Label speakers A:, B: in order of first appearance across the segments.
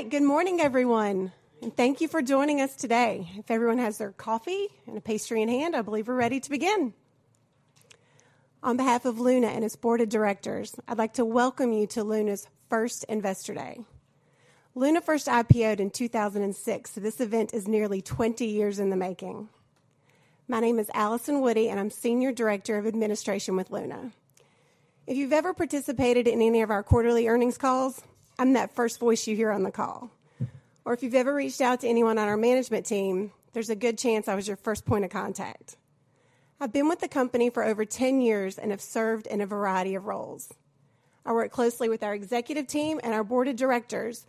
A: All right. Good morning, everyone, and thank you for joining us today. If everyone has their coffee and a pastry in hand, I believe we're ready to begin. On behalf of Luna and its board of directors, I'd like to welcome you to Luna's first Investor Day. Luna first IPO'd in 2006, so this event is nearly 20 years in the making. My name is Allison Woody, and I'm Senior Director of Administration with Luna. If you've ever participated in any of our quarterly earnings calls, I'm that first voice you hear on the call. If you've ever reached out to anyone on our management team, there's a good chance I was your first point of contact. I've been with the company for over 10 years and have served in a variety of roles. I work closely with our executive team and our board of directors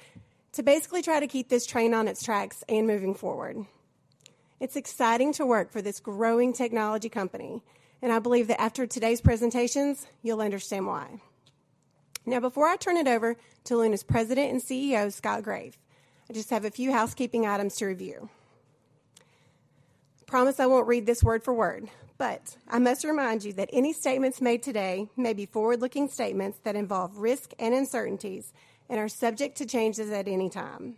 A: to basically try to keep this train on its tracks and moving forward. It's exciting to work for this growing technology company, and I believe that after today's presentations, you'll understand why. Now, before I turn it over to Luna's President and CEO, Scott Graeff, I just have a few housekeeping items to review. Promise I won't read this word for word, but I must remind you that any statements made today may be forward-looking statements that involve risk and uncertainties and are subject to changes at any time.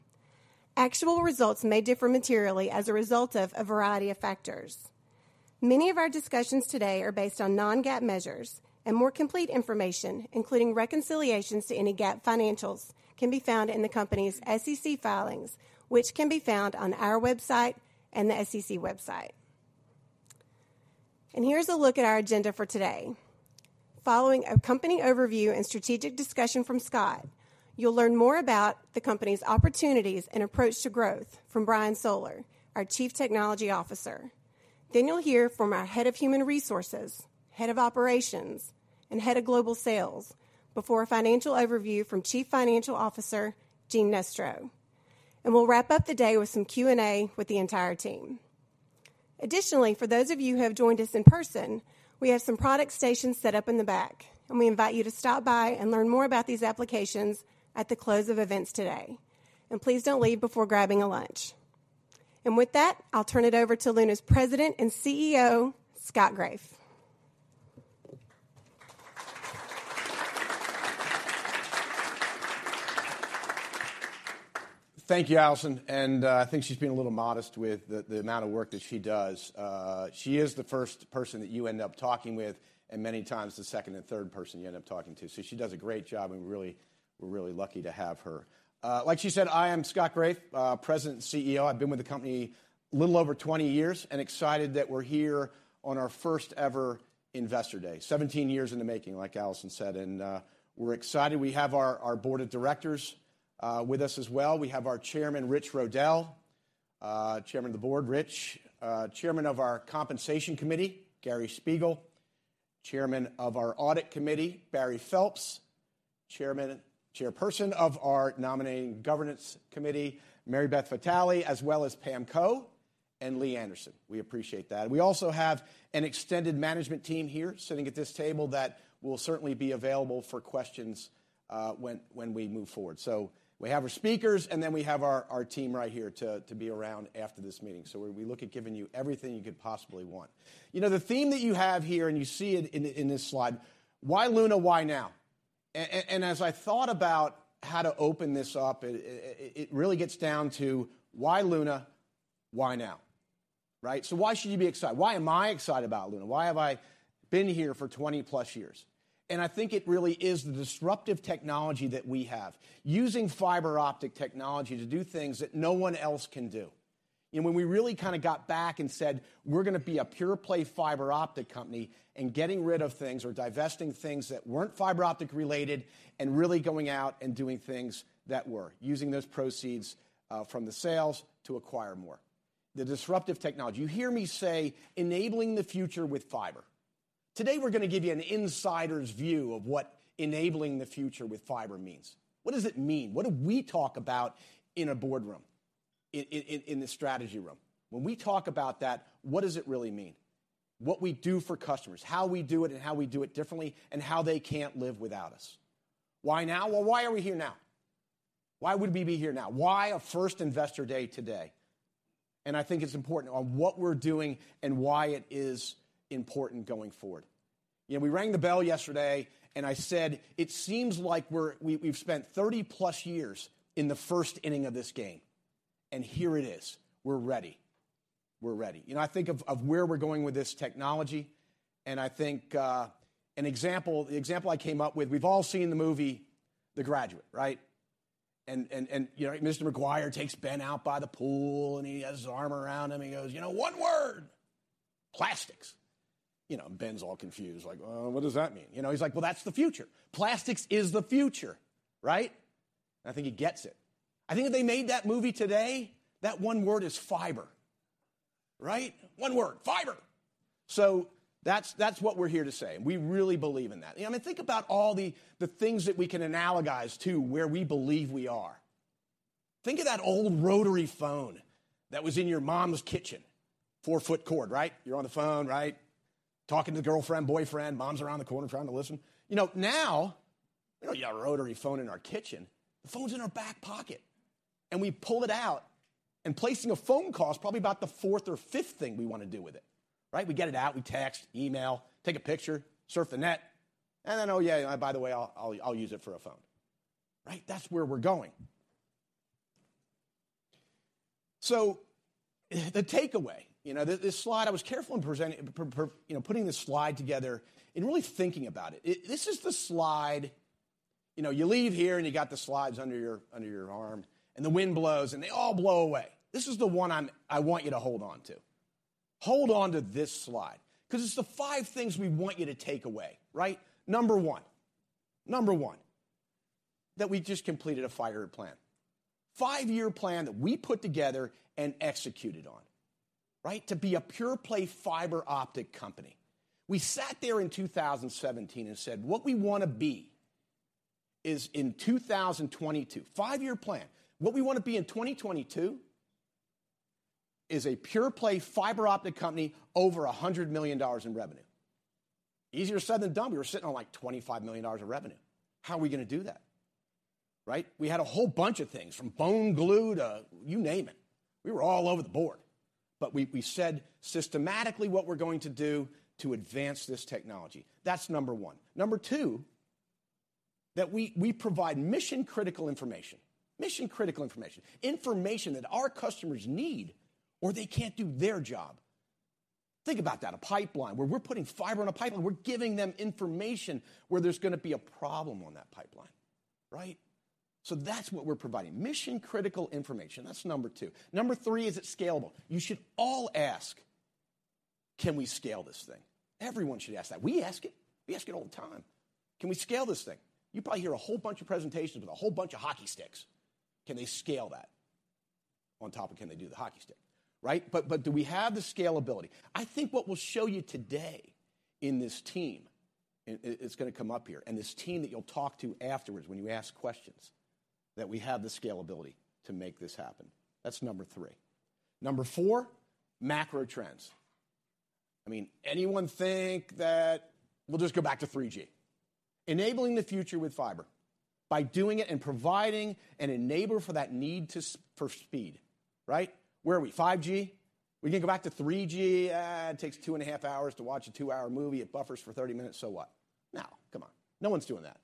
A: Actual results may differ materially as a result of a variety of factors. Many of our discussions today are based on non-GAAP measures and more complete information, including reconciliations to any GAAP financials can be found in the company's SEC filings, which can be found on our website and the SEC website. Here's a look at our agenda for today. Following a company overview and strategic discussion from Scott, you'll learn more about the company's opportunities and approach to growth from Brian Soller, our Chief Technology Officer. You'll hear from our Head of Human Resources, Head of Operations, and Head of Global Sales before a financial overview from Chief Financial Officer, Gene Nestro. We'll wrap up the day with some Q&A with the entire team. Additionally, for those of you who have joined us in person, we have some product stations set up in the back, and we invite you to stop by and learn more about these applications at the close of events today. Please don't leave before grabbing a lunch. With that, I'll turn it over to Luna's President and CEO, Scott Graeff.
B: Thank you, Allison, I think she's being a little modest with the amount of work that she does. She is the first person that you end up talking with and many times the second and third person you end up talking to. She does a great job, we're really lucky to have her. Like she said, I am Scott Graeff, President and CEO. I've been with the company a little over 20 years excited that we're here on our first ever Investor Day. 17 years in the making, like Allison said, we're excited. We have our board of directors with us as well. We have our Chairman, Richard Roedel, Chairman of the Board, Rich, Chairman of our Compensation Committee, Gary Spiegel, Chairman of our Audit Committee, Barry Phelps, Chairperson of our Nominating & Governance Committee, Mary Beth Vitale, as well as Pam Coe and Lee Anderson. We appreciate that. We also have an extended management team here sitting at this table that will certainly be available for questions when we move forward. We have our speakers, and then we have our team right here to be around after this meeting. We look at giving you everything you could possibly want. You know, the theme that you have here, and you see it in this slide, why Luna? Why now? As I thought about how to open this up, it really gets down to why Luna? Why now, right? Why should you be excited? Why am I excited about Luna? Why have I been here for 20-plus years? I think it really is the disruptive technology that we have. Using fiber optic technology to do things that no one else can do. When we really kind of got back and said, "We're going to be a pure play fiber optic company," and getting rid of things or divesting things that weren't fiber optic related and really going out and doing things that were. Using those proceeds from the sales to acquire more. The disruptive technology. You hear me say, "Enabling the future with fiber." Today, we're going to give you an insider's view of what enabling the future with fiber means. What does it mean? What do we talk about in a boardroom? In the strategy room? When we talk about that, what does it really mean? What we do for customers, how we do it, and how we do it differently, and how they can't live without us. Why now? Well, why are we here now? Why would we be here now? Why a first investor day today? I think it's important on what we're doing and why it is important going forward. You know, we rang the bell yesterday, and I said, "It seems like we've spent 30-plus years in the first inning of this game, and here it is. We're ready. We're ready." You know, I think of where we're going with this technology, and I think an example, the example I came up with, we've all seen the movie The Graduate, right? You know, Mr. McGuire takes Ben out by the pool, he has his arm around him, he goes, "You know, one word, plastics." You know, Ben's all confused, like, "What does that mean?" You know, he's like, "Well, that's the future. Plastics is the future," right? I think he gets it. I think if they made that movie today, that one word is fiber, right? One word, fiber. That's what we're here to say, we really believe in that. You know, I mean, think about all the things that we can analogize to where we believe we are. Think of that old rotary phone that was in your mom's kitchen. 4-foot cord, right? You're on the phone, right? Talking to the girlfriend, boyfriend. Mom's around the corner trying to listen. You know, now we don't got a rotary phone in our kitchen. The phone's in our back pocket, we pull it out. Placing a phone call is probably about the fourth or fifth thing we wanna do with it, right? We get it out, we text, email, take a picture, surf the net, then, "Oh, yeah, by the way, I'll use it for a phone." Right? That's where we're going. The takeaway, you know, this slide, I was careful in presenting, you know, putting this slide together and really thinking about it. This is the slide, you know, you leave here, you got the slides under your arm, the wind blows, they all blow away. This is the one I want you to hold on to. Hold on to this slide 'cause it's the five things we want you to take away, right? Number one, that we just completed a 5-year plan. 5-year plan that we put together and executed on, right? To be a pure-play fiber optic company. We sat there in 2017 and said, "What we wanna be is in 2022, 5-year plan, what we wanna be in 2022 is a pure-play fiber optic company over $100 million in revenue." Easier said than done. We were sitting on, like, $25 million of revenue. How are we gonna do that, right? We had a whole bunch of things, from bone glue to you name it. We were all over the board, but we said systematically what we're going to do to advance this technology. That's number one. Number two, that we provide mission-critical information. Information that our customers need, or they can't do their job. Think about that. A pipeline, where we're putting fiber on a pipeline. We're giving them information where there's gonna be a problem on that pipeline, right? That's what we're providing, mission-critical information. That's number two. Number three, is it scalable? You should all ask, "Can we scale this thing?" Everyone should ask that. We ask it. We ask it all the time. Can we scale this thing? You probably hear a whole bunch of presentations with a whole bunch of hockey sticks. Can they scale that on top of can they do the hockey stick, right? Do we have the scalability? I think what we'll show you today in this team, it's gonna come up here, this team that you'll talk to afterwards when you ask questions, that we have the scalability to make this happen. That's number three. Number four, macro trends. I mean, anyone think that we'll just go back to 3G? Enabling the future with fiber by doing it and providing an enabler for that need for speed, right? Where are we, 5G? We can go back to 3G. It takes two and a half hours to watch a two hour movie. It buffers for 30 minutes. So what? No. Come on. No one's doing that.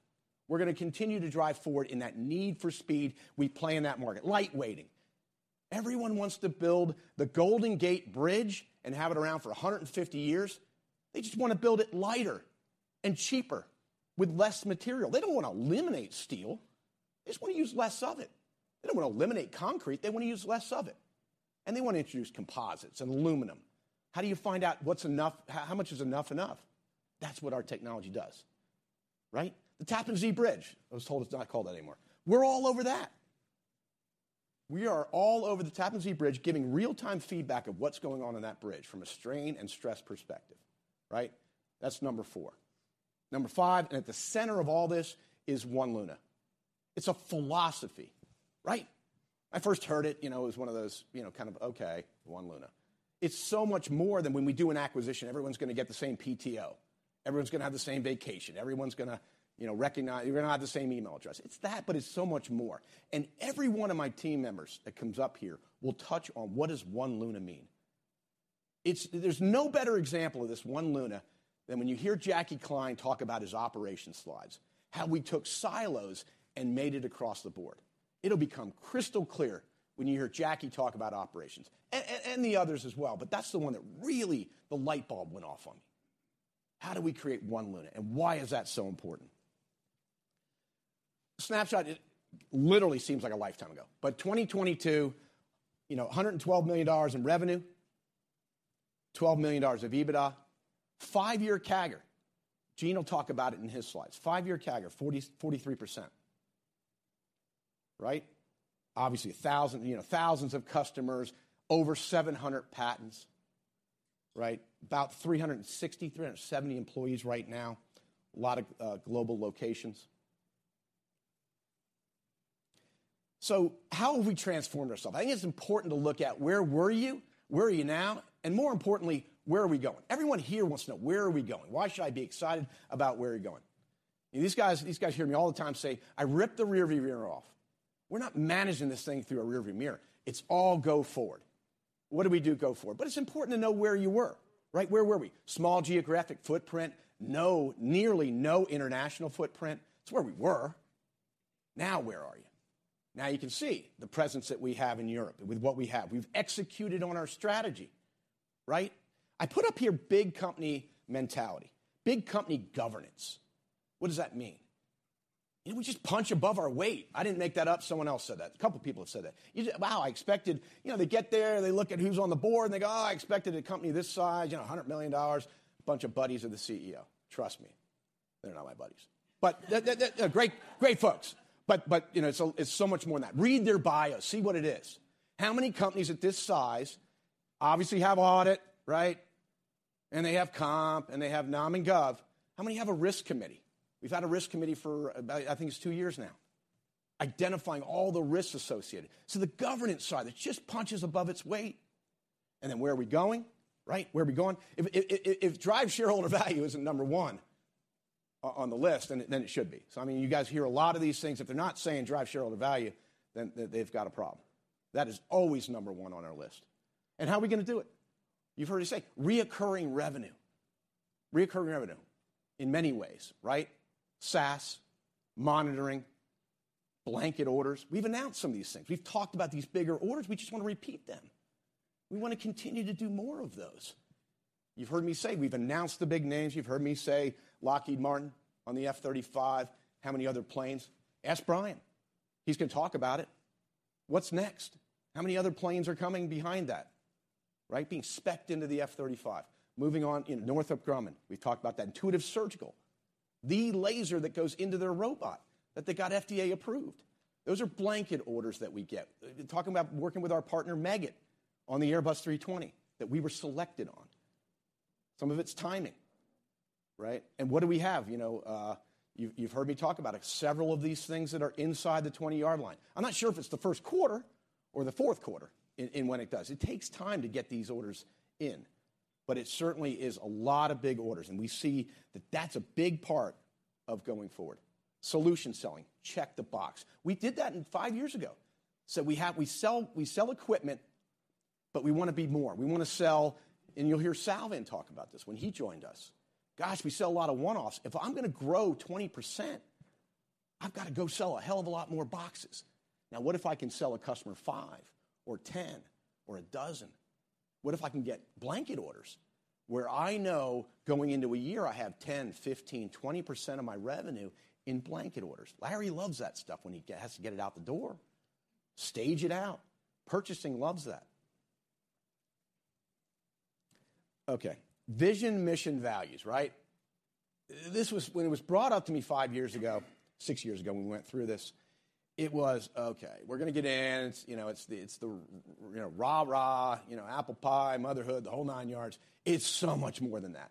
B: We're gonna continue to drive forward in that need for speed. We play in that market. Light weighting. Everyone wants to build the Golden Gate Bridge and have it around for 150 years. They just wanna build it lighter and cheaper with less material. They don't wanna eliminate steel. They just wanna use less of it. They don't wanna eliminate concrete. They wanna use less of it, and they wanna introduce composites and aluminum. How do you find out what's enough? How much is enough? That's what our technology does, right? The Tappan Zee Bridge. I was told it's not called that anymore. We're all over that. We are all over the Tappan Zee Bridge, giving real-time feedback of what's going on in that bridge from a strain and stress perspective, right? That's number four. Number five, at the center of all this, is One Luna. It's a philosophy, right? I first heard it, you know, it was one of those, you know, kind of, okay, One Luna. It's so much more than when we do an acquisition, everyone's gonna get the same PTO. Everyone's gonna have the same vacation. Everyone's gonna, you know, You're gonna have the same email address. It's that, but it's so much more. Every one of my team members that comes up here will touch on what does One Luna mean. There's no better example of this One Luna than when you hear Jackie Kline talk about his operation slides, how we took silos and made it across the board. It'll become crystal clear when you hear Jackie talk about operations and the others as well. That's the one that really the light bulb went off on me. How do we create One Luna? Why is that so important? Snapshot, it literally seems like a lifetime ago, but 2022, you know, $112 million in revenue, $12 million of EBITDA. Five-year CAGR. Gene will talk about it in his slides. Five-year CAGR, 40, 43%, right? Obviously, 1,000, you know, thousands of customers, over 700 patents, right? About 360, 370 employees right now. A lot of global locations. How have we transformed ourselves? I think it's important to look at where were you, where are you now, and more importantly, where are we going. Everyone here wants to know, where are we going? Why should I be excited about where you're going? These guys hear me all the time say, "I ripped the rear view mirror off." We're not managing this thing through a rear view mirror. It's all go forward. What do we do go forward? It's important to know where you were, right? Where were we? Small geographic footprint. Nearly no international footprint. It's where we were. Where are you? Now you can see the presence that we have in Europe with what we have. We've executed on our strategy, right? I put up here big company mentality, big company governance. What does that mean? You know, we just punch above our weight. I didn't make that up. Someone else said that. A couple people have said that. You say, "Wow, I expected..." You know, they get there, and they look at who's on the board, and they go, "Oh, I expected a company this size, you know, $100 million, bunch of buddies of the CEO." Trust me, they're not my buddies. Great folks, you know, it's so much more than that. Read their bios. See what it is. How many companies at this size obviously have Audit, right, and they have Comp, and they have Nom and Gov? How many have a risk committee? We've had a risk committee for about, I think it's two years now, identifying all the risks associated. The governance side, it just punches above its weight, and then where are we going, right? Where are we going? If drive shareholder value isn't number one on the list than it should be. I mean, you guys hear a lot of these things. If they're not saying drive shareholder value, then they've got a problem. That is always number one on our list. How are we gonna do it? You've heard me say, reoccurring revenue. Reoccurring revenue in many ways, right? SaaS, monitoring, blanket orders. We've announced some of these things. We've talked about these bigger orders, we just wanna repeat them. We wanna continue to do more of those. You've heard me say we've announced the big names. You've heard me say Lockheed Martin on the F-35. How many other planes? Ask Brian. He's gonna talk about it. What's next? How many other planes are coming behind that, right? Being spec'd into the F-35. You know, Northrop Grumman, we've talked about that. Intuitive Surgical, the laser that goes into their robot that they got FDA approved. Those are blanket orders that we get. Talking about working with our partner Meggitt on the Airbus A320 that we were selected on. Some of it's timing, right? What do we have? You know, you've heard me talk about it. Several of these things that are inside the 20-yard line. I'm not sure if it's the first quarter or the fourth quarter when it does. It takes time to get these orders in, but it certainly is a lot of big orders. We see that that's a big part of going forward. Solution selling, check the box. We did that in five years ago. We sell equipment, but we wanna be more. We wanna sell, and you'll hear Salvan talk about this when he joined us. Gosh, we sell a lot of one-offs. If I'm gonna grow 20%, I've gotta go sell a hell of a lot more boxes. What if I can sell a customer five or 10 or a dozen? What if I can get blanket orders where I know going into a year I have 10%, 15%, 20% of my revenue in blanket orders? Larry loves that stuff when he has to get it out the door. Stage it out. Purchasing loves that. Okay. Vision, mission, values, right? When it was brought up to me five years ago, six years ago, when we went through this, it was, okay, we're gonna get in. It's, you know, it's the, it's the, you know, rah, you know, apple pie, motherhood, the whole nine yards. It's so much more than that.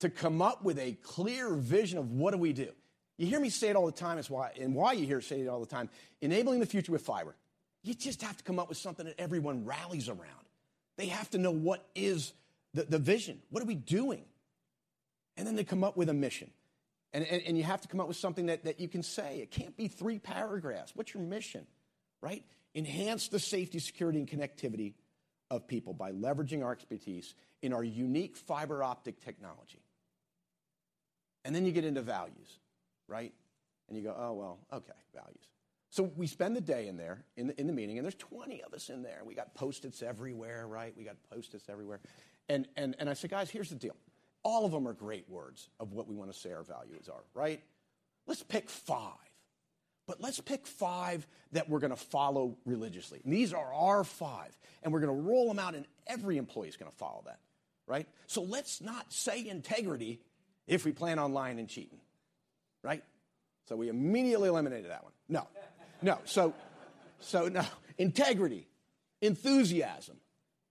B: To come up with a clear vision of what do we do? You hear me say it all the time, it's why, and why you hear us say it all the time, enabling the future with fiber. You just have to come up with something that everyone rallies around. They have to know what is the vision, what are we doing? Then they come up with a mission. And you have to come up with something that you can say. It can't be three paragraphs. What's your mission, right? Enhance the safety, security, and connectivity of people by leveraging our expertise in our unique fiber optic technology. You get into values, right? You go, "Oh, well, okay, values." We spend the day in there, in the meeting, and there's 20 of us in there, and we got Post-its everywhere, right? We got Post-its everywhere. I said, "Guys, here's the deal. All of them are great words of what we wanna say our values are, right? Let's pick five, but let's pick five that we're gonna follow religiously, and these are our five, and we're gonna roll them out, and every employee's gonna follow that, right? Let's not say integrity if we plan on lying and cheating, right?" We immediately eliminated that one. No. No. No. Integrity, enthusiasm.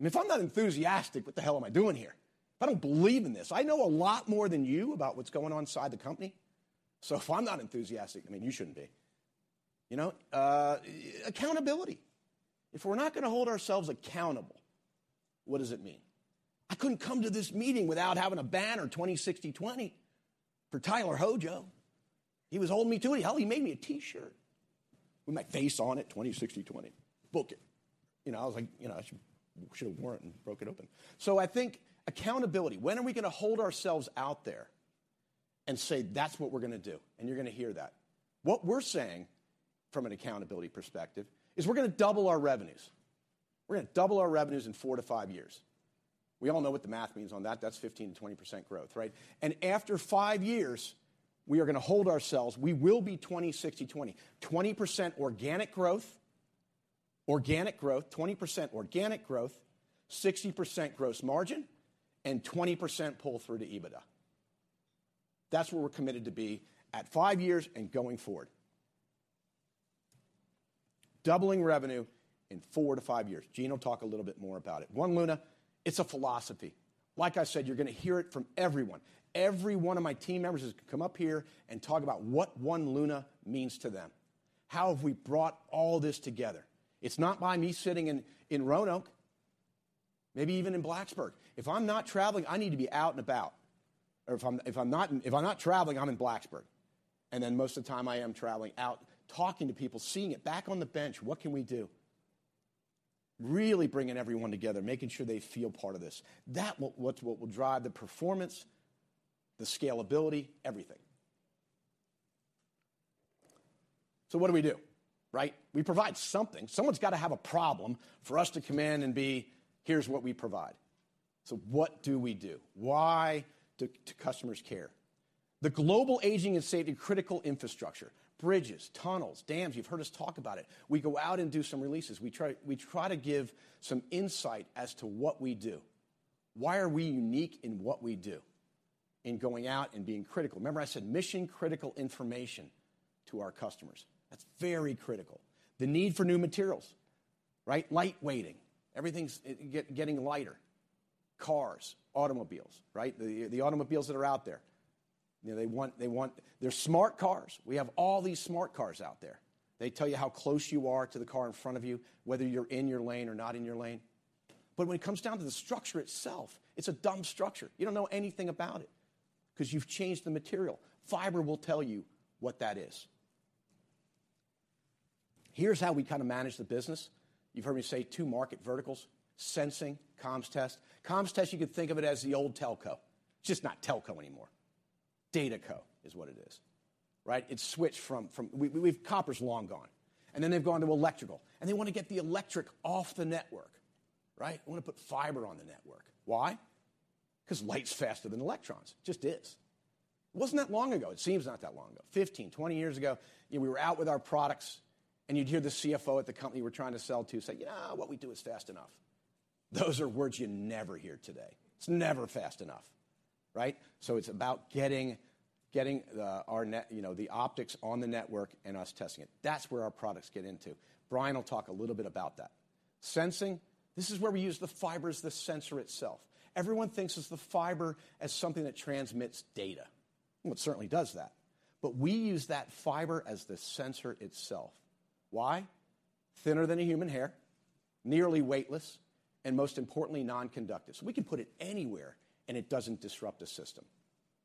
B: If I'm not enthusiastic, what the hell am I doing here? If I don't believe in this, I know a lot more than you about what's going on inside the company, so if I'm not enthusiastic, I mean, you shouldn't be. You know? Accountability. If we're not gonna hold ourselves accountable, what does it mean? I couldn't come to this meeting without having a banner 20/60/20 for Tyler Hojo. He was holding me to it. Hell, he made me a T-shirt with my face on it, 20/60/20. Book it. You know, I was like, you know, I should have worn it and broke it open. I think accountability, when are we gonna hold ourselves out there and say, "That's what we're gonna do," and you're gonna hear that. What we're saying from an accountability perspective is we're gonna double our revenues. We're gonna double our revenues in four to five years. We all know what the math means on that. That's 15%-20% growth, right? After five years, we are gonna hold ourselves. We will be 20/60/20. 20% organic growth, 60% gross margin, and 20% pull-through to EBITDA. That's where we're committed to be at five years and going forward. Doubling revenue in four to five years. Gene will talk a little bit more about it. One Luna, it's a philosophy. Like I said, you're gonna hear it from everyone. Every one of my team members is gonna come up here and talk about what One Luna means to them. How have we brought all this together? It's not by me sitting in Roanoke, maybe even in Blacksburg. If I'm not traveling, I need to be out and about. If I'm not traveling, I'm in Blacksburg. Most of the time, I am traveling out, talking to people, seeing it back on the bench, what can we do? Really bringing everyone together, making sure they feel part of this. That what will drive the performance, the scalability, everything. What do we do, right? We provide something. Someone's gotta have a problem for us to come in and be, "Here's what we provide." What do we do? Why do customers care? The global aging and safety critical infrastructure, bridges, tunnels, dams. You've heard us talk about it. We go out and do some releases. We try to give some insight as to what we do. Why are we unique in what we do in going out and being critical? Remember I said mission-critical information to our customers. That's very critical. The need for new materials, right? Light weighting. Everything's getting lighter. Cars, automobiles, right? The automobiles that are out there, you know, they want. They're smart cars. We have all these smart cars out there. They tell you how close you are to the car in front of you, whether you're in your lane or not in your lane. When it comes down to the structure itself, it's a dumb structure. You don't know anything about it 'cause you've changed the material. Fiber will tell you what that is. Here's how we kind of manage the business. You've heard me say two market verticals, sensing, comms test. Comms test, you could think of it as the old telco. It's just not telco anymore. Data co is what it is, right? It's switched from. We've Copper's long gone, and then they've gone to electrical, and they wanna get the electric off the network, right? We wanna put fiber on the network. Why? 'Cause light's faster than electrons. Just is. It wasn't that long ago, it seems not that long ago, 15, 20 years ago, you know, we were out with our products, and you'd hear the CFO at the company we're trying to sell to say, "You know, what we do is fast enough." Those are words you never hear today. It's never fast enough, right? It's about getting the, you know, the optics on the network and us testing it. That's where our products get into. Brian will talk a little bit about that. Sensing, this is where we use the fiber as the sensor itself. Everyone thinks as the fiber as something that transmits data. Well, it certainly does that, but we use that fiber as the sensor itself. Why? Thinner than a human hair, nearly weightless, and most importantly, non-conductive, so we can put it anywhere, and it doesn't disrupt the system.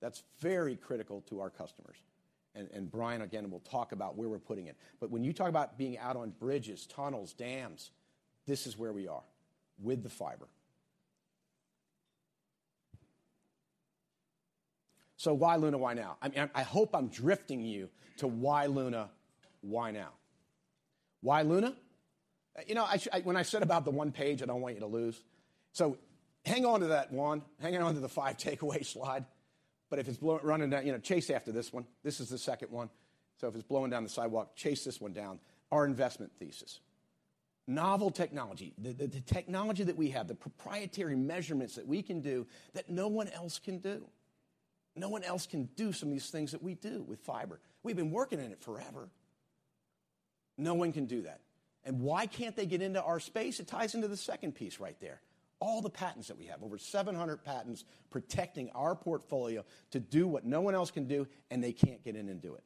B: That's very critical to our customers and Brian, again, will talk about where we're putting it. When you talk about being out on bridges, tunnels, dams, this is where we are with the fiber. Why Luna? Why now? I hope I'm drifting you to why Luna, why now. Why Luna? You know, I said about the one page I don't want you to lose, so hang on to that one, hang on to the five takeaway slide, but if it's running down, you know, chase after this one. This is the second one, so if it's blowing down the sidewalk, chase this one down. Our investment thesis. Novel technology. The technology that we have, the proprietary measurements that we can do that no one else can do. No one else can do some of these things that we do with fiber. We've been working in it forever. No one can do that. Why can't they get into our space? It ties into the second piece right there. All the patents that we have, over 700 patents protecting our portfolio to do what no one else can do, and they can't get in and do it.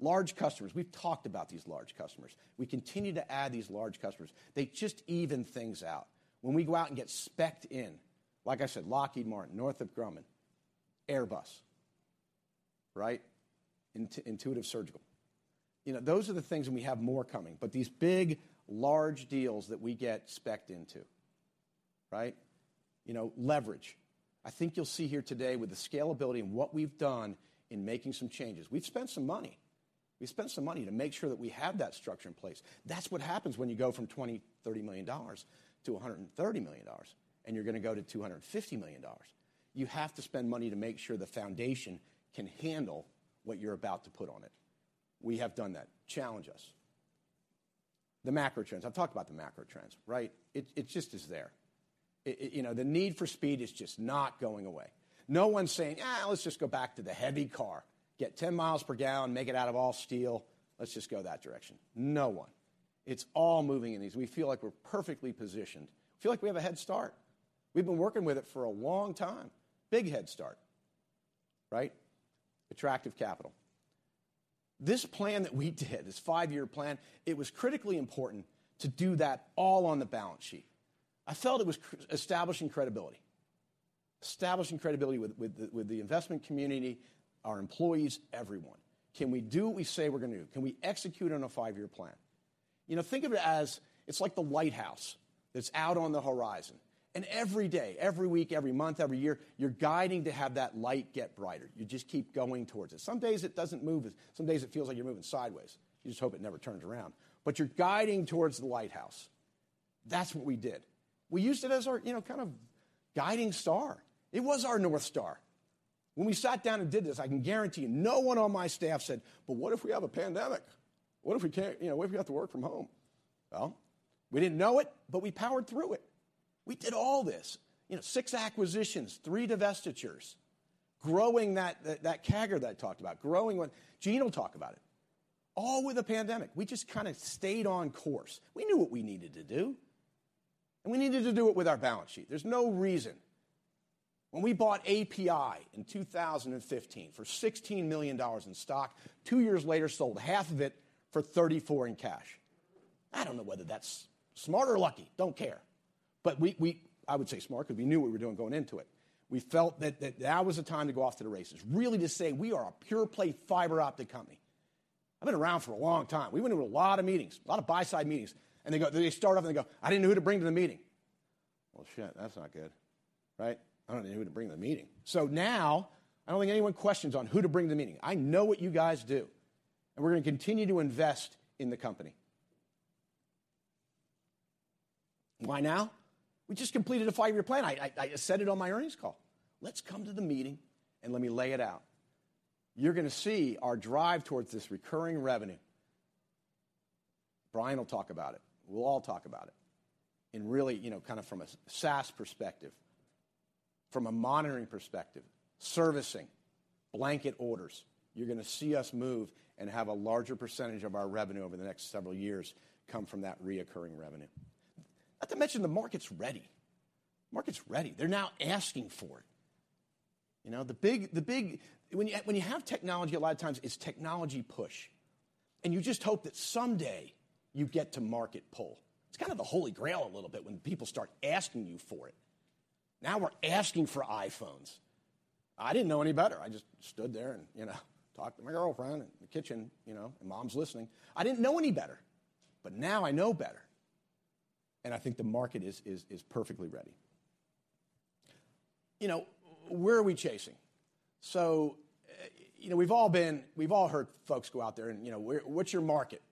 B: Large customers. We've talked about these large customers. We continue to add these large customers. They just even things out. When we go out and get spec'd in, like I said, Lockheed Martin, Northrop Grumman, Airbus, right? Intuitive Surgical. You know, those are the things, and we have more coming, but these big, large deals that we get spec'd into, right? You know, leverage. I think you'll see here today with the scalability and what we've done in making some changes. We've spent some money. We've spent some money to make sure that we have that structure in place. That's what happens when you go from $20 million, $30 million to $130 million, and you're gonna go to $250 million. You have to spend money to make sure the foundation can handle what you're about to put on it. We have done that. Challenge us. The macro trends. I've talked about the macro trends, right? It just is there. It, you know, the need for speed is just not going away. No one's saying, "Let's just go back to the heavy car. Get 10 miles per gallon, make it out of all steel. Let's just go that direction." No one. It's all moving in these. We feel like we're perfectly positioned. Feel like we have a head start. We've been working with it for a long time. Big head start, right? Attractive capital. This plan that we did, this five-year plan, it was critically important to do that all on the balance sheet. I felt it was establishing credibility. Establishing credibility with the investment community, our employees, everyone. Can we do what we say we're gonna do? Can we execute on a five-year plan? You know, think of it as, it's like the lighthouse that's out on the horizon, and every day, every week, every month, every year, you're guiding to have that light get brighter. You just keep going towards it. Some days it doesn't move as. Some days it feels like you're moving sideways. You just hope it never turns around. You're guiding towards the lighthouse. That's what we did. We used it as our, you know, kind of guiding star. It was our North Star. When we sat down and did this, I can guarantee you no one on my staff said, "But what if we have a pandemic? What if we can't, you know, what if we have to work from home?" We didn't know it, but we powered through it. We did all this. You know, six acquisitions, three divestitures, growing that CAGR that I talked about, growing when... Gene will talk about it. All with a pandemic. We just kinda stayed on course. We knew what we needed to do, and we needed to do it with our balance sheet. There's no reason. When we bought API in 2015 for $16 million in stock, two years later, sold half of it for $34 in cash. I don't know whether that's smart or lucky. Don't care. We, I would say smart because we knew what we were doing going into it. We felt that that was the time to go off to the races, really to say we are a pure play fiber optic company. I've been around for a long time. We went to a lot of meetings, a lot of buy-side meetings, and they go, they start off, and they go, "I didn't know who to bring to the meeting." Well, that's not good, right? I don't know who to bring to the meeting. Now I don't think anyone questions on who to bring to the meeting. I know what you guys do, and we're gonna continue to invest in the company. Why now? We just completed a five-year plan. I said it on my earnings call. Let's come to the meeting, and let me lay it out. You're gonna see our drive towards this recurring revenue. Brian will talk about it. We'll all talk about it in really, you know, kind of from a SaaS perspective, from a monitoring perspective, servicing, blanket orders. You're gonna see us move and have a larger percentage of our revenue over the next several years come from that reoccurring revenue. Not to mention the market's ready. Market's ready. They're now asking for it. You know, the big when you have technology, a lot of times it's technology push, and you just hope that someday you get to market pull. It's kind of the holy grail a little bit when people start asking you for it. Now we're asking for iPhones. I didn't know any better. I just stood there and, you know, talked to my girlfriend in the kitchen, you know, and mom's listening. I didn't know any better, but now I know better, and I think the market is perfectly ready. You know, where are we chasing? You know, we've all heard folks go out there and, you know, "What's your market?"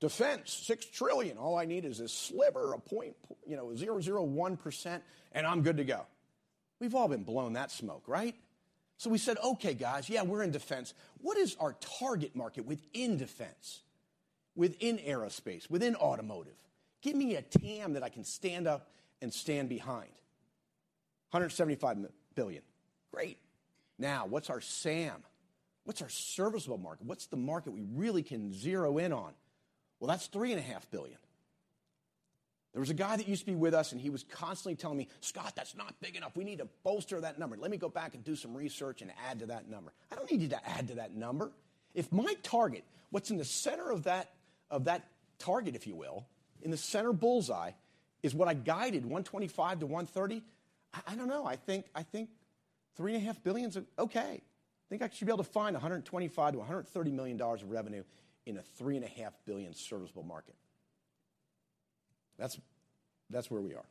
B: Defense, $6 trillion. All I need is a sliver, a point, you know, a 0.001%, and I'm good to go. We've all been blown that smoke, right? We said, "Okay, guys, yeah, we're in defense. What is our target market within defense, within aerospace, within automotive? Give me a TAM that I can stand up and stand behind." $175 billion. Great. Now, what's our SAM? What's our serviceable market? What's the market we really can zero in on? Well, that's $3.5 billion. There was a guy that used to be with us, and he was constantly telling me, "Scott, that's not big enough. We need to bolster that number. Let me go back and do some research and add to that number." I don't need you to add to that number. If my target, what's in the center of that, of that target, if you will, in the center bullseye, is what I guided, $125 million-$130 million, I don't know. I think $3.5 billion's okay. I think I should be able to find $125 million-$130 million of revenue in a $3.5 billion serviceable market. That's where we are.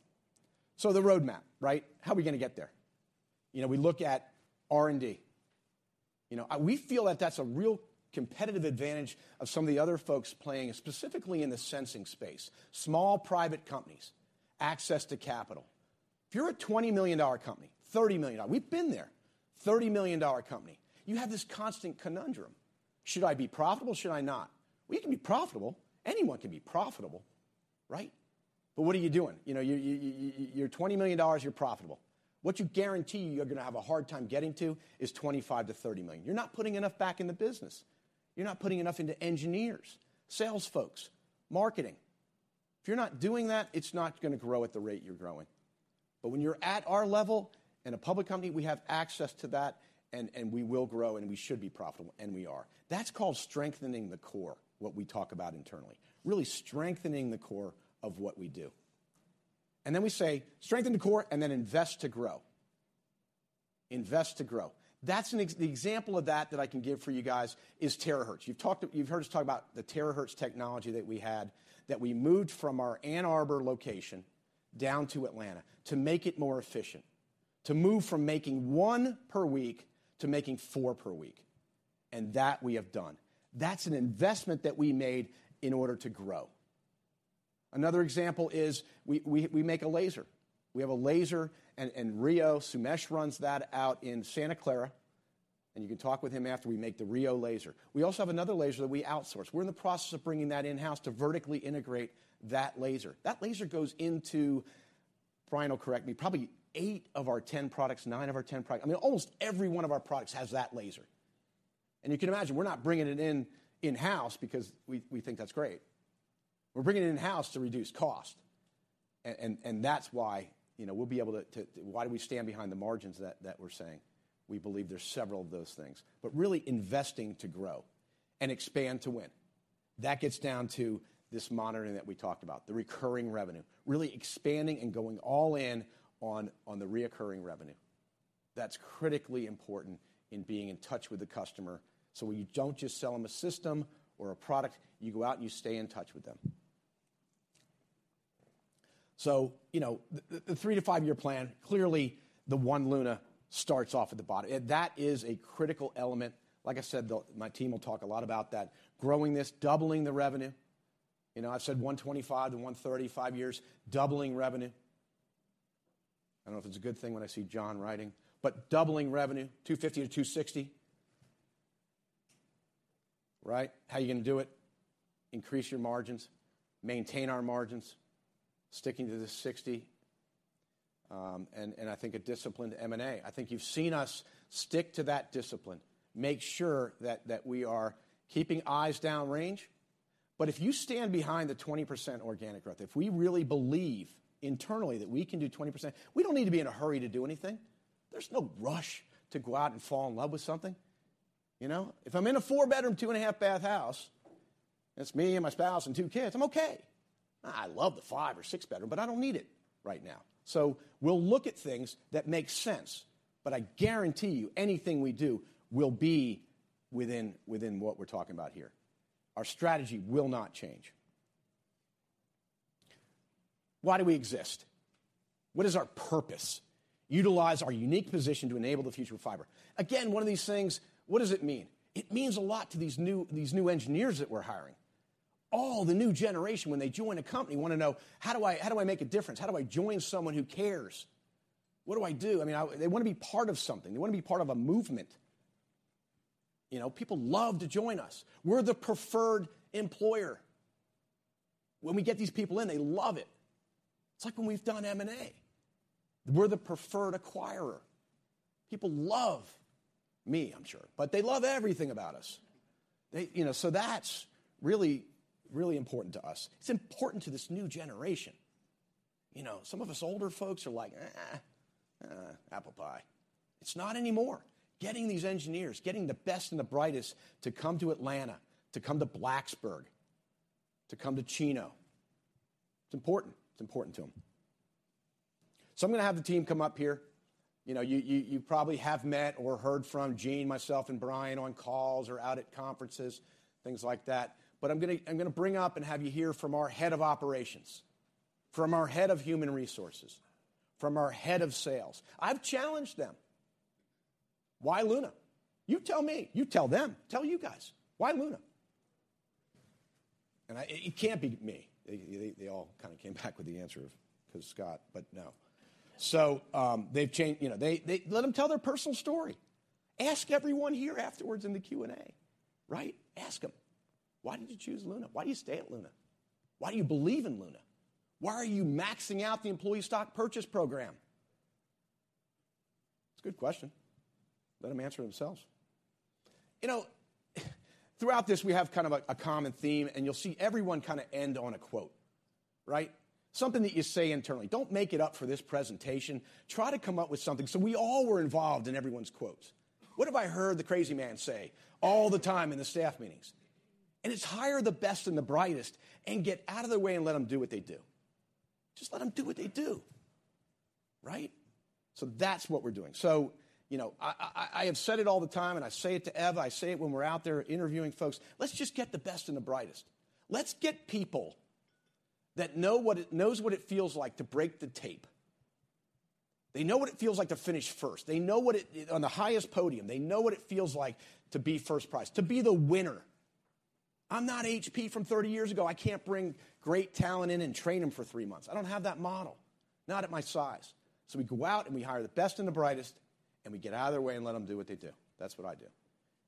B: The roadmap, right? How are we gonna get there? You know, we look at R&D. You know, we feel that that's a real competitive advantage of some of the other folks playing, specifically in the sensing space. Small private companies, access to capital. If you're a $20 million company, $30 million, we've been there, $30 million company, you have this constant conundrum. Should I be profitable? Should I not? We can be profitable. Anyone can be profitable, right? What are you doing? You know, you're $20 million, you're profitable. What you guarantee you're gonna have a hard time getting to is $25 million-$30 million. You're not putting enough back in the business. You're not putting enough into engineers, sales folks, marketing. If you're not doing that, it's not gonna grow at the rate you're growing. When you're at our level, in a public company, we have access to that, and we will grow, and we should be profitable, and we are. That's called strengthening the core, what we talk about internally. Really strengthening the core of what we do. Then we say, "Strengthen the core and then invest to grow." Invest to grow. That's the example of that that I can give for you guys is Terahertz. You've heard us talk about the Terahertz technology that we had, that we moved from our Ann Arbor location down to Atlanta to make it more efficient, to move from making one per week to making four per week, that we have done. That's an investment that we made in order to grow. Another example is we make a laser. We have a laser in RIO. Sumesh runs that out in Santa Clara, and you can talk with him after we make the RIO laser. We also have another laser that we outsource. We're in the process of bringing that in-house to vertically integrate that laser. That laser goes into, Brian will correct me, probably eight of our 10 products, nine of our 10 products. I mean, almost every one of our products has that laser. You can imagine, we're not bringing it in-house because we think that's great. We're bringing it in-house to reduce cost and that's why, you know, we'll be able to. Why do we stand behind the margins that we're saying? We believe there's several of those things. Really investing to grow and expand to win. That gets down to this monitoring that we talked about, the recurring revenue. Really expanding and going all in on the recurring revenue. That's critically important in being in touch with the customer, where you don't just sell them a system or a product, you go out and you stay in touch with them. You know, the 3-5 year plan, clearly the One Luna starts off at the bottom. That is a critical element. Like I said, though, my team will talk a lot about that. Growing this, doubling the revenue. You know, I've said 125-135 years, doubling revenue. I don't know if it's a good thing when I see John writing, doubling revenue, $250 million-$260 million, right? How are you gonna do it? Increase your margins, maintain our margins, sticking to the 60%, and I think a disciplined M&A. I think you've seen us stick to that discipline, make sure that we are keeping eyes down range. If you stand behind the 20% organic growth, if we really believe internally that we can do 20%, we don't need to be in a hurry to do anything. There's no rush to go out and fall in love with something, you know? If I'm in a four-bedroom, two and a half bath house, and it's me and my spouse and two kids, I'm okay. I love the five or six bedroom, but I don't need it right now. We'll look at things that make sense, but I guarantee you anything we do will be within what we're talking about here. Our strategy will not change. Why do we exist? What is our purpose? Utilize our unique position to enable the future of fiber. One of these things, what does it mean? It means a lot to these new engineers that we're hiring. All the new generation, when they join a company, wanna know, "How do I make a difference? How do I join someone who cares? What do I do?" I mean, they wanna be part of something. They wanna be part of a movement. You know, people love to join us. We're the preferred employer. When we get these people in, they love it. It's like when we've done M&A. We're the preferred acquirer. People love me, I'm sure, but they love everything about us. They, you know, so that's really, really important to us. It's important to this new generation. You know, some of us older folks are like, "Eh, apple pie." It's not anymore. Getting these engineers, getting the best and the brightest to come to Atlanta, to come to Blacksburg, to come to Chino, it's important. It's important to them. I'm gonna have the team come up here. You know, you probably have met or heard from Gene, myself, and Brian on calls or out at conferences, things like that. I'm gonna, I'm gonna bring up and have you hear from our head of operations, from our head of human resources, from our head of sales. I've challenged them. Why Luna? You tell me. You tell them. Tell you guys. Why Luna? It can't be me. They all kind of came back with the answer of, 'cause Scott, but no. They've changed, you know, they... Let them tell their personal story. Ask everyone here afterwards in the Q&A, right? Ask them: "Why did you choose Luna? Why do you stay at Luna? Why do you believe in Luna? Why are you maxing out the employee stock purchase program?" It's a good question. Let them answer themselves. You know, throughout this, we have kind of a common theme, you'll see everyone kind of end on a quote, right? Something that you say internally. Don't make it up for this presentation. Try to come up with something. We all were involved in everyone's quotes. What have I heard the crazy man say all the time in the staff meetings? It's hire the best and the brightest and get out of their way and let them do what they do. Just let them do what they do, right? That's what we're doing. You know, I have said it all the time, and I say it to Ev, I say it when we're out there interviewing folks, "Let's just get the best and the brightest." Let's get people that knows what it feels like to break the tape. They know what it feels like to finish first. They know what it, on the highest podium. They know what it feels like to be first prize, to be the winner. I'm not HP from 30 years ago. I can't bring great talent in and train them for three months. I don't have that model, not at my size. We go out, and we hire the best and the brightest, and we get out of their way and let them do what they do. That's what I do.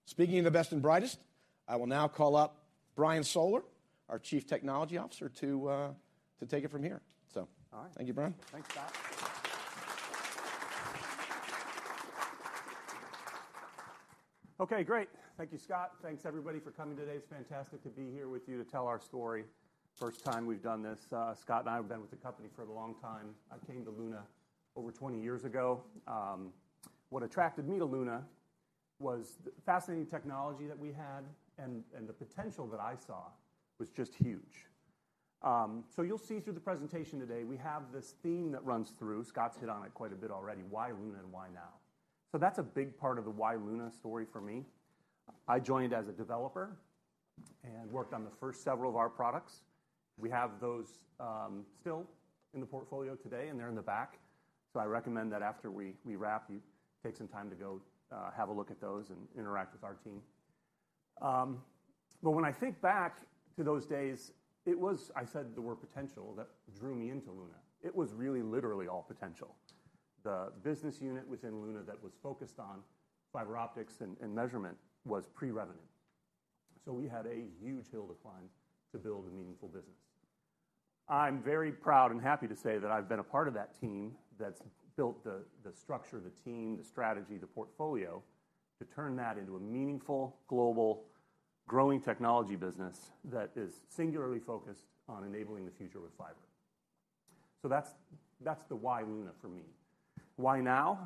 B: Speaking of the best and brightest, I will now call up Brian Soller, our Chief Technology Officer, to take it from here.
C: All right.
B: Thank you, Brian.
C: Thanks, Scott. Okay, great. Thank you, Scott. Thanks everybody for coming today. It's fantastic to be here with you to tell our story. First time we've done this. Scott and I have been with the company for a long time. I came to Luna over 20 years ago. What attracted me to Luna was the fascinating technology that we had, and the potential that I saw was just huge. You'll see through the presentation today, we have this theme that runs through. Scott's hit on it quite a bit already. Why Luna and why now? That's a big part of the why Luna story for me. I joined as a developer and worked on the first several of our products. We have those still in the portfolio today, and they're in the back. I recommend that after we wrap, you take some time to go have a look at those and interact with our team. When I think back to those days, it was, I said the word potential that drew me into Luna. It was really literally all potential. The business unit within Luna that was focused on fiber optics and measurement was pre-revenue. We had a huge hill to climb to build a meaningful business. I'm very proud and happy to say that I've been a part of that team that's built the structure, the team, the strategy, the portfolio, to turn that into a meaningful, global, growing technology business that is singularly focused on enabling the future with fiber. That's, that's the why Luna for me. Why now?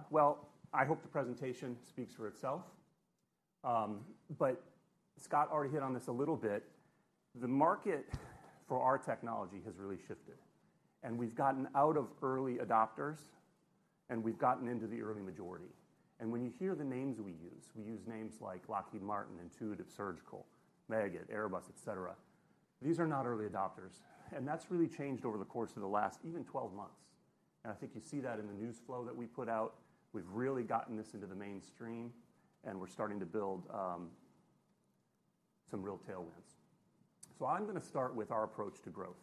C: I hope the presentation speaks for itself. Scott already hit on this a little bit. The market for our technology has really shifted, and we've gotten out of early adopters, and we've gotten into the early majority. When you hear the names we use, we use names like Lockheed Martin, Intuitive Surgical, Meggitt, Airbus, et cetera. These are not early adopters, that's really changed over the course of the last even 12 months. I think you see that in the news flow that we put out. We've really gotten this into the mainstream, and we're starting to build some real tailwinds. I'm gonna start with our approach to growth,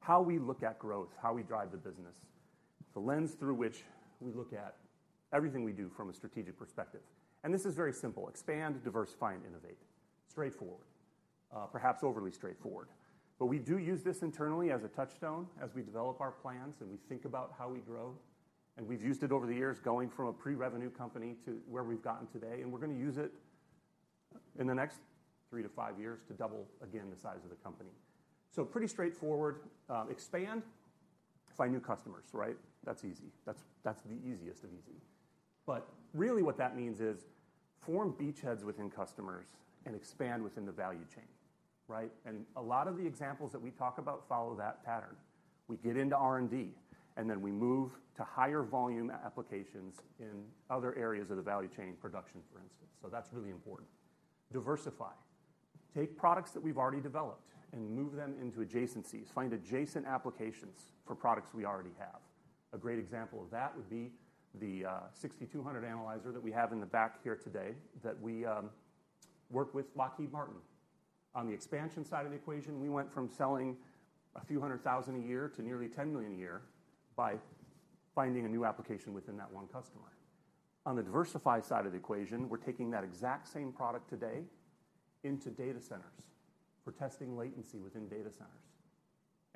C: how we look at growth, how we drive the business, the lens through which we look at everything we do from a strategic perspective. This is very simple: expand, diversify, and innovate. Straightforward. Perhaps overly straightforward. We do use this internally as a touchstone as we develop our plans and we think about how we grow, and we've used it over the years going from a pre-revenue company to where we've gotten today, and we're gonna use it in the next three to five years to double again the size of the company. Pretty straightforward. Expand. Find new customers, right? That's easy. That's the easiest of easy. Really what that means is form beachheads within customers and expand within the value chain, right? A lot of the examples that we talk about follow that pattern. We get into R&D, and then we move to higher volume applications in other areas of the value chain, production, for instance. That's really important. Diversify. Take products that we've already developed and move them into adjacencies. Find adjacent applications for products we already have. A great example of that would be the 6200 analyzer that we have in the back here today that we worked with Lockheed Martin. On the expansion side of the equation, we went from selling a few hundred thousand a year to nearly $10 million a year by finding a new application within that one customer. On the diversify side of the equation, we're taking that exact same product today into data centers. We're testing latency within data centers.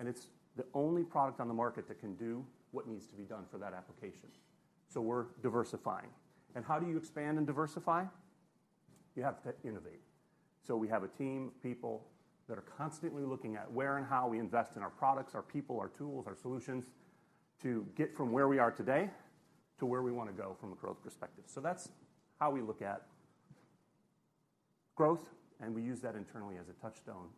C: It's the only product on the market that can do what needs to be done for that application. We're diversifying. How do you expand and diversify? You have to innovate. We have a team of people that are constantly looking at where and how we invest in our products, our people, our tools, our solutions to get from where we are today to where we wanna go from a growth perspective. That's how we look at growth, and we use that internally as a touchstone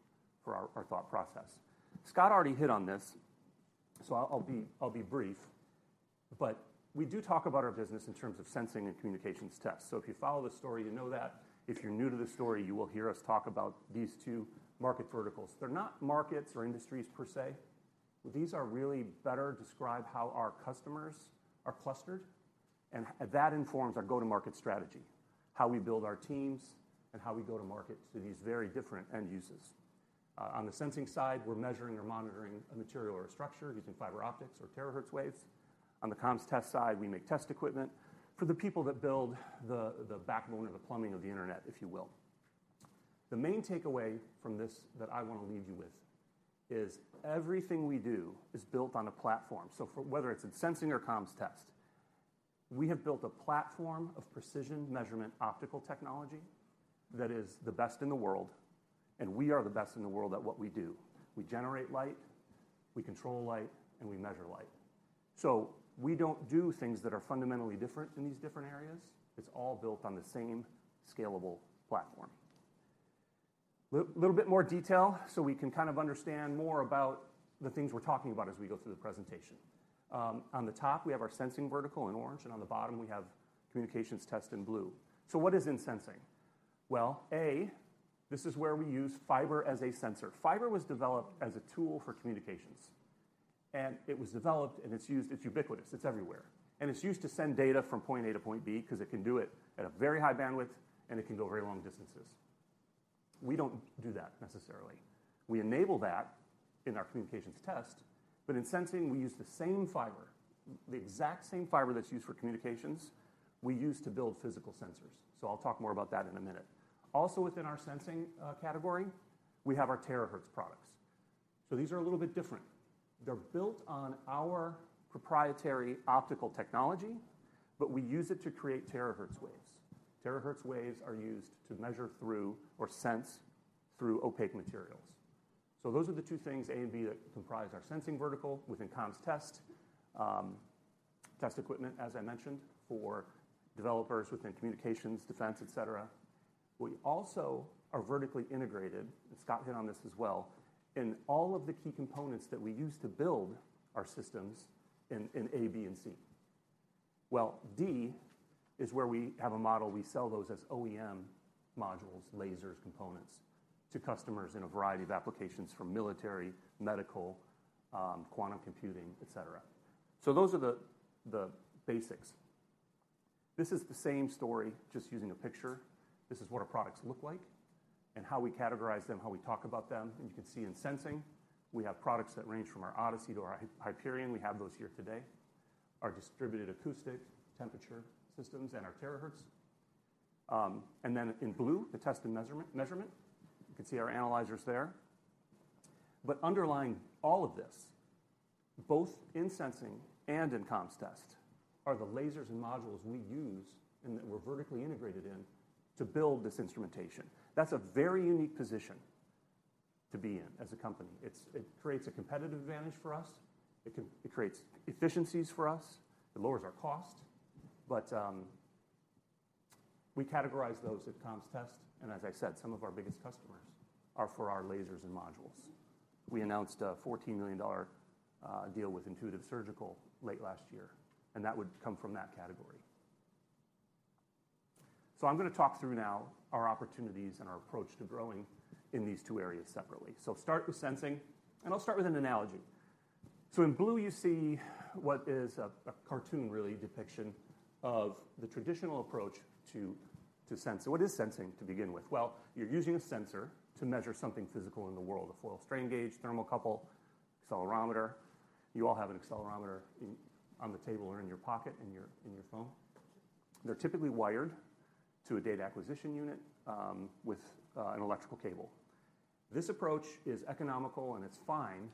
C: for our thought process. Scott already hit on this, I'll be brief, but we do talk about our business in terms of sensing and communications tests. If you follow the story, you know that. If you're new to the story, you will hear us talk about these two market verticals. They're not markets or industries per se. These are really better describe how our customers are clustered, and that informs our go-to-market strategy, how we build our teams, and how we go to market to these very different end uses. On the sensing side, we're measuring or monitoring a material or a structure using fiber optics or Terahertz waves. On the comms test side, we make test equipment for the people that build the backbone or the plumbing of the internet, if you will. The main takeaway from this that I wanna leave you with is everything we do is built on a platform. Whether it's in sensing or comms test, we have built a platform of precision measurement optical technology that is the best in the world, and we are the best in the world at what we do. We generate light, we control light, and we measure light. We don't do things that are fundamentally different in these different areas. It's all built on the same scalable platform. Little bit more detail so we can kind of understand more about the things we're talking about as we go through the presentation. On the top we have our sensing vertical in orange, and on the bottom we have communications test in blue. What is in sensing? Well, A, this is where we use fiber as a sensor. Fiber was developed as a tool for communications, and it was developed, and it's used, it's ubiquitous. It's everywhere. It's used to send data from point A to point B because it can do it at a very high bandwidth, and it can go very long distances. We don't do that necessarily. We enable that in our communications test, but in sensing we use the same fiber, the exact same fiber that's used for communications, we use to build physical sensors. I'll talk more about that in a minute. Also, within our sensing category, we have our Terahertz products. These are a little bit different. They're built on our proprietary optical technology, but we use it to create Terahertz waves. Terahertz waves are used to measure through or sense through opaque materials. Those are the two things, A and B, that comprise our sensing vertical within comms test. Test equipment, as I mentioned, for developers within communications, defense, et cetera. We also are vertically integrated, and Scott hit on this as well, in all of the key components that we use to build our systems in A, B, and C. D is where we have a model. We sell those as OEM modules, lasers, components to customers in a variety of applications from military, medical, quantum computing, et cetera. Those are the basics. This is the same story, just using a picture. This is what our products look like and how we categorize them, how we talk about them. You can see in sensing, we have products that range from our ODiSI to our Hyperion. We have those here today. Our distributed acoustic temperature systems and our Terahertz. In blue, the test and measurement. You can see our analyzers there. Underlying all of this, both in sensing and in comms test, are the lasers and modules we use and that we're vertically integrated in to build this instrumentation. That's a very unique position to be in as a company. It creates a competitive advantage for us. It creates efficiencies for us. It lowers our cost. We categorize those as comms test, and as I said, some of our biggest customers are for our lasers and modules. We announced a $14 million deal with Intuitive Surgical late last year, and that would come from that category. I'm gonna talk through now our opportunities and our approach to growing in these two areas separately. Start with sensing, and I'll start with an analogy. In blue, you see what is a cartoon really depiction of the traditional approach to sense. What is sensing to begin with? Well, you're using a sensor to measure something physical in the world. A foil strain gauge, thermocouple, accelerometer. You all have an accelerometer in, on the table or in your pocket, in your phone. They're typically wired to a data acquisition unit, with an electrical cable. This approach is economical, and it's fine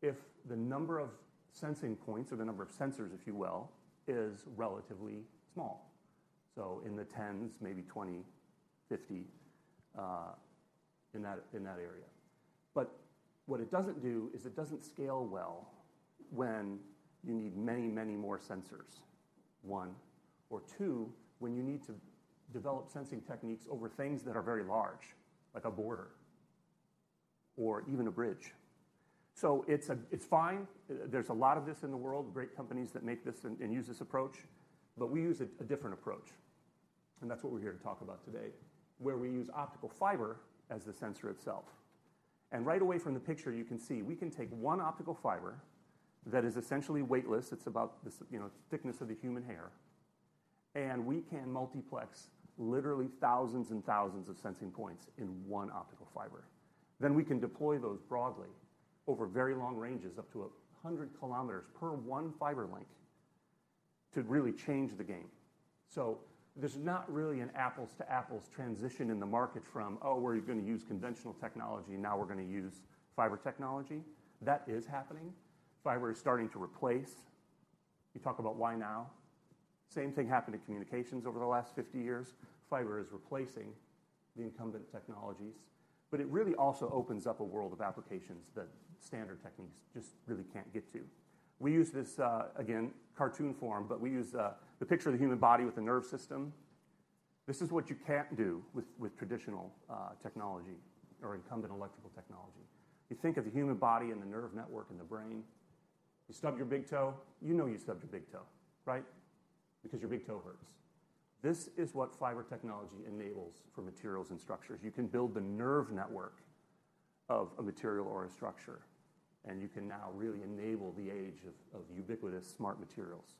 C: if the number of sensing points or the number of sensors, if you will, is relatively small. In the tens, maybe 20, 50, in that area. What it doesn't do is it doesn't scale well when you need many, many more sensors, one. Two, when you need to develop sensing techniques over things that are very large, like a border or even a bridge. it's fine. There's a lot of this in the world, great companies that make this and use this approach, we use a different approach, that's what we're here to talk about today, where we use optical fiber as the sensor itself. Right away from the picture, you can see we can take one optical fiber that is essentially weightless, it's about the you know, thickness of a human hair, and we can multiplex literally thousands and thousands of sensing points in one optical fiber. We can deploy those broadly over very long ranges, up to 100 km per one fiber link to really change the game. There's not really an apples-to-apples transition in the market from, "Oh, we're gonna use conventional technology. Now we're gonna use fiber technology." That is happening. Fiber is starting to replace. You talk about why now? Same thing happened to communications over the last 50 years. Fiber is replacing the incumbent technologies, but it really also opens up a world of applications that standard techniques just really can't get to. We use this, again, cartoon form, but we use the picture of the human body with the nerve system. This is what you can't do with traditional technology or incumbent electrical technology. You think of the human body and the nerve network in the brain. You stub your big toe, you know you stubbed your big toe, right? Because your big toe hurts. This is what fiber technology enables for materials and structures. You can build the nerve network of a material or a structure, and you can now really enable the age of ubiquitous smart materials.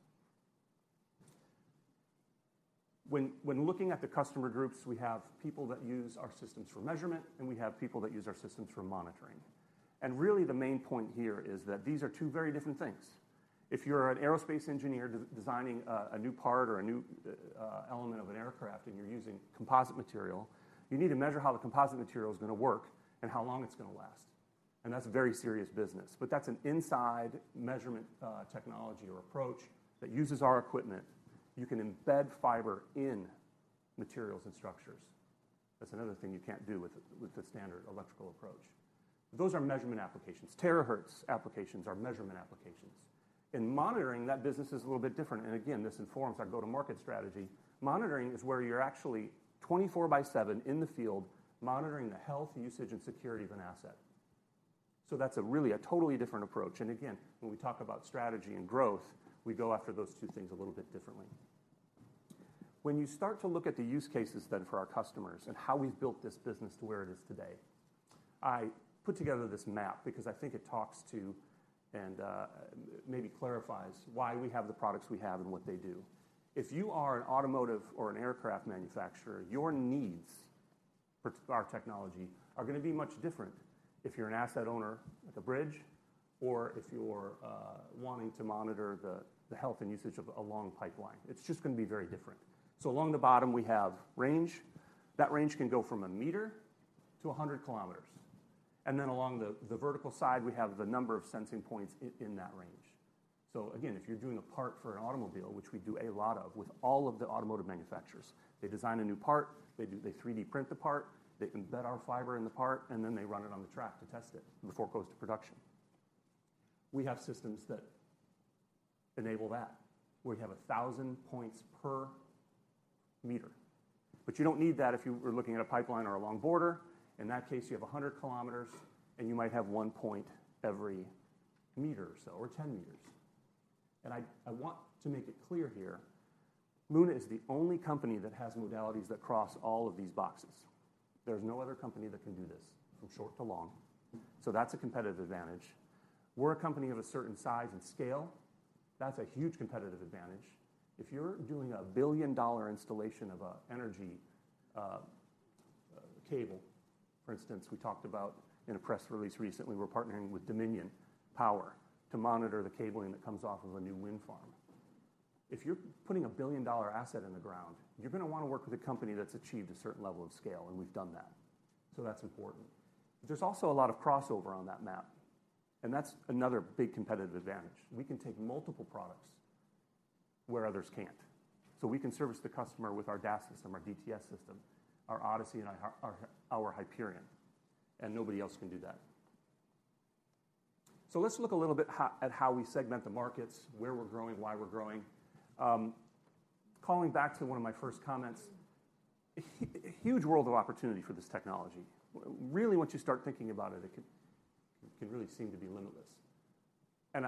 C: When looking at the customer groups, we have people that use our systems for measurement, and we have people that use our systems for monitoring. Really the main point here is that these are two very different things. If you're an aerospace engineer designing a new part or a new element of an aircraft and you're using composite material, you need to measure how the composite material is gonna work and how long it's gonna last, and that's very serious business. That's an inside measurement technology or approach that uses our equipment. You can embed fiber in materials and structures. That's another thing you can't do with the standard electrical approach. Those are measurement applications. Terahertz applications are measurement applications. In monitoring, that business is a little bit different, and again, this informs our go-to-market strategy. Monitoring is where you're actually 24/7 in the field monitoring the health, usage, and security of an asset. That's a really totally different approach. Again, when we talk about strategy and growth, we go after those two things a little bit differently. When you start to look at the use cases then for our customers and how we've built this business to where it is today, I put together this map because I think it talks to and maybe clarifies why we have the products we have and what they do. If you are an automotive or an aircraft manufacturer, your needs for our technology are gonna be much different if you're an asset owner at the bridge or if you're wanting to monitor the health and usage of a long pipeline. It's just gonna be very different. Along the bottom we have range. That range can go from 1 meter to 100 kilometers. Along the vertical side, we have the number of sensing points in that range. Again, if you're doing a part for an automobile, which we do a lot of with all of the automotive manufacturers, they design a new part, they 3D print the part, they embed our fiber in the part, and then they run it on the track to test it before it goes to production. We have systems that enable that, where we have 1,000 points per meter. You don't need that if you were looking at a pipeline or a long border. In that case, you have 100 kilometers, and you might have one point every meter or so, or 10 meters. I want to make it clear here, Luna is the only company that has modalities that cross all of these boxes. There's no other company that can do this from short to long. That's a competitive advantage. We're a company of a certain size and scale. That's a huge competitive advantage. If you're doing a billion-dollar installation of a energy cable, for instance, we talked about in a press release recently, we're partnering with Dominion Energy to monitor the cabling that comes off of a new wind farm. If you're putting a billion-dollar asset in the ground, you're gonna wanna work with a company that's achieved a certain level of scale, and we've done that. That's important. There's also a lot of crossover on that map, and that's another big competitive advantage. We can take multiple products where others can't. We can service the customer with our DAS system, our DTS system, our ODiSI, and our Hyperion, and nobody else can do that. Let's look a little bit at how we segment the markets, where we're growing, why we're growing. Calling back to one of my first comments, a huge world of opportunity for this technology. Really, once you start thinking about it can really seem to be limitless.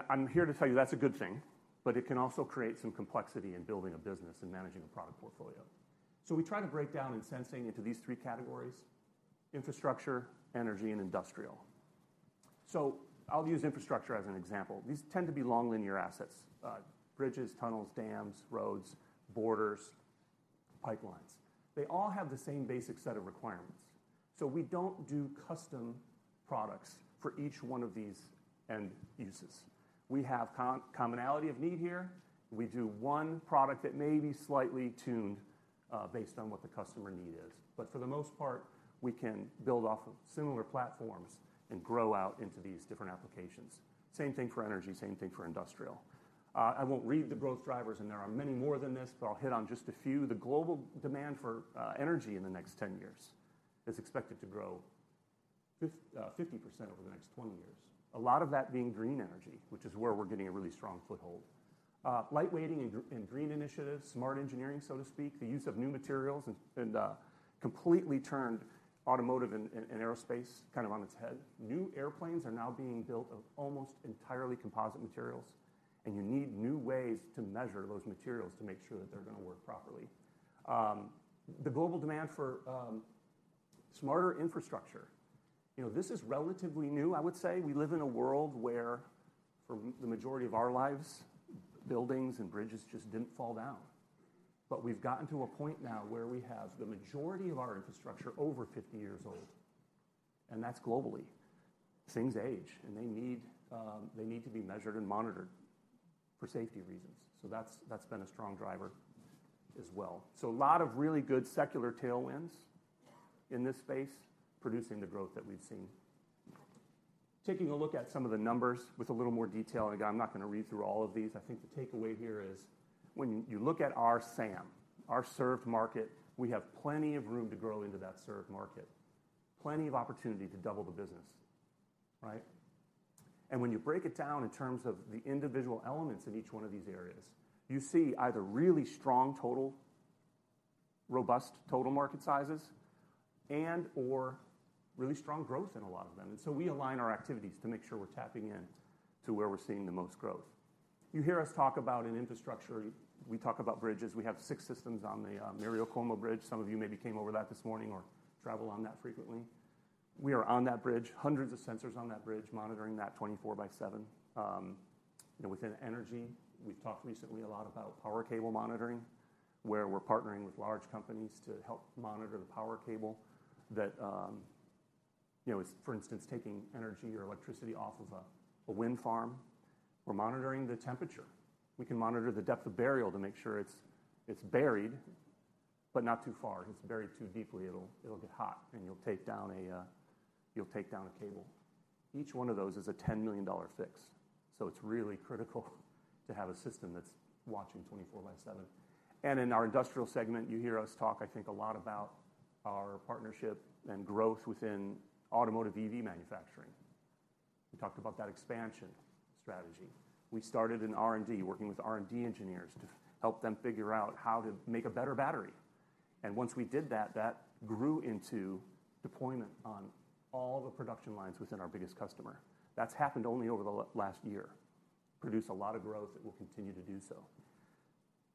C: I'm here to tell you that's a good thing, but it can also create some complexity in building a business and managing a product portfolio. We try to break down in sensing into these three categories: infrastructure, energy, and industrial. I'll use infrastructure as an example. These tend to be long linear assets, bridges, tunnels, dams, roads, borders, pipelines. They all have the same basic set of requirements. We don't do custom products for each one of these end uses. We have commonality of need here. We do one product that may be slightly tuned, based on what the customer need is. For the most part, we can build off of similar platforms and grow out into these different applications. Same thing for energy, same thing for industrial. I won't read the growth drivers, and there are many more than this, but I'll hit on just a few. The global demand for energy in the next 10 years is expected to grow 50% over the next 20 years. A lot of that being green energy, which is where we're getting a really strong foothold. light weighting and green initiatives, smart engineering, so to speak, the use of new materials and, completely turned automotive and aerospace kind of on its head. New airplanes are now being built of almost entirely composite materials, and you need new ways to measure those materials to make sure that they're gonna work properly. The global demand for smarter infrastructure, you know, this is relatively new, I would say. We live in a world where for the majority of our lives, buildings and bridges just didn't fall down. We've gotten to a point now where we have the majority of our infrastructure over 50 years old, and that's globally. Things age, and they need, they need to be measured and monitored for safety reasons. That's, that's been a strong driver as well. A lot of really good secular tailwinds in this space producing the growth that we've seen. Taking a look at some of the numbers with a little more detail, again, I'm not gonna read through all of these. I think the takeaway here is when you look at our SAM, our served market, we have plenty of room to grow into that served market, plenty of opportunity to double the business, right? When you break it down in terms of the individual elements in each one of these areas, you see either really strong total, robust total market sizes and/or really strong growth in a lot of them. We align our activities to make sure we're tapping in to where we're seeing the most growth. You hear us talk about an infrastructure. We talk about bridges. We have six systems on the Mario Cuomo Bridge. Some of you maybe came over that this morning or travel on that frequently. We are on that bridge, hundreds of sensors on that bridge monitoring that 24 by 7. You know, within energy, we've talked recently a lot about power cable monitoring, where we're partnering with large companies to help monitor the power cable that, you know, is for instance, taking energy or electricity off of a wind farm. We're monitoring the temperature. We can monitor the depth of burial to make sure it's buried, but not too far. If it's buried too deeply, it'll get hot and you'll take down a cable. Each one of those is a $10 million fix. It's really critical to have a system that's watching 24 by 7. In our industrial segment, you hear us talk, I think, a lot about our partnership and growth within automotive EV manufacturing. We talked about that expansion strategy. We started in R&D, working with R&D engineers to help them figure out how to make a better battery. Once we did that grew into deployment on all the production lines within our biggest customer. That's happened only over the last year. Produced a lot of growth and will continue to do so.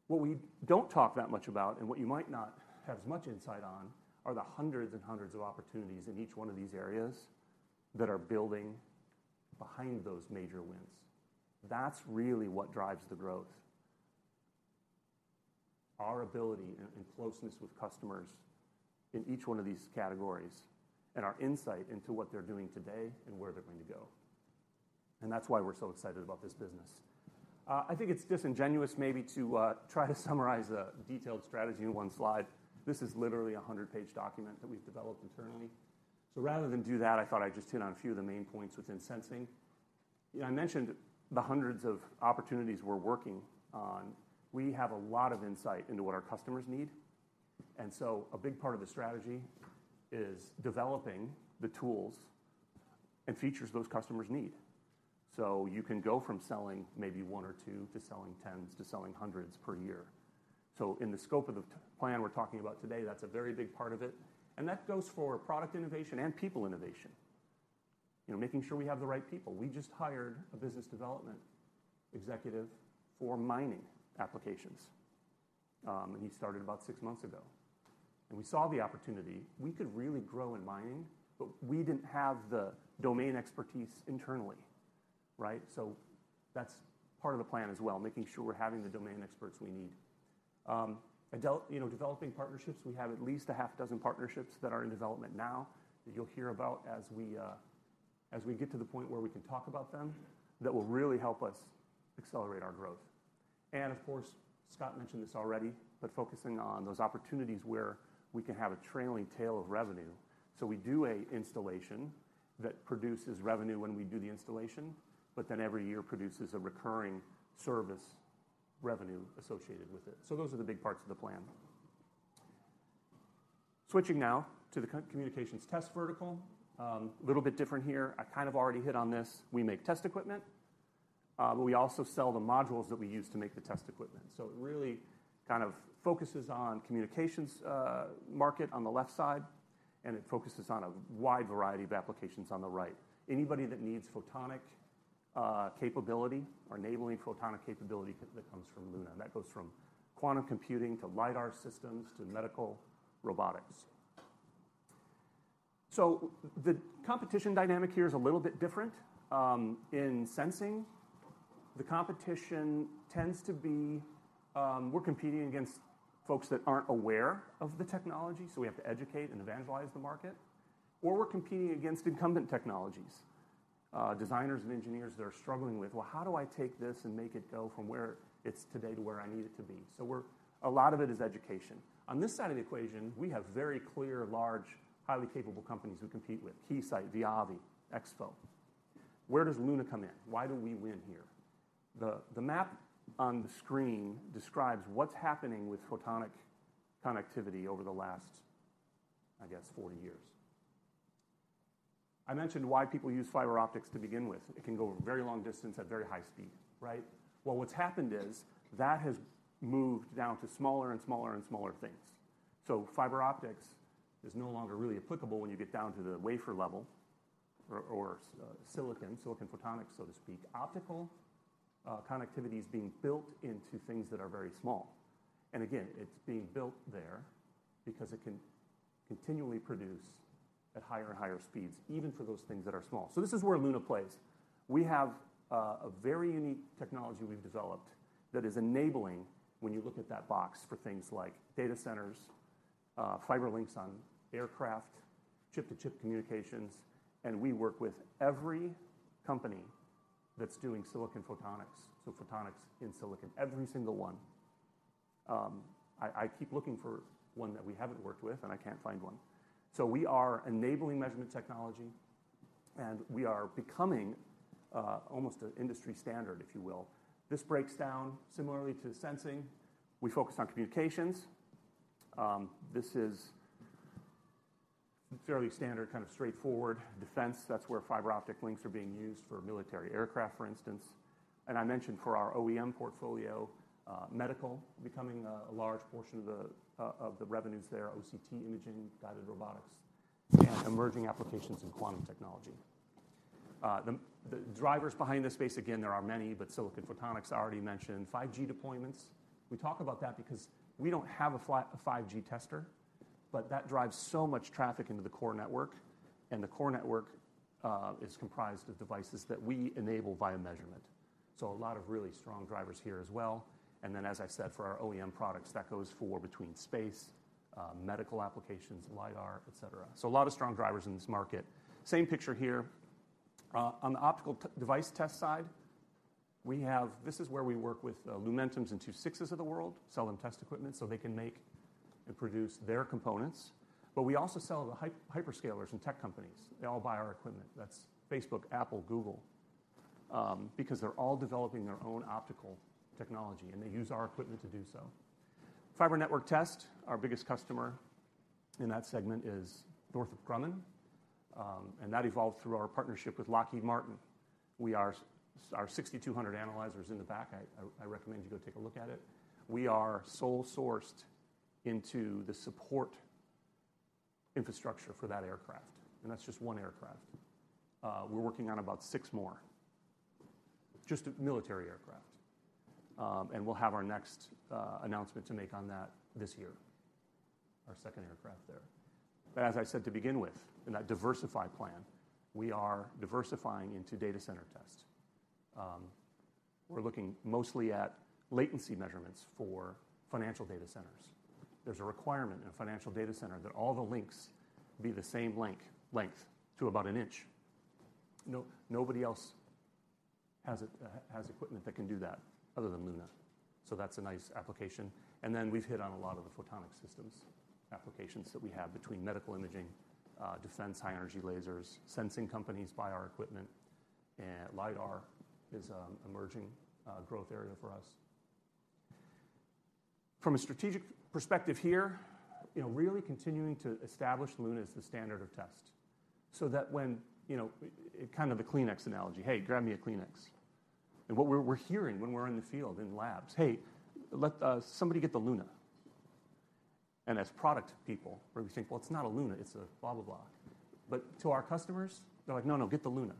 C: What we don't talk that much about, and what you might not have as much insight on, are the hundreds and hundreds of opportunities in each one of these areas that are building behind those major wins. That's really what drives the growth. Our ability and closeness with customers in each one of these categories and our insight into what they're doing today and where they're going to go. That's why we're so excited about this business. I think it's disingenuous maybe to try to summarize a detailed strategy in one slide. This is literally a 100-page document that we've developed internally. Rather than do that, I thought I'd just hit on a few of the main points within sensing. You know, I mentioned the hundreds of opportunities we're working on. We have a lot of insight into what our customers need. A big part of the strategy is developing the tools and features those customers need. You can go from selling maybe one or two to selling tens to selling hundreds per year. In the scope of the plan we're talking about today, that's a very big part of it, and that goes for product innovation and people innovation. You know, making sure we have the right people. We just hired a business development executive for mining applications, and he started about six months ago. We saw the opportunity. We could really grow in mining, but we didn't have the domain expertise internally, right? That's part of the plan as well, making sure we're having the domain experts we need. You know, developing partnerships. We have at least a half dozen partnerships that are in development now that you'll hear about as we get to the point where we can talk about them, that will really help us accelerate our growth. Of course, Scott mentioned this already, but focusing on those opportunities where we can have a trailing tail of revenue. We do a installation that produces revenue when we do the installation, but then every year produces a recurring service revenue associated with it. Those are the big parts of the plan. Switching now to the co-communications test vertical. Little bit different here. I kind of already hit on this. We make test equipment, but we also sell the modules that we use to make the test equipment. It really kind of focuses on communications market on the left side, and it focuses on a wide variety of applications on the right. Anybody that needs photonic capability or enabling photonic capability that comes from Luna, and that goes from quantum computing to LiDAR systems to medical robotics. The competition dynamic here is a little bit different. In sensing, the competition tends to be, we're competing against folks that aren't aware of the technology, so we have to educate and evangelize the market, or we're competing against incumbent technologies, designers and engineers that are struggling with, "Well, how do I take this and make it go from where it's today to where I need it to be?" A lot of it is education. On this side of the equation, we have very clear, large, highly capable companies we compete with, Keysight, VIAVI, EXFO. Where does Luna come in? Why do we win here? The map on the screen describes what's happening with photonic connectivity over the last, I guess, 40 years. I mentioned why people use fiber optics to begin with. It can go a very long distance at very high speed, right? What's happened is that has moved down to smaller and smaller and smaller things. Fiber optics is no longer really applicable when you get down to the wafer level or silicon photonics, so to speak. Optical connectivity is being built into things that are very small. Again, it's being built there because it can continually produce at higher and higher speeds, even for those things that are small. This is where Luna plays. We have a very unique technology we've developed that is enabling when you look at that box for things like data centers, fiber links on aircraft, chip-to-chip communications. We work with every company that's doing silicon photonics, so photonics in silicon, every single one. I keep looking for one that we haven't worked with, and I can't find one. We are enabling measurement technology, and we are becoming almost a industry standard, if you will. This breaks down similarly to sensing. We focus on communications. This is fairly standard, kind of straightforward defense. That's where fiber optic links are being used for military aircraft, for instance. I mentioned for our OEM portfolio, medical becoming a large portion of the revenues there, OCT imaging, guided robotics, and emerging applications in quantum technology. The drivers behind this space, again, there are many, silicon photonics, I already mentioned. 5G deployments, we talk about that because we don't have a 5G tester, that drives so much traffic into the core network, the core network is comprised of devices that we enable via measurement, a lot of really strong drivers here as well. As I said, for our OEM products, that goes for between space, medical applications, LiDAR, et cetera. A lot of strong drivers in this market. Same picture here. On the optical device test side, we have. This is where we work with Lumentum and II-VI of the world, sell them test equipment, they can make and produce their components. We also sell to hyperscalers and tech companies. They all buy our equipment. That's Facebook, Apple, Google because they're all developing their own optical technology, and they use our equipment to do so. Fiber network test, our biggest customer in that segment is Northrop Grumman, and that evolved through our partnership with Lockheed Martin. We are our 6200 analyzer is in the back. I recommend you go take a look at it. We are sole-sourced into the support infrastructure for that aircraft, and that's just one aircraft. We're working on about six more, just military aircraft. We'll have our next announcement to make on that this year, our second aircraft there. As I said to begin with, in that diversify plan, we are diversifying into data center test. We're looking mostly at latency measurements for financial data centers. There's a requirement in a financial data center that all the links be the same length to about an inch. Nobody else has equipment that can do that other than Luna. That's a nice application. Then we've hit on a lot of the photonic systems applications that we have between medical imaging, defense, high-energy lasers. Sensing companies buy our equipment, and LiDAR is a emerging growth area for us. From a strategic perspective here, you know, really continuing to establish Luna as the standard of test so that when, you know, kind of the Kleenex analogy, "Hey, grab me a Kleenex." What we're hearing when we're in the field in labs, "Hey, let somebody get the Luna." As product people, where we think, "Well, it's not a Luna. It's a blah, blah." To our customers, they're like, "No, no, get the Luna."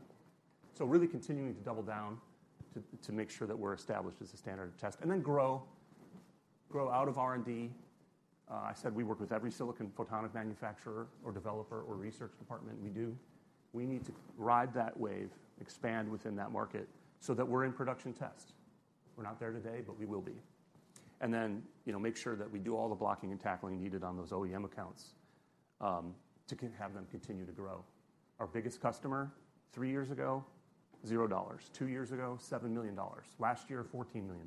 C: Really continuing to double down to make sure that we're established as the standard of test. Grow out of R&D. I said we work with every silicon photonic manufacturer or developer or research department. We do. We need to ride that wave, expand within that market so that we're in production test. We're not there today, but we will be. You know, make sure that we do all the blocking and tackling needed on those OEM accounts to have them continue to grow. Our biggest customer three years ago, $0. Two years ago, $7 million. Last year, $14 million.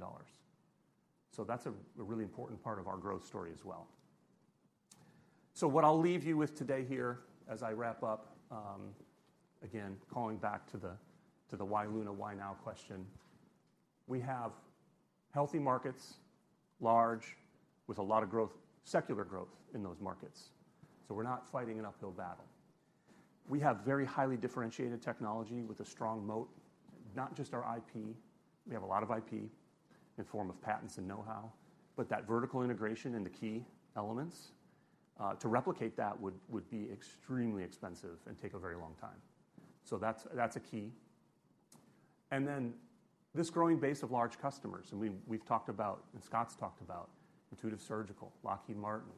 C: That's a really important part of our growth story as well. What I'll leave you with today here as I wrap up, again, calling back to the why Luna, why now question. We have healthy markets, large, with a lot of growth, secular growth in those markets. We're not fighting an uphill battle. We have very highly differentiated technology with a strong moat, not just our IP. We have a lot of IP in form of patents and know-how, but that vertical integration and the key elements to replicate that would be extremely expensive and take a very long time. That's a key. Then this growing base of large customers, and we've talked about, and Scott's talked about Intuitive Surgical, Lockheed Martin,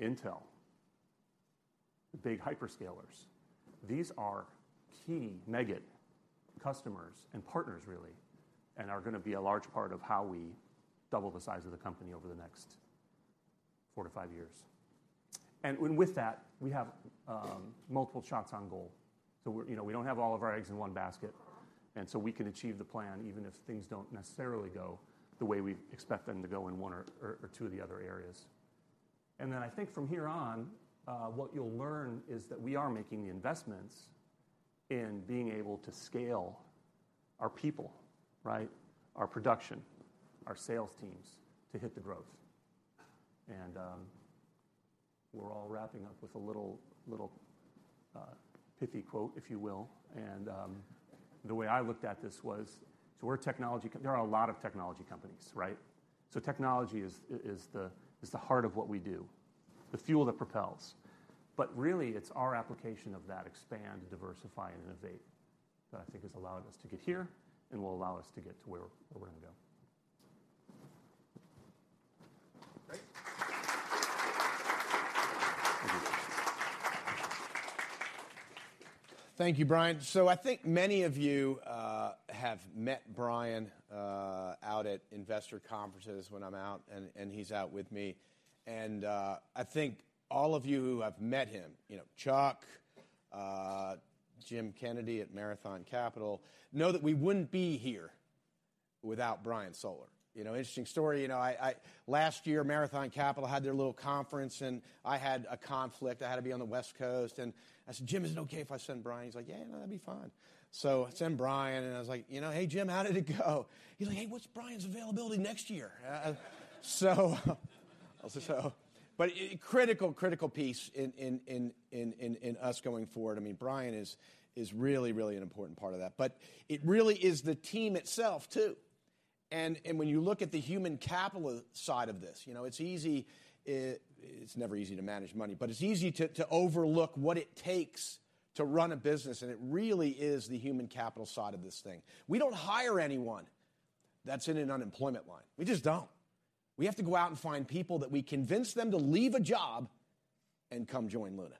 C: Intel, the big hyperscalers. These are key megat customers and partners really, are gonna be a large part of how we double the size of the company over the next 4-5 years. With that, we have multiple shots on goal. We're, you know, we don't have all of our eggs in one basket, we can achieve the plan even if things don't necessarily go the way we expect them to go in one or two of the other areas. I think from here on, what you'll learn is that we are making the investments in being able to scale our people, right? Our production, our sales teams to hit the growth. We're all wrapping up with a little, pithy quote, if you will. The way I looked at this was, so we're a technology There are a lot of technology companies, right? Technology is the heart of what we do, the fuel that propels. Really, it's our application of that expand, diversify, and innovate that I think has allowed us to get here and will allow us to get to where we're gonna go.
B: Great. Thank you, Brian. I think many of you have met Brian out at investor conferences when I'm out and he's out with me. I think all of you who have met him, you know. Jim Kennedy at Marathon Capital know that we wouldn't be here without Brian Soller. You know, interesting story, you know, I last year, Marathon Capital had their little conference and I had a conflict. I had to be on the West Coast, I said, "Jim, is it okay if I send Brian?" He's like, "Yeah, no, that'd be fine." I send Brian, I was like, you know, "Hey, Jim, how did it go?" He's like, "Hey, what's Brian's availability next year?" I was like, "So..." critical piece in us going forward. I mean, Brian is really an important part of that. It really is the team itself too. When you look at the human capital side of this, you know, it's never easy to manage money, but it's easy to overlook what it takes to run a business, and it really is the human capital side of this thing. We don't hire anyone that's in an unemployment line. We just don't. We have to go out and find people that we convince them to leave a job and come join Luna.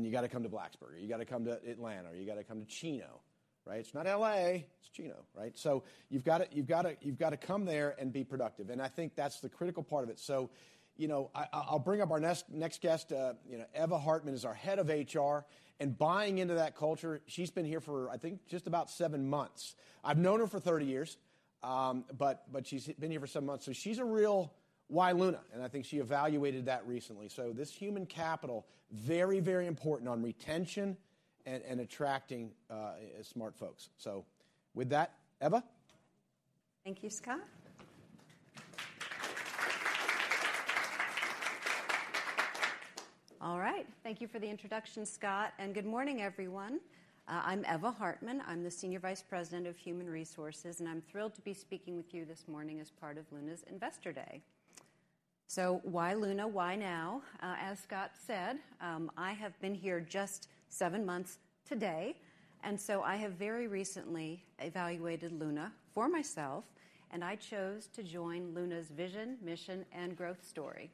B: You gotta come to Blacksburg, or you gotta come to Atlanta, or you gotta come to Chino, right? It's not L.A., it's Chino, right? You've gotta come there and be productive, and I think that's the critical part of it. You know, I'll bring up our next guest, you know, Eva Hartmann is our head of HR. Buying into that culture, she's been here for I think just about seven months. I've known her for 30 years, but she's been here for seven months, so she's a real Why Luna, and I think she evaluated that recently. This human capital, very, very important on retention and attracting smart folks. With that, Eva.
D: Thank you, Scott. All right. Thank you for the introduction, Scott, good morning, everyone. I'm Eva Hartmann, Senior Vice President of Human Resources. I'm thrilled to be speaking with you this morning as part of Luna's Investor Day. Why Luna? Why now? As Scott said, I have been here just seven months today. I have very recently evaluated Luna for myself, I chose to join Luna's vision, mission, and growth story.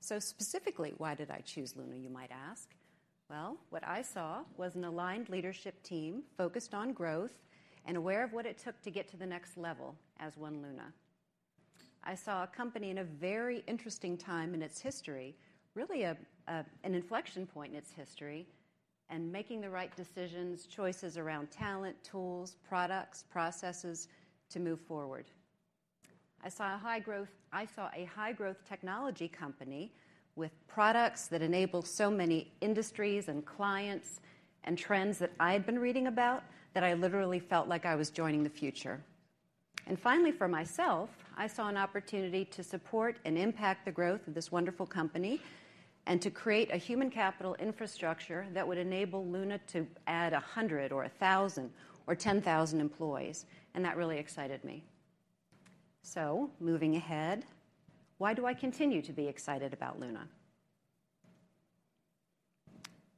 D: Specifically, why did I choose Luna, you might ask. Well, what I saw was an aligned leadership team focused on growth and aware of what it took to get to the next level as One Luna. I saw a company in a very interesting time in its history, really an inflection point in its history, making the right decisions, choices around talent, tools, products, processes to move forward. I saw a high-growth technology company with products that enable so many industries and clients and trends that I'd been reading about that I literally felt like I was joining the future. Finally, for myself, I saw an opportunity to support and impact the growth of this wonderful company and to create a human capital infrastructure that would enable Luna to add 100 or 1,000 or 10,000 employees. That really excited me. Moving ahead, why do I continue to be excited about Luna?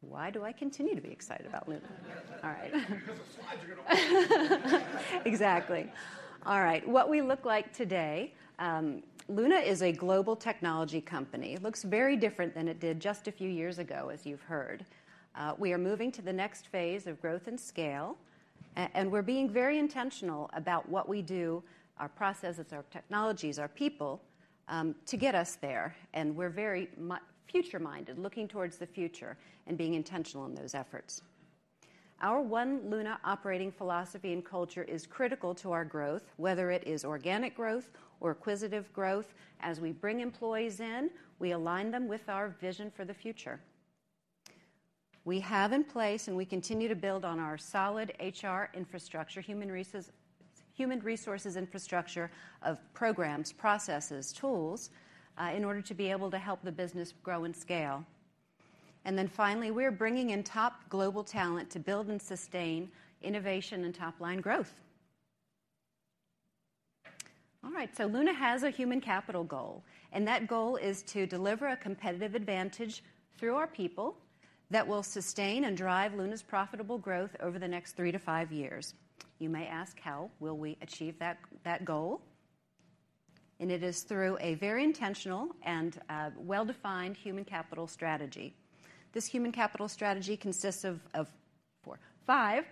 D: Why do I continue to be excited about Luna? All right.
B: The slides are gonna work.
D: Exactly. All right. What we look like today, Luna is a global technology company. It looks very different than it did just a few years ago, as you've heard. We are moving to the next phase of growth and scale and we're being very intentional about what we do, our processes, our technologies, our people, to get us there. We're very future-minded, looking towards the future and being intentional in those efforts. Our One Luna operating philosophy and culture is critical to our growth, whether it is organic growth or acquisitive growth. As we bring employees in, we align them with our vision for the future. We have in place, and we continue to build on our solid HR infrastructure, human resources infrastructure of programs, processes, tools, in order to be able to help the business grow and scale. Finally, we're bringing in top global talent to build and sustain innovation and top-line growth. Luna has a human capital goal, and that goal is to deliver a competitive advantage through our people that will sustain and drive Luna's profitable growth over the next 3-5 years. You may ask, "How will we achieve that goal?" It is through a very intentional and well-defined human capital strategy. This human capital strategy consists of four-five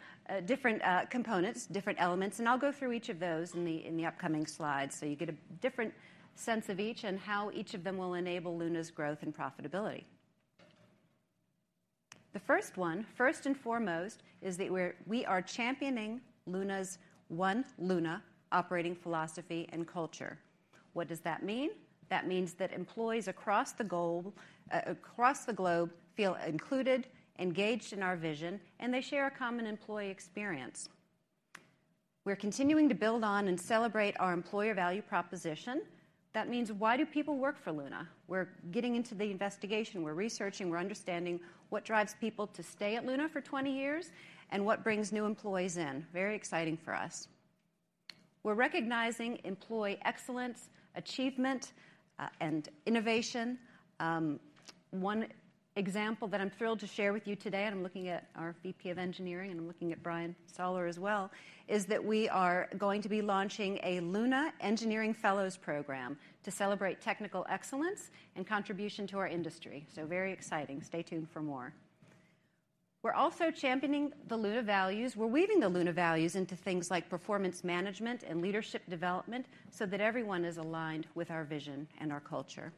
D: different components, different elements, and I'll go through each of those in the upcoming slides so you get a different sense of each and how each of them will enable Luna's growth and profitability. The first one, first and foremost, is that we are championing Luna's One Luna operating philosophy and culture. What does that mean? That means that employees across the globe, across the globe feel included, engaged in our vision, and they share a common employee experience. We're continuing to build on and celebrate our employer value proposition. That means why do people work for Luna? We're getting into the investigation. We're researching, we're understanding what drives people to stay at Luna for 20 years and what brings new employees in. Very exciting for us. We're recognizing employee excellence, achievement, and innovation. One example that I'm thrilled to share with you today, and I'm looking at our VP of Engineering, and I'm looking at Brian Soller as well, is that we are going to be launching a Luna Engineering Fellows program to celebrate technical excellence and contribution to our industry. Very exciting. Stay tuned for more. We're also championing the Luna values. We're weaving the Luna values into things like performance management and leadership development so that everyone is aligned with our vision and our culture.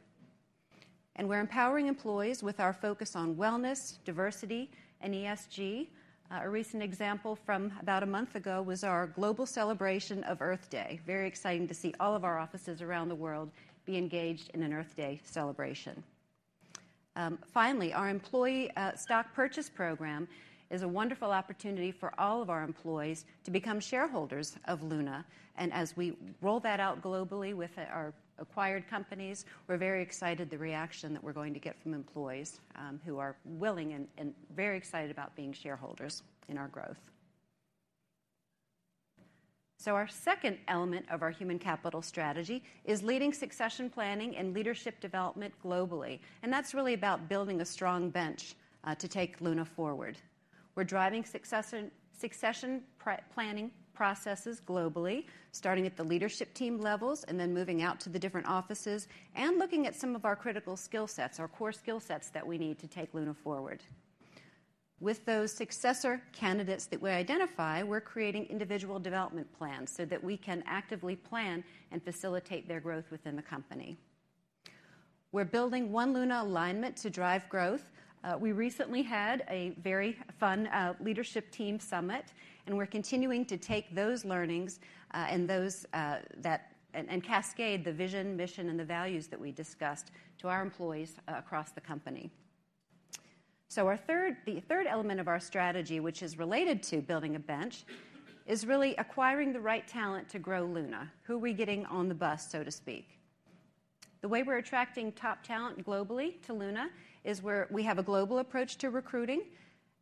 D: We're empowering employees with our focus on wellness, diversity, and ESG. A recent example from about a month ago was our global celebration of Earth Day. Very exciting to see all of our offices around the world be engaged in an Earth Day celebration. Finally, our employee stock purchase program is a wonderful opportunity for all of our employees to become shareholders of Luna. As we roll that out globally with our acquired companies, we're very excited the reaction that we're going to get from employees, who are willing and very excited about being shareholders in our growth. Our second element of our human capital strategy is leading succession planning and leadership development globally, and that's really about building a strong bench to take Luna forward. We're driving succession planning processes globally, starting at the leadership team levels and then moving out to the different offices and looking at some of our critical skill sets, our core skill sets that we need to take Luna forward. With those successor candidates that we identify, we're creating individual development plans so that we can actively plan and facilitate their growth within the company. We're building One Luna alignment to drive growth. We recently had a very fun leadership team summit, and we're continuing to take those learnings, and those, and cascade the vision, mission, and the values that we discussed to our employees across the company. Our third-- the third element of our strategy, which is related to building a bench, is really acquiring the right talent to grow Luna. Who are we getting on the bus, so to speak? The way we're attracting top talent globally to Luna is we have a global approach to recruiting,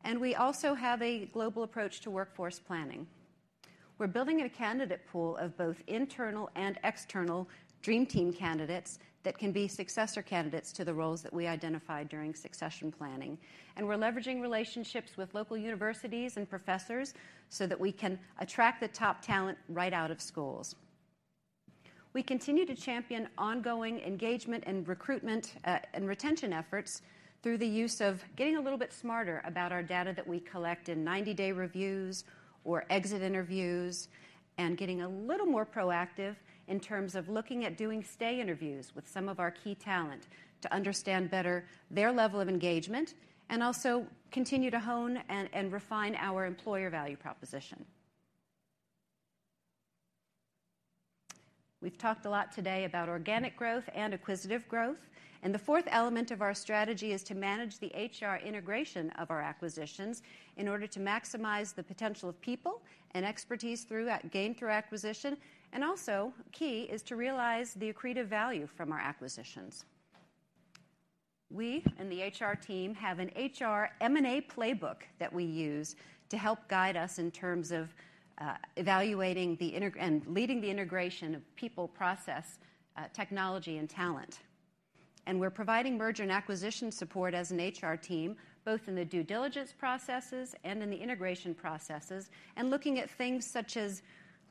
D: and we also have a global approach to workforce planning. We're building a candidate pool of both internal and external dream team candidates that can be successor candidates to the roles that we identify during succession planning. We're leveraging relationships with local universities and professors so that we can attract the top talent right out of schools. We continue to champion ongoing engagement and recruitment and retention efforts through the use of getting a little bit smarter about our data that we collect in 90-day reviews or exit interviews, and getting a little more proactive in terms of looking at doing stay interviews with some of our key talent to understand better their level of engagement and also continue to hone and refine our employer value proposition. We've talked a lot today about organic growth and acquisitive growth, and the fourth element of our strategy is to manage the HR integration of our acquisitions in order to maximize the potential of people and expertise gained through acquisition, and also key is to realize the accretive value from our acquisitions. We and the HR team have an HR M&A playbook that we use to help guide us in terms of evaluating and leading the integration of people, process, technology, and talent. We're providing merger and acquisition support as an HR team, both in the due diligence processes and in the integration processes, and looking at things such as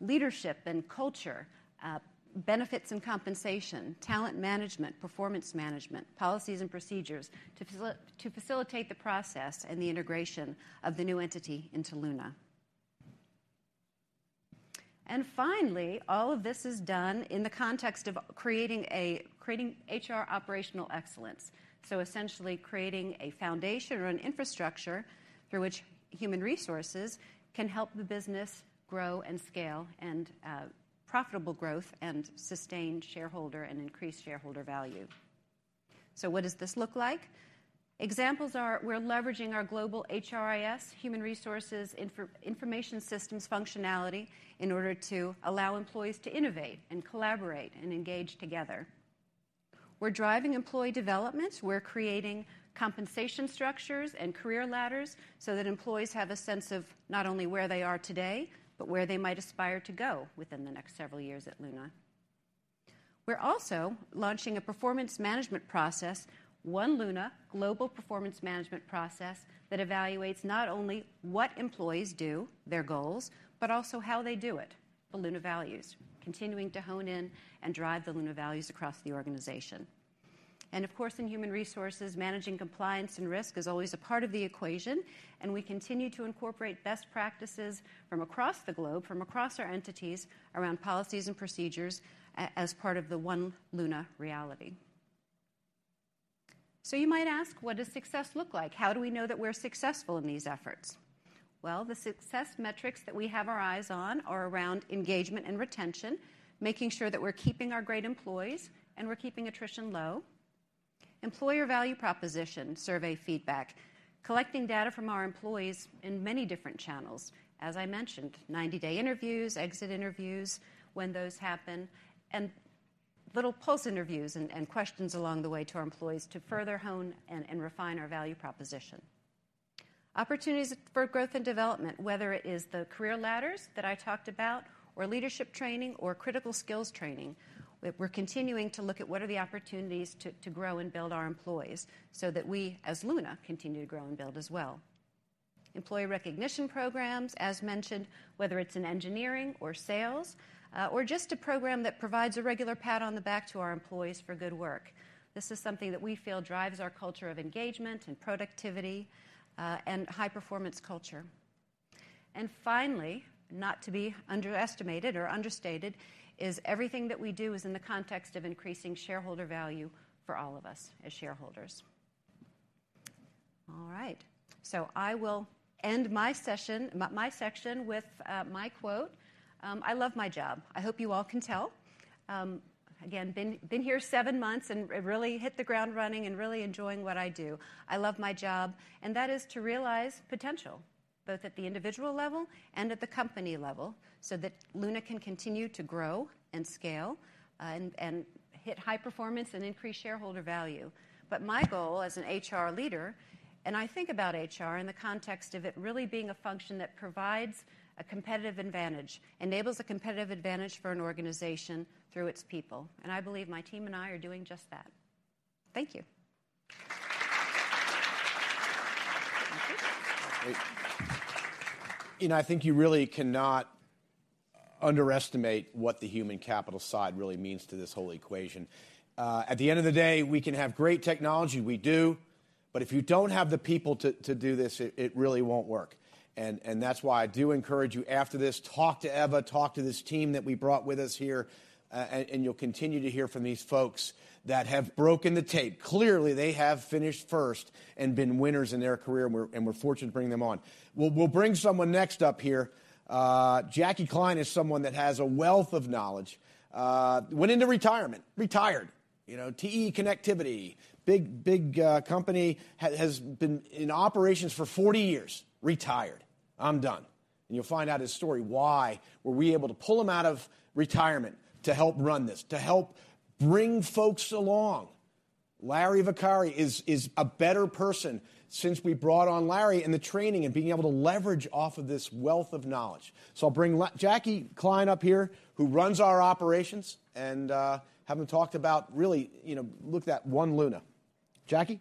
D: leadership and culture, benefits and compensation, talent management, performance management, policies and procedures to facilitate the process and the integration of the new entity into Luna. Finally, all of this is done in the context of creating HR operational excellence, so essentially creating a foundation or an infrastructure through which human resources can help the business grow and scale and profitable growth and sustain shareholder and increase shareholder value. What does this look like? Examples are we're leveraging our global HRIS, Human Resources Information Systems functionality, in order to allow employees to innovate and collaborate and engage together. We're driving employee development. We're creating compensation structures and career ladders so that employees have a sense of not only where they are today but where they might aspire to go within the next several years at Luna. We're also launching a performance management process, One Luna global performance management process that evaluates not only what employees do, their goals, but also how they do it, the Luna values, continuing to hone in and drive the Luna values across the organization. Of course, in human resources, managing compliance and risk is always a part of the equation, and we continue to incorporate best practices from across the globe, from across our entities around policies and procedures as part of the One Luna reality. You might ask, what does success look like? How do we know that we're successful in these efforts? The success metrics that we have our eyes on are around engagement and retention, making sure that we're keeping our great employees and we're keeping attrition low. Employer value proposition, survey feedback, collecting data from our employees in many different channels, as I mentioned, 90-day interviews, exit interviews when those happen, and little pulse interviews and questions along the way to our employees to further hone and refine our value proposition. Opportunities for growth and development, whether it is the career ladders that I talked about or leadership training or critical skills training, we're continuing to look at what are the opportunities to grow and build our employees so that we, as Luna, continue to grow and build as well. Employee recognition programs, as mentioned, whether it's in engineering or sales, or just a program that provides a regular pat on the back to our employees for good work. This is something that we feel drives our culture of engagement and productivity, and high-performance culture. Finally, not to be underestimated or understated, is everything that we do is in the context of increasing shareholder value for all of us as shareholders. All right. I will end my session, but my section with my quote, I love my job. I hope you all can tell. Again, been here seven months and really hit the ground running and really enjoying what I do. I love my job, and that is to realize potential, both at the individual level and at the company level, so that Luna can continue to grow and scale, and hit high performance and increase shareholder value. My goal as an HR leader, and I think about HR in the context of it really being a function that provides a competitive advantage, enables a competitive advantage for an organization through its people. I believe my team and I are doing just that. Thank you. Thank you.
B: Great. You know, I think you really cannot underestimate what the human capital side really means to this whole equation. At the end of the day, we can have great technology. We do. If you don't have the people to do this, it really won't work. That's why I do encourage you after this, talk to Eva, talk to this team that we brought with us here, you'll continue to hear from these folks that have broken the tape. Clearly, they have finished first and been winners in their career, and we're fortunate to bring them on. We'll bring someone next up here. Jack Koenig is someone that has a wealth of knowledge. Went into retirement. Retired. You know, TE Connectivity, big company. Has been in operations for 40 years. Retired. I'm done. You'll find out his story, why were we able to pull him out of retirement to help run this, to help bring folks along. Larry Vicari is a better person since we brought on Larry, and the training and being able to leverage off of this wealth of knowledge. I'll bring Jack Koenig up here, who runs our operations, and have him talk about really, you know, look at One Luna. Jackie.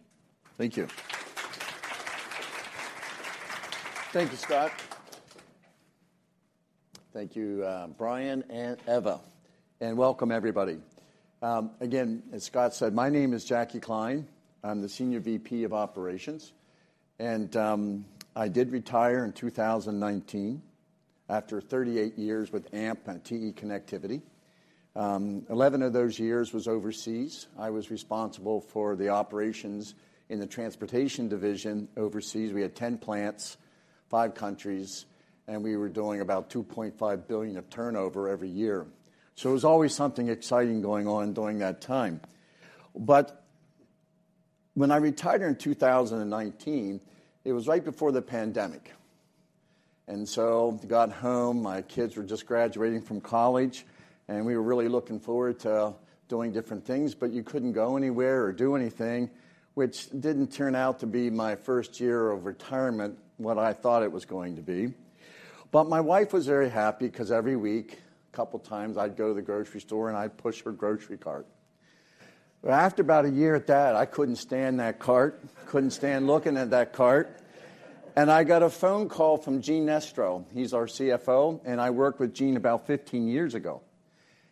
E: Thank you. Thank you, Scott. Thank you, Brian and Eva. Welcome, everybody. Again, as Scott said, my name is Jackie Kline. I'm the Senior VP of Operations. I did retire in 2019 after 38 years with AMP and TE Connectivity. 11 of those years was overseas. I was responsible for the operations in the transportation division overseas. We had 10 plants, five countries, and we were doing about $2.5 billion of turnover every year. It was always something exciting going on during that time. When I retired in 2019, it was right before the pandemic. Got home, my kids were just graduating from college, and we were really looking forward to doing different things, but you couldn't go anywhere or do anything, which didn't turn out to be my first year of retirement, what I thought it was going to be. My wife was very happy 'cause every week, a couple times, I'd go to the grocery store, and I'd push her grocery cart. After about a year at that, I couldn't stand that cart. Couldn't stand looking at that cart. I got a phone call from Gene Nestro. He's our CFO, and I worked with Gene about 15 years ago.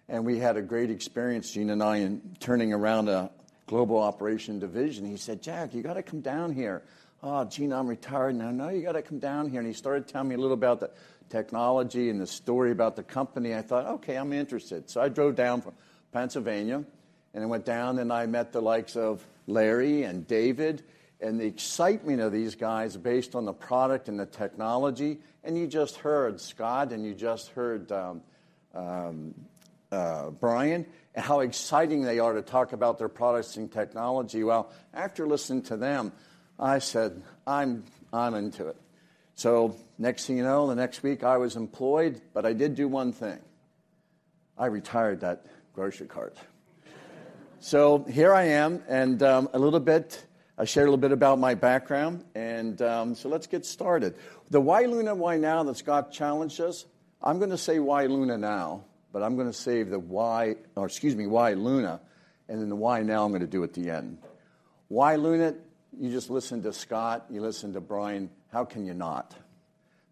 E: We had a great experience, Gene and I, in turning around a global operation division. He said, "Jack, you gotta come down here." "Oh, Gene, I'm retired now." "No, you gotta come down here." He started telling me a little about the technology and the story about the company. I thought, "Okay, I'm interested." I drove down from Pennsylvania, I went down, I met the likes of Larry and David. The excitement of these guys based on the product and the technology, you just heard Scott, you just heard Brian, how exciting they are to talk about their products and technology. Well, after listening to them, I said, "I'm into it." Next thing you know, the next week I was employed, but I did do one thing. I retired that grocery cart. Here I am. A little bit, I shared a little bit about my background. Let's get started. The why Luna, why now that Scott challenged us, I'm gonna say why Luna now. I'm gonna save the why. Excuse me, why Luna. Then the why now I'm gonna do at the end. Why Luna? You just listened to Scott, you listened to Brian. How can you not?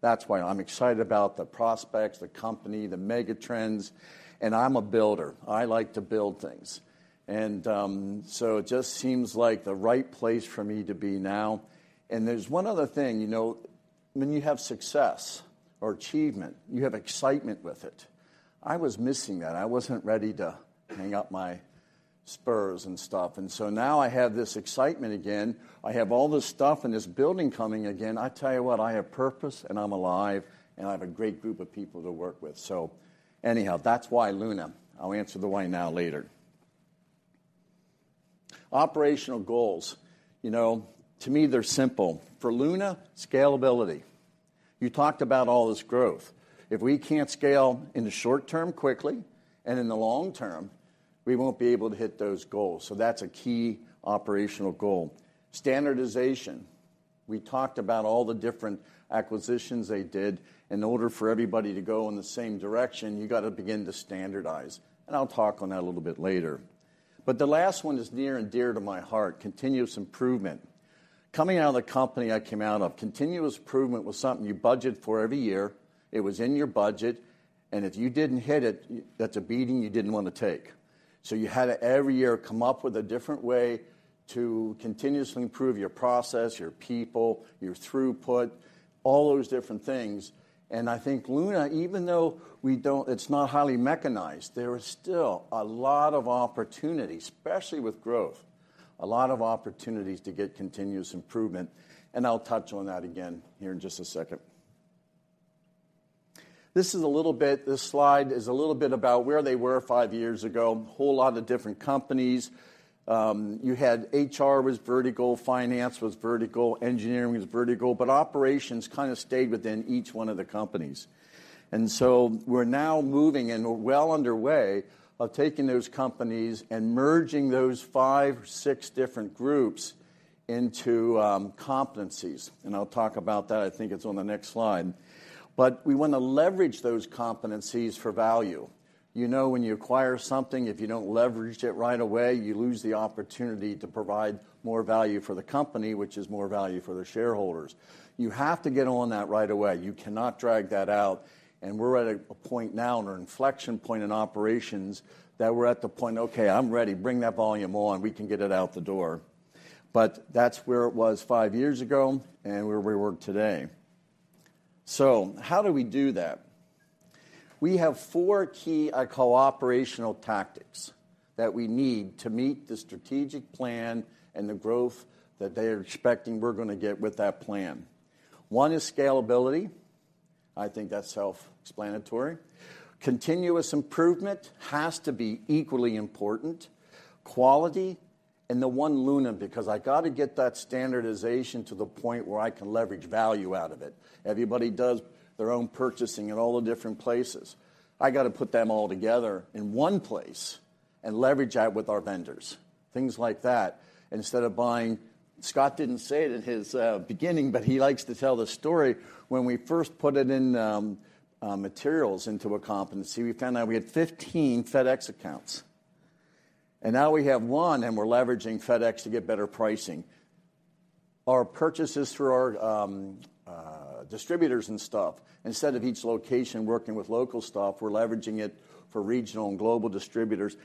E: That's why I'm excited about the prospects, the company, the mega trends, and I'm a builder. I like to build things. It just seems like the right place for me to be now. There's one other thing, you know, when you have success or achievement, you have excitement with it. I was missing that. I wasn't ready to hang up my spurs and stuff. Now I have this excitement again. I have all this stuff and this building coming again. I tell you what, I have purpose, and I'm alive, and I have a great group of people to work with. Anyhow, that's why Luna. I'll answer the why now later. Operational goals. You know, to me, they're simple. For Luna, scalability. You talked about all this growth. If we can't scale in the short term quickly and in the long term, we won't be able to hit those goals. That's a key operational goal. Standardization. We talked about all the different acquisitions they did. In order for everybody to go in the same direction, you gotta begin to standardize, and I'll talk on that a little bit later. The last one is near and dear to my heart, continuous improvement. Coming out of the company I came out of, continuous improvement was something you budget for every year. It was in your budget, and if you didn't hit it, that's a beating you didn't wanna take. You had to every year come up with a different way to continuously improve your process, your people, your throughput, all those different things. I think Luna, even though it's not highly mechanized, there is still a lot of opportunity, especially with growth, a lot of opportunities to get continuous improvement. I'll touch on that again here in just a second. This slide is a little bit about where they were five years ago. Whole lot of different companies. You had HR was vertical, finance was vertical, engineering was vertical, operations kind of stayed within each one of the companies. We're now moving and we're well underway of taking those companies and merging those five, six different groups into competencies. I'll talk about that. I think it's on the next slide. We wanna leverage those competencies for value. You know, when you acquire something, if you don't leverage it right away, you lose the opportunity to provide more value for the company, which is more value for the shareholders. You have to get on that right away. You cannot drag that out. We're at a point now, in our inflection point in operations, that we're at the point, "Okay, I'm ready. Bring that volume on. We can get it out the door." That's where it was five years ago and where we work today. How do we do that? We have four key, I call operational tactics that we need to meet the strategic plan and the growth that they're expecting we're gonna get with that plan. One is scalability. I think that's self-explanatory. Continuous improvement has to be equally important. Quality and the One Luna, because I gotta get that standardization to the point where I can leverage value out of it. Everybody does their own purchasing in all the different places. I gotta put them all together in one place and leverage that with our vendors, things like that. Scott didn't say it in his beginning, but he likes to tell the story. When we first put it in materials into a competency, we found out we had 15 FedEx accounts, and now we have one, and we're leveraging FedEx to get better pricing. Our purchases through our distributors and stuff, instead of each location working with local stuff, we're leveraging it for regional and global distributors.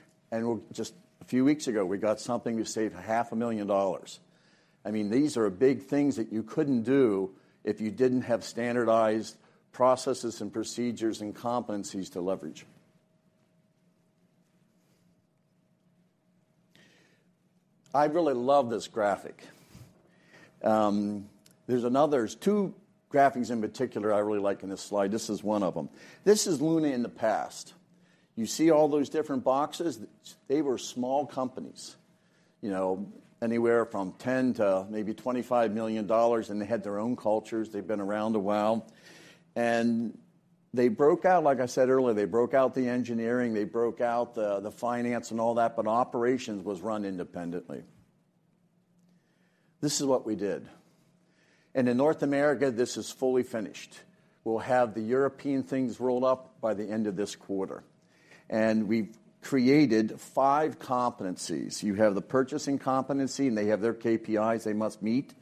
E: Just a few weeks ago, we got something to save half a million dollars. I mean, these are big things that you couldn't do if you didn't have standardized processes and procedures and competencies to leverage. I really love this graphic. There's two graphics in particular I really like in this slide. This is one of them. This is Luna in the past. You see all those different boxes? They were small companies, you know, anywhere from 10 to maybe $25 million, and they had their own cultures. They've been around a while. They broke out, like I said earlier, they broke out the engineering, they broke out the finance and all that, but operations was run independently. This is what we did. In North America, this is fully finished. We'll have the European things rolled up by the end of this quarter. We've created five competencies. You have the purchasing competency, and they have their KPIs they must meet.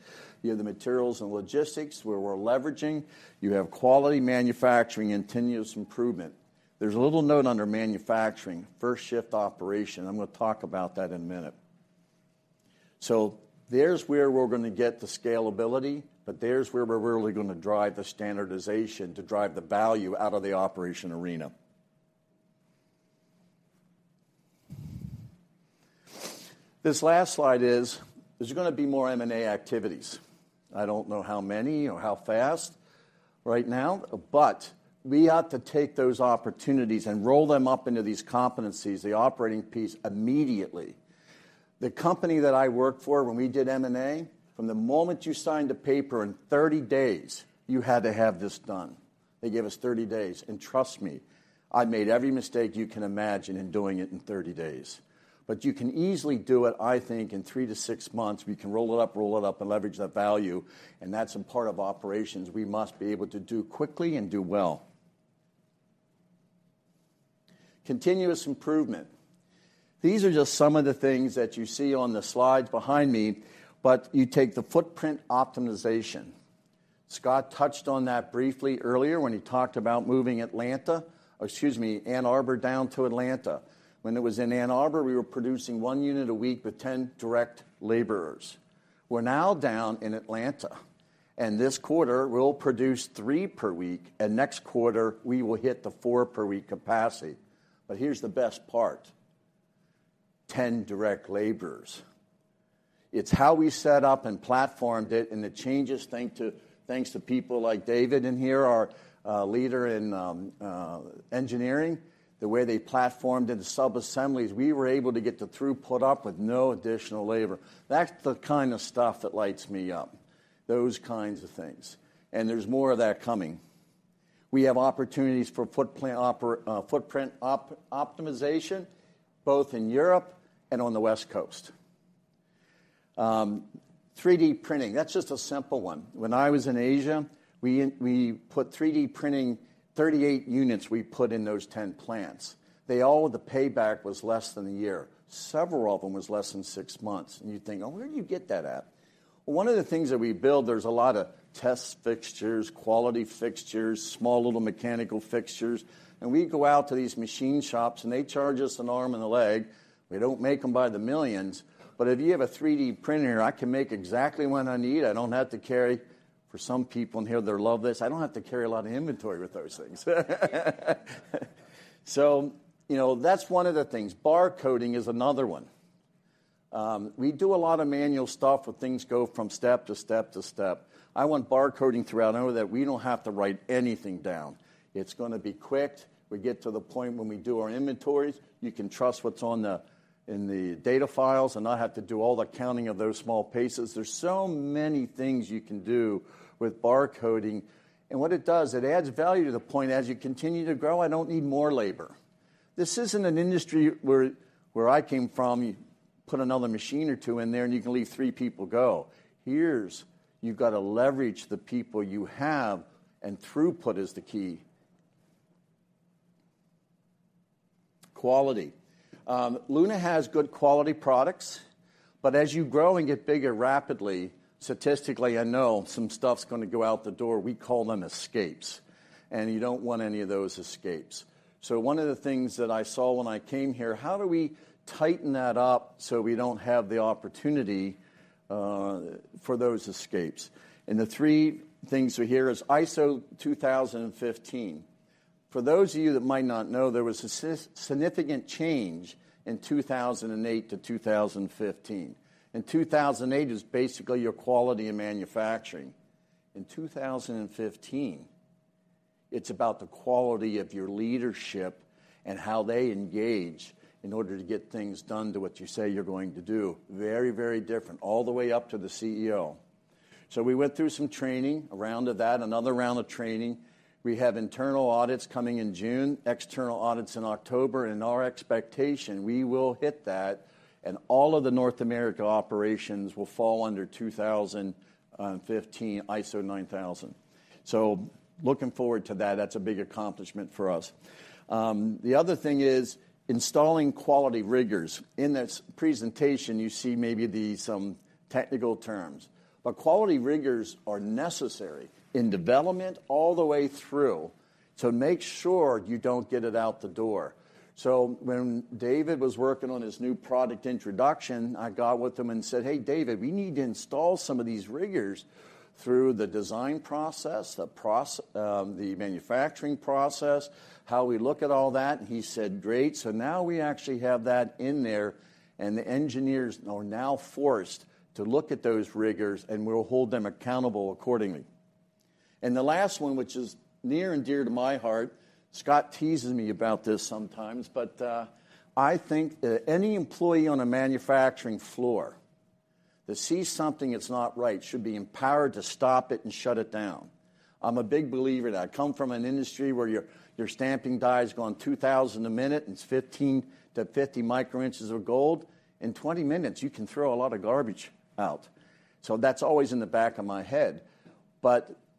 E: You have the materials and logistics where we're leveraging. You have quality manufacturing and continuous improvement. There's a little note under manufacturing, first shift operation. I'm gonna talk about that in a minute. There's where we're gonna get the scalability, but there's where we're really gonna drive the standardization to drive the value out of the operation arena. This last slide is, there's gonna be more M&A activities. I don't know how many or how fast right now, but we ought to take those opportunities and roll them up into these competencies, the operating piece, immediately. The company that I worked for when we did M&A, from the moment you signed the paper, in 30 days, you had to have this done. They gave us 30 days. Trust me, I made every mistake you can imagine in doing it in 30 days. You can easily do it, I think, in three to six months. We can roll it up, roll it up, and leverage that value, and that's a part of operations we must be able to do quickly and do well. Continuous improvement. These are just some of the things that you see on the slides behind me, but you take the footprint optimization. Scott touched on that briefly earlier when he talked about moving Ann Arbor down to Atlanta. When it was in Ann Arbor, we were producing one unit a week with 10 direct laborers. We're now down in Atlanta, and this quarter we'll produce three per week, and next quarter we will hit the four per week capacity. Here's the best part, 10 direct laborers. It's how we set up and platformed it and the changes thanks to people like David in here, our leader in engineering, the way they platformed it, the sub-assemblies, we were able to get the throughput up with no additional labor. That's the kind of stuff that lights me up, those kinds of things, and there's more of that coming. We have opportunities for footprint optimization both in Europe and on the West Coast. 3D printing, that's just a simple one. When I was in Asia, we put 3D printing, 38 units we put in those 10 plants. They all, the payback was less than one year. Several of them was less than six months. You think, "Oh, where do you get that at?" One of the things that we build, there's a lot of test fixtures, quality fixtures, small little mechanical fixtures, and we go out to these machine shops, and they charge us an arm and a leg. We don't make them by the millions. If you have a 3D printer, I can make exactly what I need. I don't have to carry. For some people in here, they'll love this. I don't have to carry a lot of inventory with those things. You know, that's one of the things. Bar coding is another one. We do a lot of manual stuff where things go from step to step to step. I want bar coding throughout. I know that we don't have to write anything down. It's gonna be quick. We get to the point when we do our inventories, you can trust what's in the data files and not have to do all the counting of those small pieces. There's so many things you can do with bar coding. What it does, it adds value to the point as you continue to grow, I don't need more labor. This isn't an industry where I came from, you put another machine or two in there, and you can leave three people go. Here's, you've got to leverage the people you have, and throughput is the key. Quality. Luna has good quality products. As you grow and get bigger rapidly, statistically, I know some stuff's gonna go out the door. We call them escapes, and you don't want any of those escapes. One of the things that I saw when I came here, how do we tighten that up so we don't have the opportunity for those escapes? The three things we hear is ISO 2015. For those of you that might not know, there was a significant change in 2008 to 2015. In 2008, it was basically your quality in manufacturing. In 2015, it's about the quality of your leadership and how they engage in order to get things done to what you say you're going to do. Very, very different, all the way up to the CEO. We went through some training, a round of that, another round of training. We have internal audits coming in June, external audits in October. Our expectation, we will hit that, and all of the North America operations will fall under 2015 ISO 9000. Looking forward to that. That's a big accomplishment for us. The other thing is installing quality rigors. In this presentation, you see maybe some technical terms. Quality rigors are necessary in development all the way through to make sure you don't get it out the door. When David was working on his new product introduction, I got with him and said, "Hey, David, we need to install some of these rigors through the design process, the manufacturing process, how we look at all that." He said, "Great." Now we actually have that in there, and the engineers are now forced to look at those rigors, and we'll hold them accountable accordingly. The last one, which is near and dear to my heart, Scott teases me about this sometimes, but I think that any employee on a manufacturing floor that sees something that's not right should be empowered to stop it and shut it down. I'm a big believer in that. I come from an industry where your stamping die is going 2,000 a minute, and it's 15 to 50 microinches of gold. In 20 minutes, you can throw a lot of garbage out. That's always in the back of my head.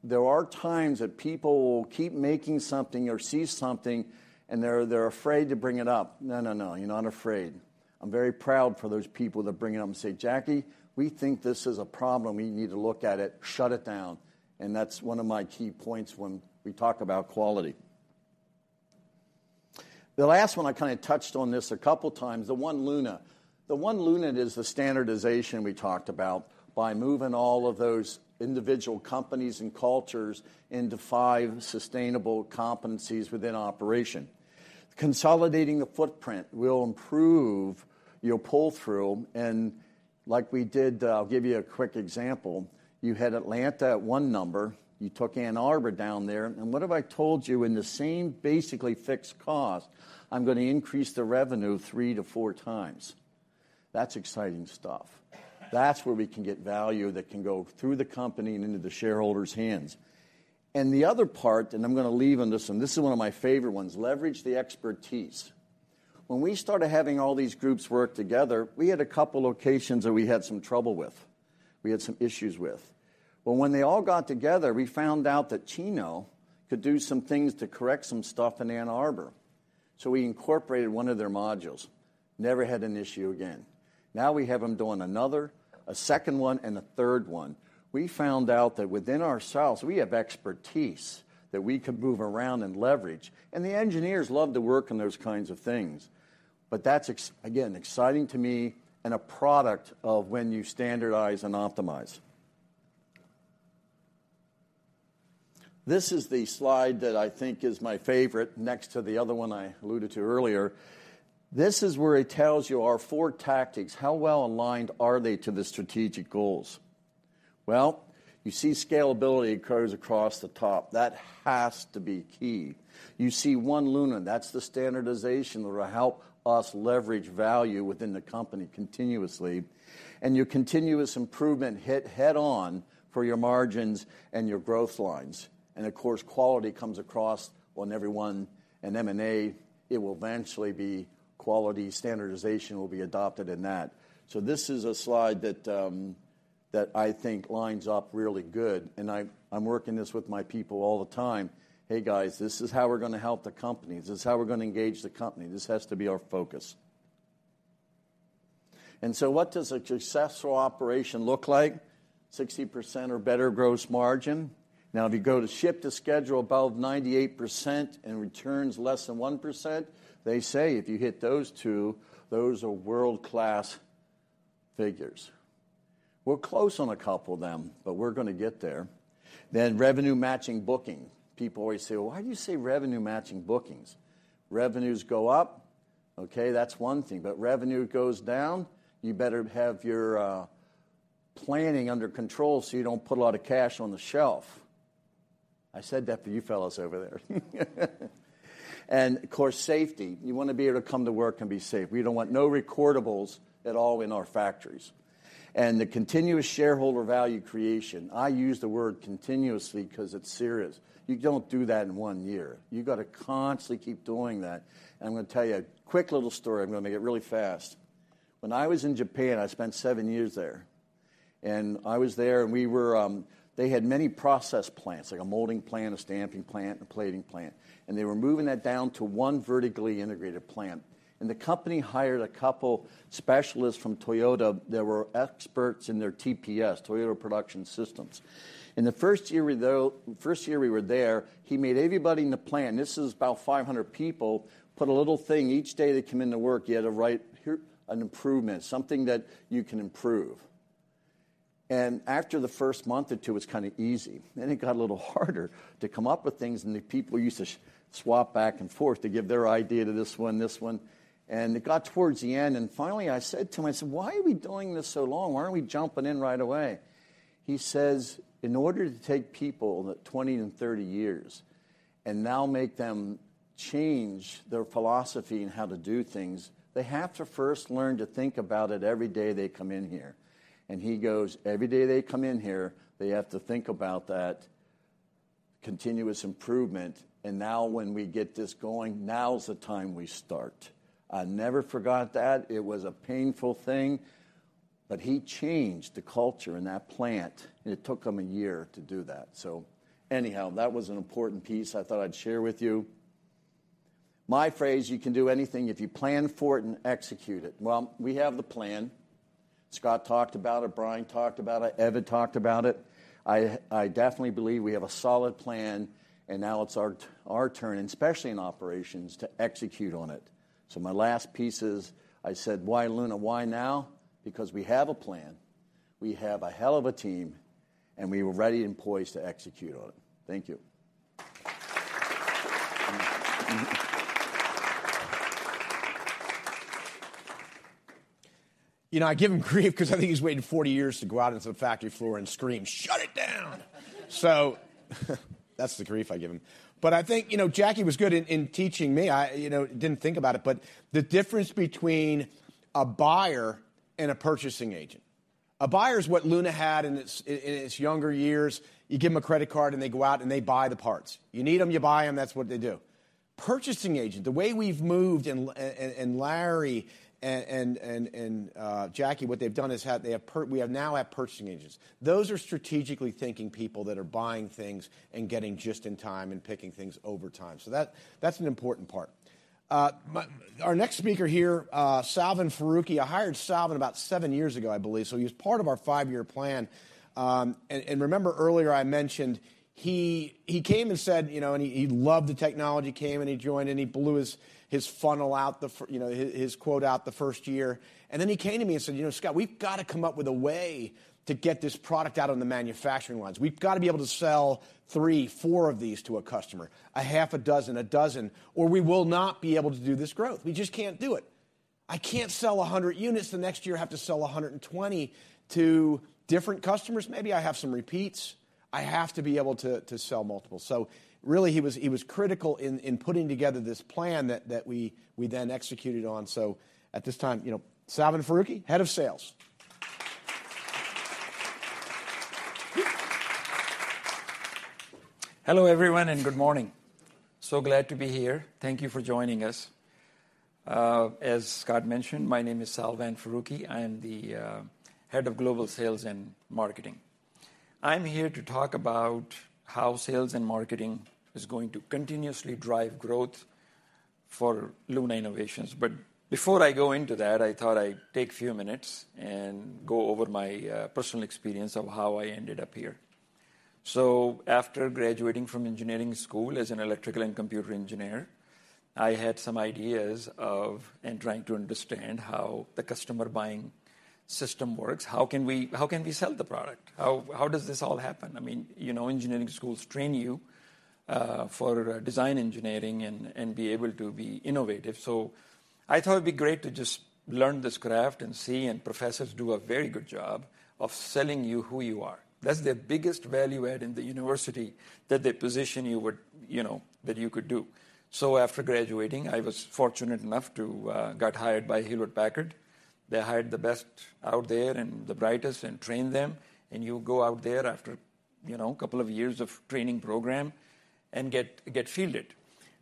E: There are times that people will keep making something or see something, and they're afraid to bring it up. No, no, you're not afraid. I'm very proud for those people to bring it up and say, "Jackie, we think this is a problem. We need to look at it, shut it down." That's one of my key points when we talk about quality. The last one, I kinda touched on this a couple times, the One Luna. The One Luna is the standardization we talked about by moving all of those individual companies and cultures into five sustainable competencies within operation. Consolidating the footprint will improve your pull-through. Like we did, I'll give you a quick example. You had Atlanta at one number, you took Ann Arbor down there. What if I told you in the same basically fixed cost, I'm gonna increase the revenue 3x to 4x? That's exciting stuff. That's where we can get value that can go through the company and into the shareholders' hands. The other part, and I'm gonna leave on this one, this is one of my favorite ones. Leverage the expertise. When we started having all these groups work together, we had a couple locations that we had some trouble with, we had some issues with. Well, when they all got together, we found out that Chino could do some things to correct some stuff in Ann Arbor. We incorporated one of their modules. Never had an issue again. Now we have them doing another, a second one, and a third one. We found out that within ourselves, we have expertise that we could move around and leverage. The engineers love to work on those kinds of things. That's again, exciting to me and a product of when you standardize and optimize. This is the slide that I think is my favorite next to the other one I alluded to earlier. This is where it tells you our four tactics, how well aligned are they to the strategic goals? You see scalability occurs across the top. That has to be key. You see One Luna, and that's the standardization that'll help us leverage value within the company continuously. Your continuous improvement hit head-on for your margins and your growth lines. Of course, quality comes across on every one. In M&A, it will eventually be quality standardization will be adopted in that. This is a slide that I think lines up really good. I'm working this with my people all the time. Hey guys, this is how we're gonna help the company. This is how we're gonna engage the company. This has to be our focus. What does a successful operation look like? 60% or better gross margin. If you go to ship to schedule above 98% and returns less than 1%, they say if you hit those two, those are world-class figures. We're close on a couple of them, but we're gonna get there. Revenue matching booking. People always say, "Well, why do you say revenue matching bookings?" Revenues go up, okay, that's one thing, but revenue goes down, you better have your planning under control so you don't put a lot of cash on the shelf. I said that for you fellows over there. Of course, safety. You wanna be able to come to work and be safe. We don't want no recordables at all in our factories. The continuous shareholder value creation, I use the word continuously because it's serious. You don't do that in one year. You gotta constantly keep doing that. I'm gonna tell you a quick little story. I'm gonna make it really fast. When I was in Japan, I spent seven years there. I was there, and we were... They had many process plants, like a molding plant, a stamping plant, a plating plant, and they were moving that down to one vertically integrated plant. The company hired a couple specialists from Toyota that were experts in their TPS, Toyota Production System. In the first year we were there, he made everybody in the plant, this is about 500 people, put a little thing each day they come into work, you had to write here an improvement, something that you can improve. After the first month or two, it was kinda easy. It got a little harder to come up with things, and the people used to swap back and forth to give their idea to this one, this one. It got towards the end, and finally I said to him, I said, "Why are we doing this so long? Why aren't we jumping in right away?" He says, "In order to take people that 20 and 30 years, and now make them change their philosophy in how to do things, they have to first learn to think about it every day they come in here." He goes, "Every day they come in here, they have to think about that continuous improvement. Now when we get this going, now's the time we start." I never forgot that. It was a painful thing, but he changed the culture in that plant, and it took him a year to do that. Anyhow, that was an important piece I thought I'd share with you. My phrase, you can do anything if you plan for it and execute it. Well, we have the plan. Scott talked about it, Brian talked about it, Evan talked about it. I definitely believe we have a solid plan, and now it's our turn, and especially in operations, to execute on it. My last piece is, I said, "Why Luna? Why now?" We have a plan, we have a hell of a team, and we are ready and poised to execute on it. Thank you.
B: You know, I give him grief 'cause I think he's waited 40 years to go out into the factory floor and scream, "Shut it down!" That's the grief I give him. I think, you know, Jackie was good in teaching me. I, you know, didn't think about it, but the difference between a buyer and a purchasing agent. A buyer is what Luna had in its younger years. You give them a credit card and they go out and they buy the parts. You need them, you buy them, that's what they do. Purchasing agent, the way we've moved and Larry and Jackie, what they've done is have, we now have purchasing agents. Those are strategically thinking people that are buying things and getting just in time and picking things over time. That's an important part. Our next speaker here, Salvan Farooqui. I hired Salvan about seven years ago, I believe, he was part of our five-year plan. Remember earlier I mentioned he came and said, you know, he loved the technology, came and he joined and he blew his funnel out the, you know, his quote out the first year. He came to me and said, "You know, Scott, we've gotta come up with a way to get this product out on the manufacturing lines. We've gotta be able to sell three, four of these to a customer, a half a dozen, a dozen, we will not be able to do this growth. We just can't do it. I can't sell 100 units, the next year I have to sell 120 to different customers. Maybe I have some repeats. I have to be able to sell multiple." Really, he was critical in putting together this plan that we then executed on. At this time, you know, Salvan Farooqui, Head of Sales.
F: Hello everyone, good morning. Glad to be here. Thank you for joining us. As Scott mentioned, my name is Salvan Farooqui. I am the Head of Global Sales and Marketing. I'm here to talk about how sales and marketing is going to continuously drive growth for Luna Innovations. Before I go into that, I thought I'd take a few minutes and go over my personal experience of how I ended up here. After graduating from engineering school as an electrical and computer engineer, I had some ideas of and trying to understand how the customer buying system works. How can we sell the product? How does this all happen? I mean, you know, engineering schools train you for design engineering and be able to be innovative. I thought it'd be great to just learn this craft and see, and professors do a very good job of selling you who you are. That's the biggest value add in the university, that the position you would, you know, that you could do. After graduating, I was fortunate enough to got hired by Hewlett-Packard. They hired the best out there and the brightest and train them, and you go out there after, you know, a couple of years of training program and get fielded.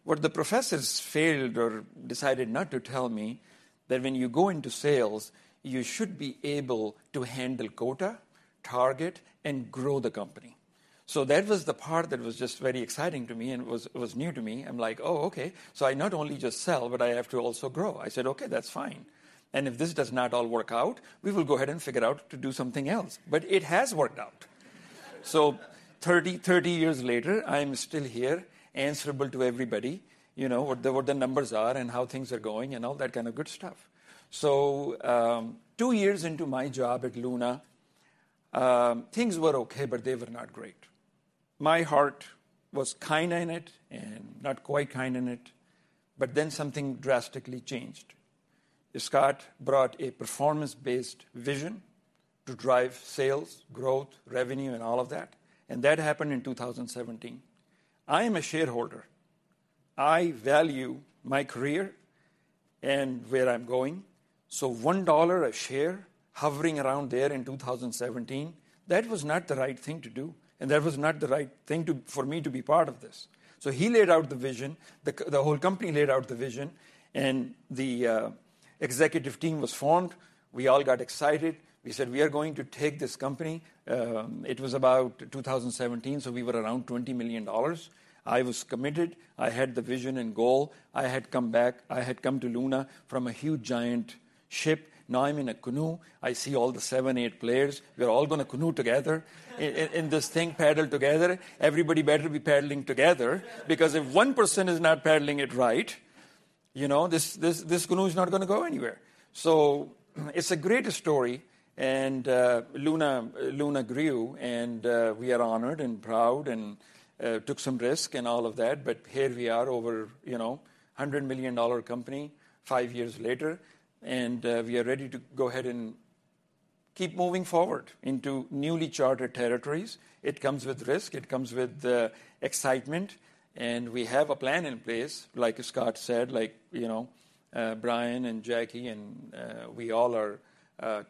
F: What the professors failed or decided not to tell me, that when you go into sales, you should be able to handle quota, target, and grow the company. That was the part that was just very exciting to me and was new to me. I'm like: "Oh, okay, so I not only just sell, but I have to also grow." I said, "Okay, that's fine. If this does not all work out, we will go ahead and figure out to do something else." It has worked out. 30 years later, I'm still here, answerable to everybody. You know, what the numbers are and how things are going, and all that kind of good stuff. Two years into my job at Luna, things were okay, but they were not great. My heart was kind in it and not quite kind in it, but then something drastically changed. Scott brought a performance-based vision to drive sales, growth, revenue, and all of that, and that happened in 2017. I am a shareholder. I value my career and where I'm going. One dollar a share hovering around there in 2017, that was not the right thing to do, and that was not the right thing for me to be part of this. He laid out the vision, the whole company laid out the vision, and the executive team was formed. We all got excited. We said, we are going to take this company. It was about 2017, we were around $20 million. I was committed. I had the vision and goal. I had come back. I had come to Luna from a huge giant ship. Now I'm in a canoe. I see all the seven, eight players. We're all gonna canoe together in this thing, paddle together. Everybody better be paddling together, because if one person is not paddling it right, you know, this canoe is not gonna go anywhere. It's a great story. Luna grew, and we are honored and proud and took some risk and all of that. Here we are over, you know, a $100 million company five years later, we are ready to go ahead and keep moving forward into newly chartered territories. It comes with risk. It comes with excitement, and we have a plan in place. Like Scott said, like, you know, Brian and Jackie and we all are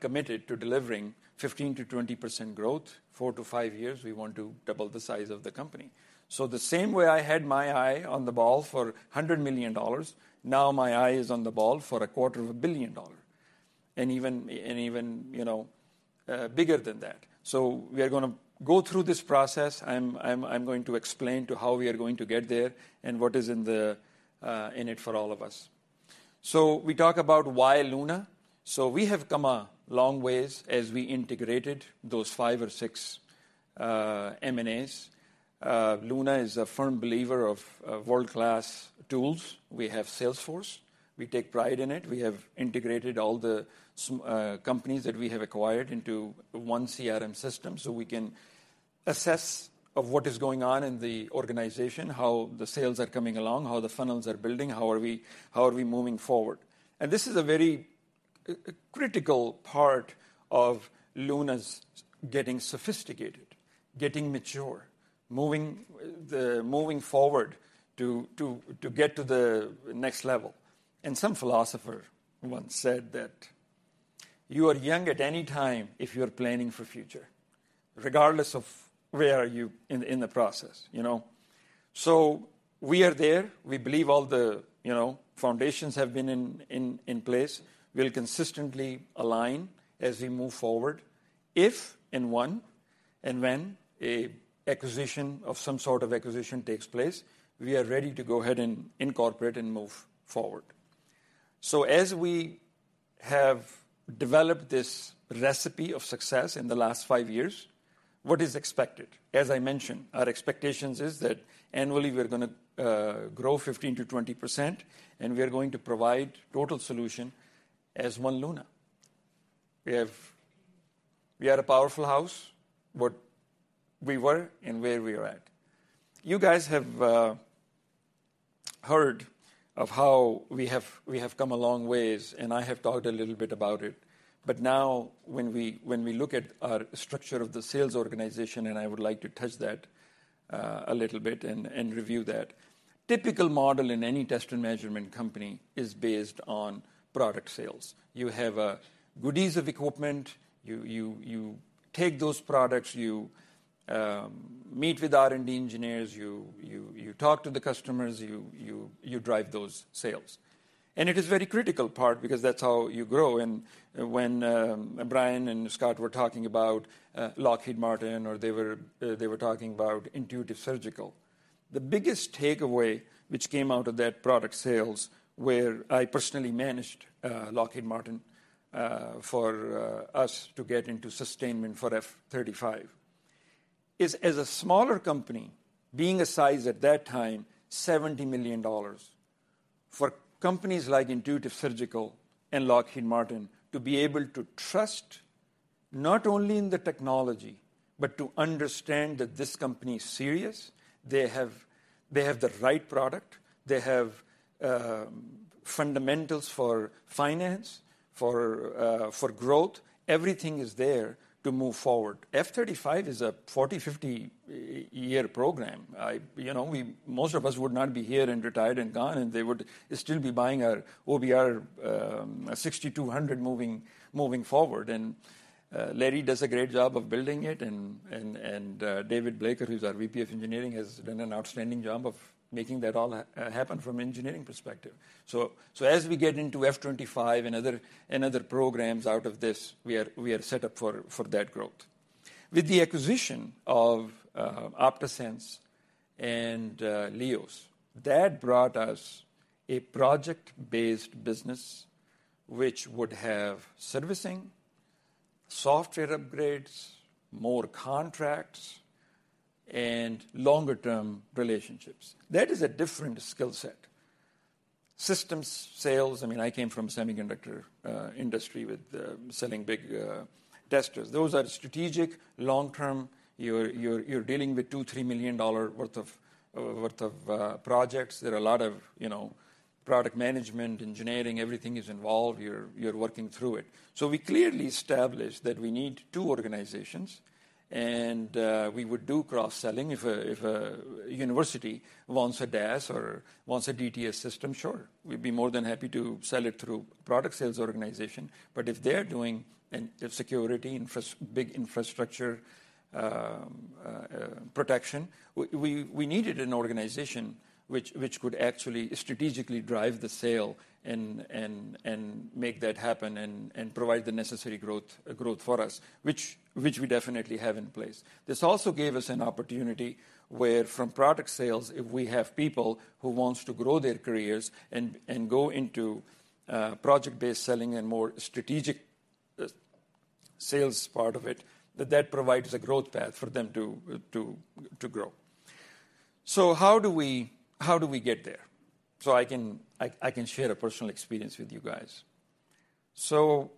F: committed to delivering 15%-20% growth. 4-5 years, we want to double the size of the company. The same way I had my eye on the ball for $100 million, now my eye is on the ball for a quarter of a billion dollar, and even, you know, bigger than that. We are gonna go through this process. I'm going to explain to how we are going to get there and what is in it for all of us. We talk about why Luna. We have come a long ways as we integrated those five or six M&As. Luna is a firm believer of world-class tools. We have Salesforce. We take pride in it. We have integrated all the companies that we have acquired into one CRM system, so we can assess of what is going on in the organization, how the sales are coming along, how the funnels are building, how are we moving forward. This is a very critical part of Luna's getting sophisticated, getting mature, moving forward to get to the next level. Some philosopher once said that you are young at any time if you're planning for future, regardless of where are you in the process, you know? We are there. We believe all the, you know, foundations have been in place, will consistently align as we move forward. If and when a acquisition of some sort of acquisition takes place, we are ready to go ahead and incorporate and move forward. As we have developed this recipe of success in the last five years, what is expected? As I mentioned, our expectations is that annually we're gonna grow 15%-20%, and we are going to provide total solution as One Luna. We are a powerful house, what we were and where we are at. You guys have heard of how we have come a long ways, and I have talked a little bit about it. Now when we look at our structure of the sales organization, and I would like to touch that a little bit and review that. Typical model in any test and measurement company is based on product sales. You have a goodies of equipment. You take those products, you meet with R&D engineers, you talk to the customers, you drive those sales. It is very critical part because that's how you grow. When Brian and Scott were talking about Lockheed Martin, or they were talking about Intuitive Surgical, the biggest takeaway which came out of that product sales, where I personally managed Lockheed Martin for us to get into sustainment for F-35, is as a smaller company, being a size at that time, $70 million, for companies like Intuitive Surgical and Lockheed Martin to be able to trust not only in the technology, but to understand that this company is serious, they have the right product, they have fundamentals for finance, for growth. Everything is there to move forward. F-35 is a 40, 50 year program. You know, we, most of us would not be here and retired and gone, they would still be buying our OBR 6200 moving forward. Larry does a great job of building it and David Blaker, who's our VP of Engineering, has done an outstanding job of making that all happen from engineering perspective. As we get into F-25 and other programs out of this, we are set up for that growth. With the acquisition of OptaSense and LIOS Sensing, that brought us a project-based business which would have servicing, software upgrades, more contracts, and longer-term relationships. That is a different skill set. Systems sales, I mean, I came from semiconductor industry with selling big testers. Those are strategic long-term. You're dealing with $2, 3 million worth of, worth of projects. There are a lot of, you know, product management, engineering, everything is involved. You're working through it. We clearly established that we need two organizations and we would do cross-selling. If a university wants a DAS or wants a DTS system, sure, we'd be more than happy to sell it through product sales organization. But if they're doing a security big infrastructure protection, we needed an organization which could actually strategically drive the sale and make that happen and provide the necessary growth for us, which we definitely have in place. This also gave us an opportunity where from product sales, if we have people who wants to grow their careers and go into project-based selling and more strategic sales part of it, that provides a growth path for them to grow. How do we get there? I can share a personal experience with you guys. A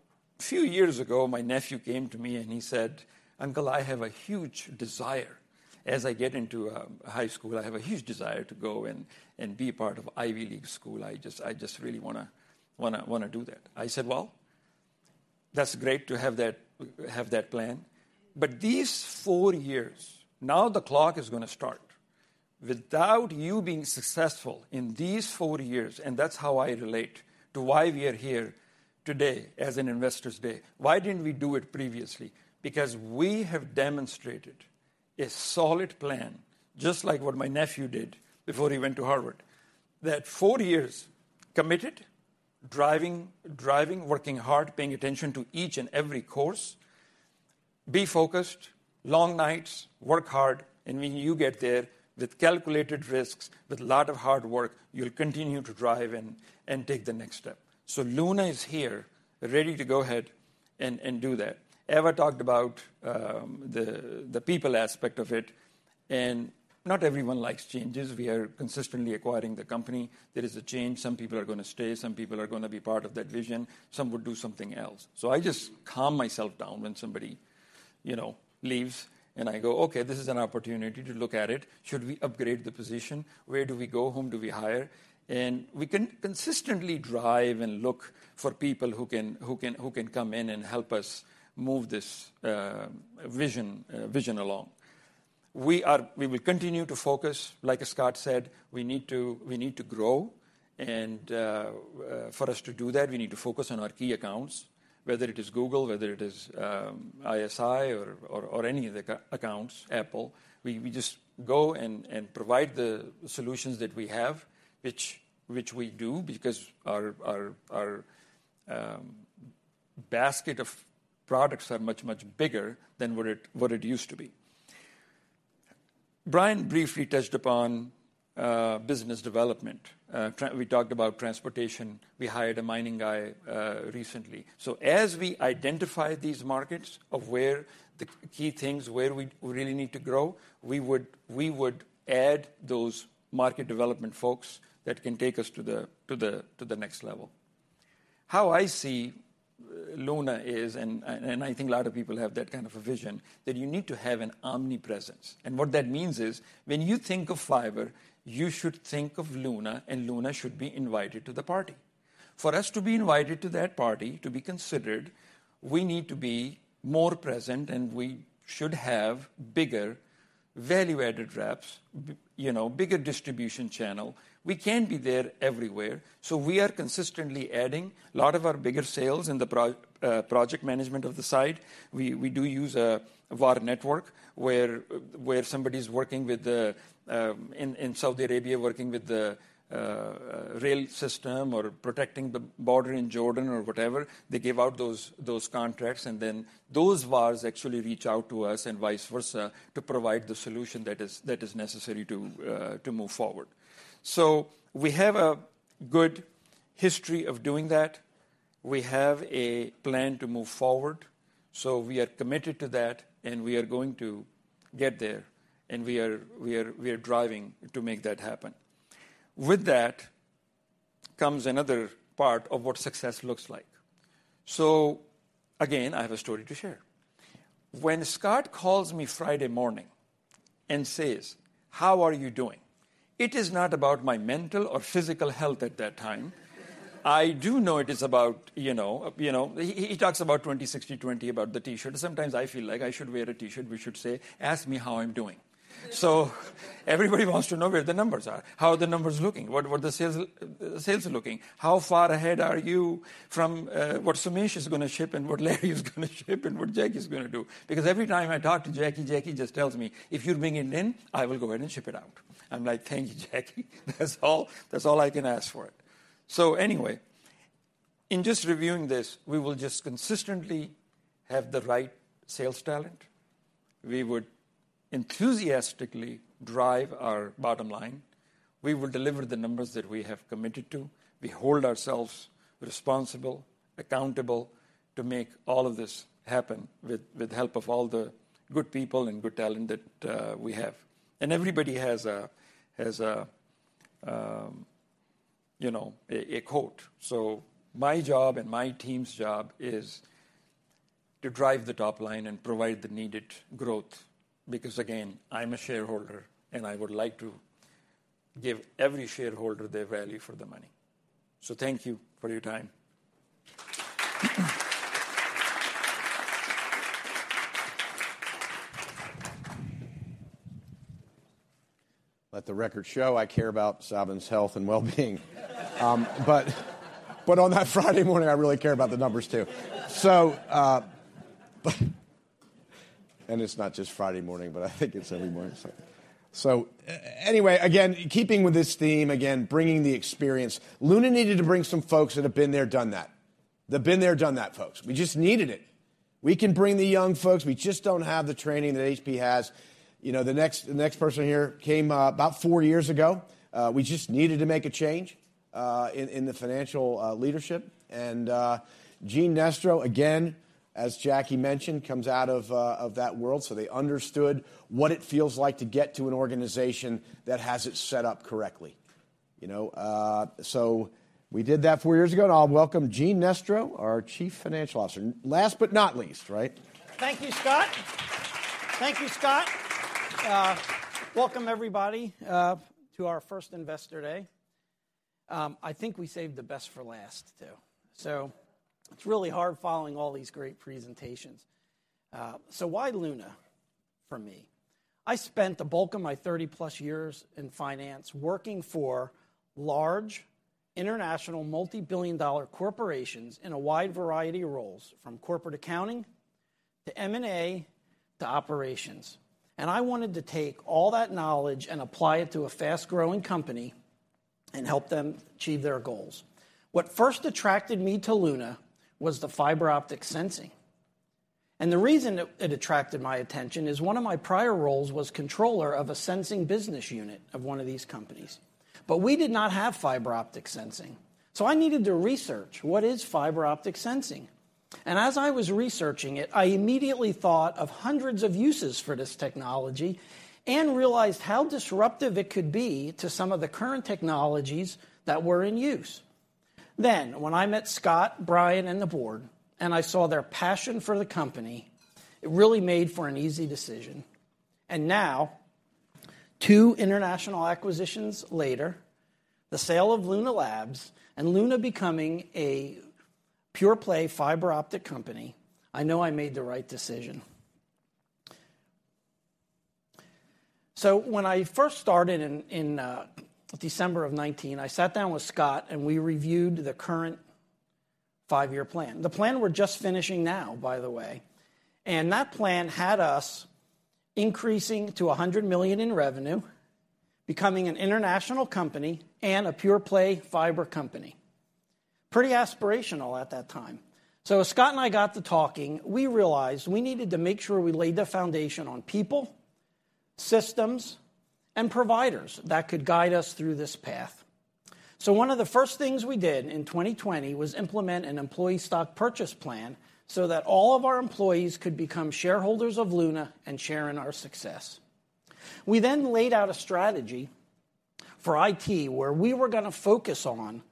F: few years ago, my nephew came to me and he said, "Uncle, I have a huge desire. As I get into high school, I have a huge desire to go and be part of Ivy League school. I just really wanna do that." I said, "Well, that's great to have that plan. But these four years, now the clock is gonna start. Without you being successful in these four years..." That's how I relate to why we are here today as an investors day. Why didn't we do it previously? We have demonstrated a solid plan, just like what my nephew did before he went to Harvard. That four years committed, driving, working hard, paying attention to each and every course. Be focused, long nights, work hard, and when you get there with calculated risks, with a lot of hard work, you'll continue to drive and take the next step. Luna is here, ready to go ahead and do that. Eva talked about the people aspect of it, and not everyone likes changes. We are consistently acquiring the company. There is a change. Some people are gonna stay, some people are gonna be part of that vision, some would do something else. I just calm myself down when somebody, you know, leaves and I go, "Okay, this is an opportunity to look at it. Should we upgrade the position? Where do we go? Whom do we hire?" We consistently drive and look for people who can come in and help us move this vision along. We will continue to focus. Like as Scott said, we need to, we need to grow and for us to do that, we need to focus on our key accounts, whether it is Google, whether it is ISI or any of the accounts, Apple. We just go and provide the solutions that we have, which we do because our basket of products are much, much bigger than what it used to be. Brian briefly touched upon business development. We talked about transportation. We hired a mining guy recently. As we identify these markets of where the key things, where we really need to grow, we would add those market development folks that can take us to the next level. How I see Luna is, and I think a lot of people have that kind of a vision, that you need to have an omnipresence. What that means is when you think of fiber, you should think of Luna, and Luna should be invited to the party. For us to be invited to that party, to be considered, we need to be more present, and we should have bigger value-added reps, you know, bigger distribution channel. We can't be there everywhere, so we are consistently adding. A lot of our bigger sales in the pro project management of the side, we do use a VAR network where somebody's working with the in Saudi Arabia, working with the rail system or protecting the border in Jordan or whatever. They give out those contracts and then those VARs actually reach out to us and vice versa to provide the solution that is necessary to move forward. We have a good history of doing that. We have a plan to move forward, so we are committed to that, and we are going to get there, and we are driving to make that happen. With that comes another part of what success looks like. Again, I have a story to share. When Scott calls me Friday morning and says, "How are you doing?" It is not about my mental or physical health at that time. I do know it is about, you know, you know. He talks about 20/60/20, about the T-shirt. Sometimes I feel like I should wear a T-shirt which should say, "Ask me how I'm doing." Everybody wants to know where the numbers are. How are the numbers looking? What the sales are looking? How far ahead are you from what Sumesh is gonna ship and what Larry is gonna ship and what Jackie's gonna do? Every time I talk to Jackie just tells me, "If you bring it in, I will go ahead and ship it out." I'm like, "Thank you, Jackie. That's all, that's all I can ask for it. Anyway, in just reviewing this, we will just consistently have the right sales talent. We would enthusiastically drive our bottom line. We will deliver the numbers that we have committed to. We hold ourselves responsible, accountable to make all of this happen with help of all the good people and good talent that we have. Everybody has a, has a, you know, a quote. My job and my team's job is to drive the top line and provide the needed growth because, again, I'm a shareholder and I would like to give every shareholder their value for their money. Thank you for your time.
B: Let the record show I care about Salvan's health and well-being. On that Friday morning, I really care about the numbers, too. It's not just Friday morning, but I think it's every morning, so. Anyway, again, keeping with this theme, again, bringing the experience, Luna needed to bring some folks that have been there, done that. The been there, done that folks. We just needed it. We can bring the young folks. We just don't have the training that HP has. You know, the next person here came about four years ago. We just needed to make a change in the financial leadership. Gene Nestro, again, as Jackie mentioned, comes out of that world, so they understood what it feels like to get to an organization that has it set up correctly, you know? We did that four years ago. I'll welcome Gene Nestro, our Chief Financial Officer. Last but not least, right?
G: Thank you, Scott. Thank you, Scott. Welcome, everybody, to our first Investor Day. I think we saved the best for last, too. It's really hard following all these great presentations. Why Luna for me? I spent the bulk of my 30-plus years in finance working for large, international, multibillion-dollar corporations in a wide variety of roles, from corporate accounting to M&A to operations. I wanted to take all that knowledge and apply it to a fast-growing company and help them achieve their goals. What first attracted me to Luna was the fiber optic sensing. The reason it attracted my attention is one of my prior roles was controller of a sensing business unit of one of these companies. We did not have fiber optic sensing. I needed to research what is fiber optic sensing. As I was researching it, I immediately thought of hundreds of uses for this technology and realized how disruptive it could be to some of the current technologies that were in use. When I met Scott, Brian, and the board, and I saw their passion for the company, it really made for an easy decision. Now, two international acquisitions later, the sale of Luna Labs and Luna becoming a pure play fiber optic company, I know I made the right decision. When I first started in December of 2019, I sat down with Scott and we reviewed the current five-year plan. The plan we're just finishing now, by the way. That plan had us increasing to $100 million in revenue, becoming an international company and a pure play fiber company. Pretty aspirational at that time. As Scott and I got to talking, we realized we needed to make sure we laid the foundation on people, systems, and providers that could guide us through this path. One of the first things we did in 2020 was implement an employee stock purchase plan so that all of our employees could become shareholders of Luna and share in our success. We laid out a strategy for IT where we were going to focus on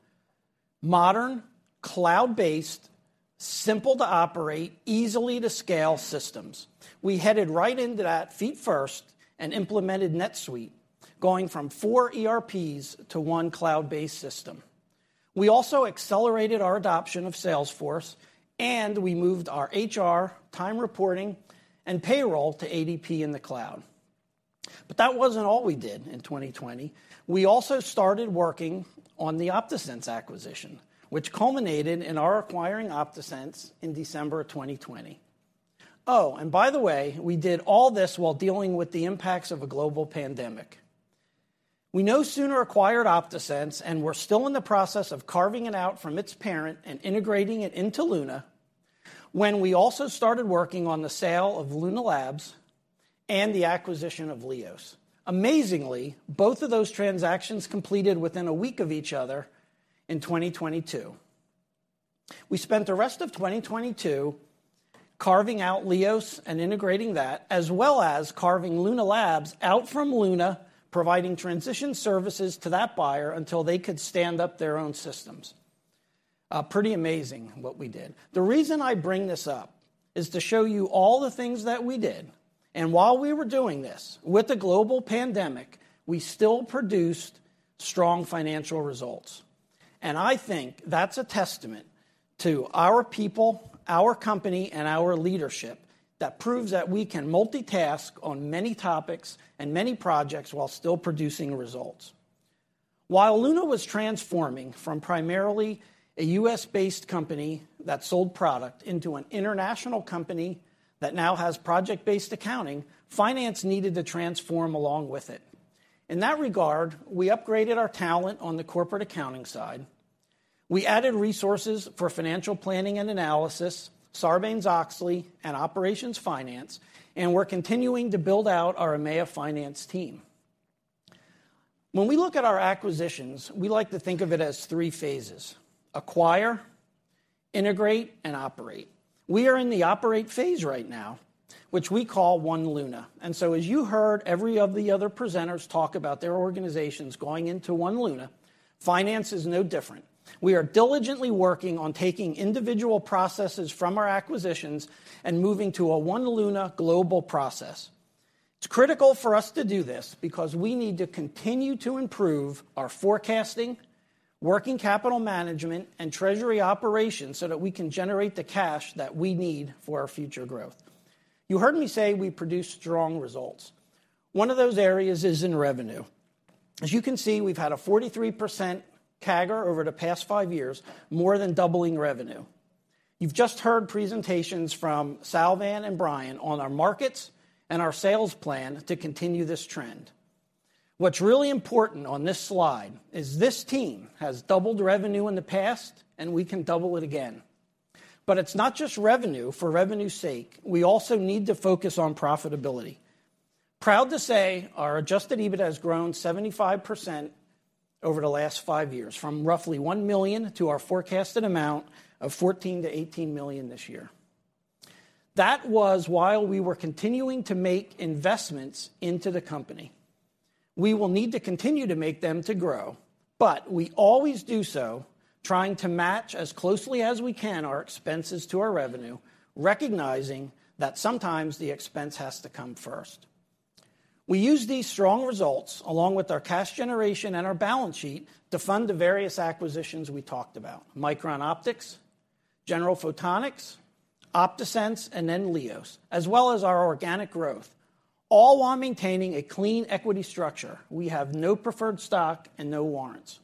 G: modern, cloud-based, simple to operate, easily to scale systems. We headed right into that feet first and implemented NetSuite, going from four ERPs to one cloud-based system. We also accelerated our adoption of Salesforce, and we moved our HR, time reporting, and payroll to ADP in the cloud. That wasn't all we did in 2020. We also started working on the OptaSense acquisition, which culminated in our acquiring OptaSense in December of 2020. By the way, we did all this while dealing with the impacts of a global pandemic. We no sooner acquired OptaSense, and were still in the process of carving it out from its parent and integrating it into Luna, when we also started working on the sale of Luna Labs and the acquisition of LIOS. Amazingly, both of those transactions completed within a week of each other in 2022. We spent the rest of 2022 carving out LIOS and integrating that, as well as carving Luna Labs out from Luna, providing transition services to that buyer until they could stand up their own systems. Pretty amazing what we did. The reason I bring this up is to show you all the things that we did, and while we were doing this, with the global pandemic, we still produced strong financial results. I think that's a testament to our people, our company, and our leadership that proves that we can multitask on many topics and many projects while still producing results. While Luna was transforming from primarily a U.S.-based company that sold product into an international company that now has project-based accounting, finance needed to transform along with it. In that regard, we upgraded our talent on the corporate accounting side. We added resources for financial planning and analysis, Sarbanes-Oxley and operations finance, and we're continuing to build out our EMEA finance team. When we look at our acquisitions, we like to think of it as three phases: acquire, integrate, and operate. We are in the operate phase right now, which we call One Luna. As you heard every of the other presenters talk about their organizations going into One Luna, finance is no different. We are diligently working on taking individual processes from our acquisitions and moving to a One Luna global process. It's critical for us to do this because we need to continue to improve our forecasting, working capital management, and treasury operations so that we can generate the cash that we need for our future growth. You heard me say we produced strong results. One of those areas is in revenue. As you can see, we've had a 43% CAGR over the past five years, more than doubling revenue. You've just heard presentations from Salvan and Brian on our markets and our sales plan to continue this trend. What's really important on this slide is this team has doubled revenue in the past, and we can double it again. It's not just revenue for revenue's sake. We also need to focus on profitability. Proud to say our adjusted EBITDA has grown 75% over the last five years, from roughly $1 million to our forecasted amount of $14 million-$18 million this year. That was while we were continuing to make investments into the company. We will need to continue to make them to grow, but we always do so trying to match as closely as we can our expenses to our revenue, recognizing that sometimes the expense has to come first. We use these strong results along with our cash generation and our balance sheet to fund the various acquisitions we talked about, Micron Optics, General Photonics, OptaSense, and then LIOS Sensing, as well as our organic growth, all while maintaining a clean equity structure. We have no preferred stock and no warrants.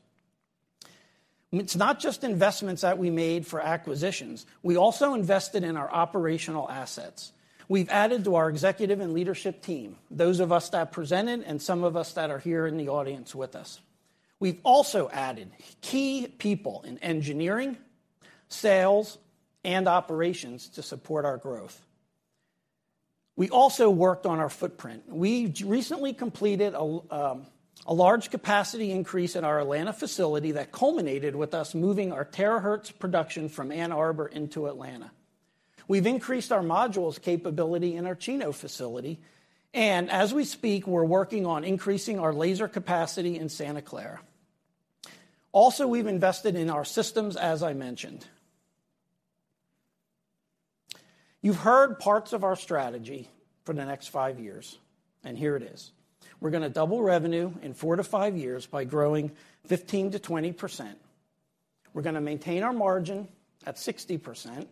G: It's not just investments that we made for acquisitions. We also invested in our operational assets. We've added to our executive and leadership team, those of us that presented and some of us that are here in the audience with us. We've also added key people in engineering, sales, and operations to support our growth. We also worked on our footprint. We recently completed a large capacity increase in our Atlanta facility that culminated with us moving our Terahertz production from Ann Arbor into Atlanta. We've increased our modules capability in our Chino facility. As we speak, we're working on increasing our laser capacity in Santa Clara. We've invested in our systems, as I mentioned. You've heard parts of our strategy for the next five years. Here it is. We're gonna double revenue in 4-5 years by growing 15%-20%. We're gonna maintain our margin at 60%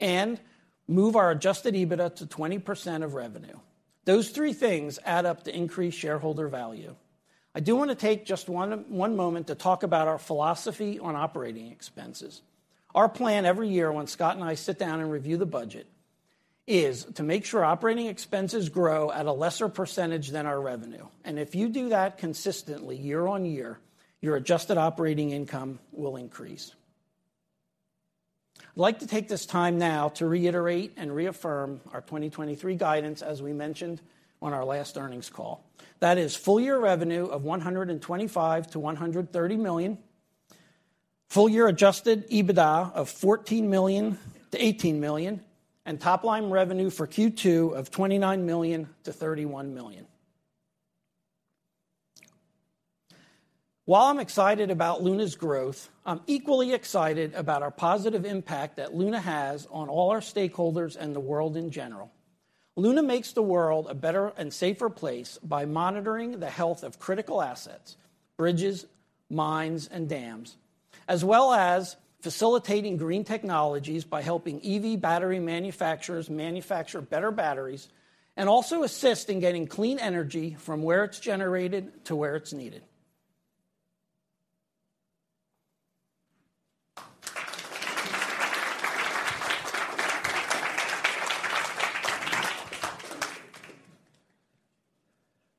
G: and move our adjusted EBITDA to 20% of revenue. Those three things add up to increased shareholder value. I do wanna take just one moment to talk about our philosophy on operating expenses. Our plan every year when Scott and I sit down and review the budget is to make sure operating expenses grow at a lesser percentage than our revenue. If you do that consistently year-on-year, your adjusted operating income will increase. I'd like to take this time now to reiterate and reaffirm our 2023 guidance as we mentioned on our last earnings call. That is full year revenue of $125 million-$130 million, full year adjusted EBITDA of $14 million-$18 million, and top line revenue for Q2 of $29 million-$31 million. While I'm excited about Luna's growth, I'm equally excited about our positive impact that Luna has on all our stakeholders and the world in general. Luna makes the world a better and safer place by monitoring the health of critical assets, bridges, mines, and dams, as well as facilitating green technologies by helping EV battery manufacturers manufacture better batteries and also assist in getting clean energy from where it's generated to where it's needed.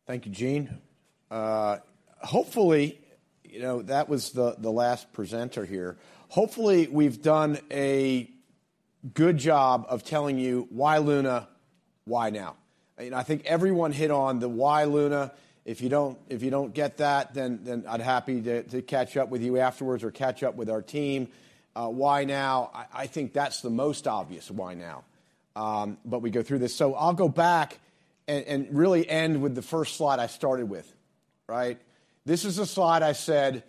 B: Thank you, Gene. Hopefully, you know, that was the last presenter here. Hopefully, we've done a good job of telling you why Luna, why now. I think everyone hit on the why Luna. If you don't get that, then I'd happy to catch up with you afterwards or catch up with our team. Why now? I think that's the most obvious why now, we go through this. I'll go back and really end with the first slide I started with, right? This is a slide I said,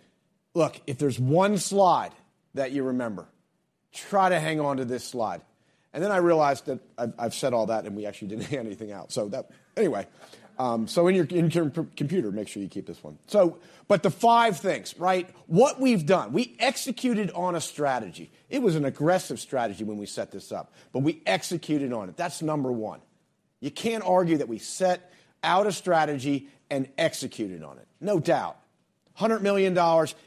B: "Look, if there's one slide that you remember, try to hang on to this slide." Then I realized that I've said all that, and we actually didn't hand anything out. Anyway, in your computer, make sure you keep this one. The five things, right? What we've done. We executed on a strategy. It was an aggressive strategy when we set this up. We executed on it. That's number one. You can't argue that we set out a strategy and executed on it, no doubt. $100 million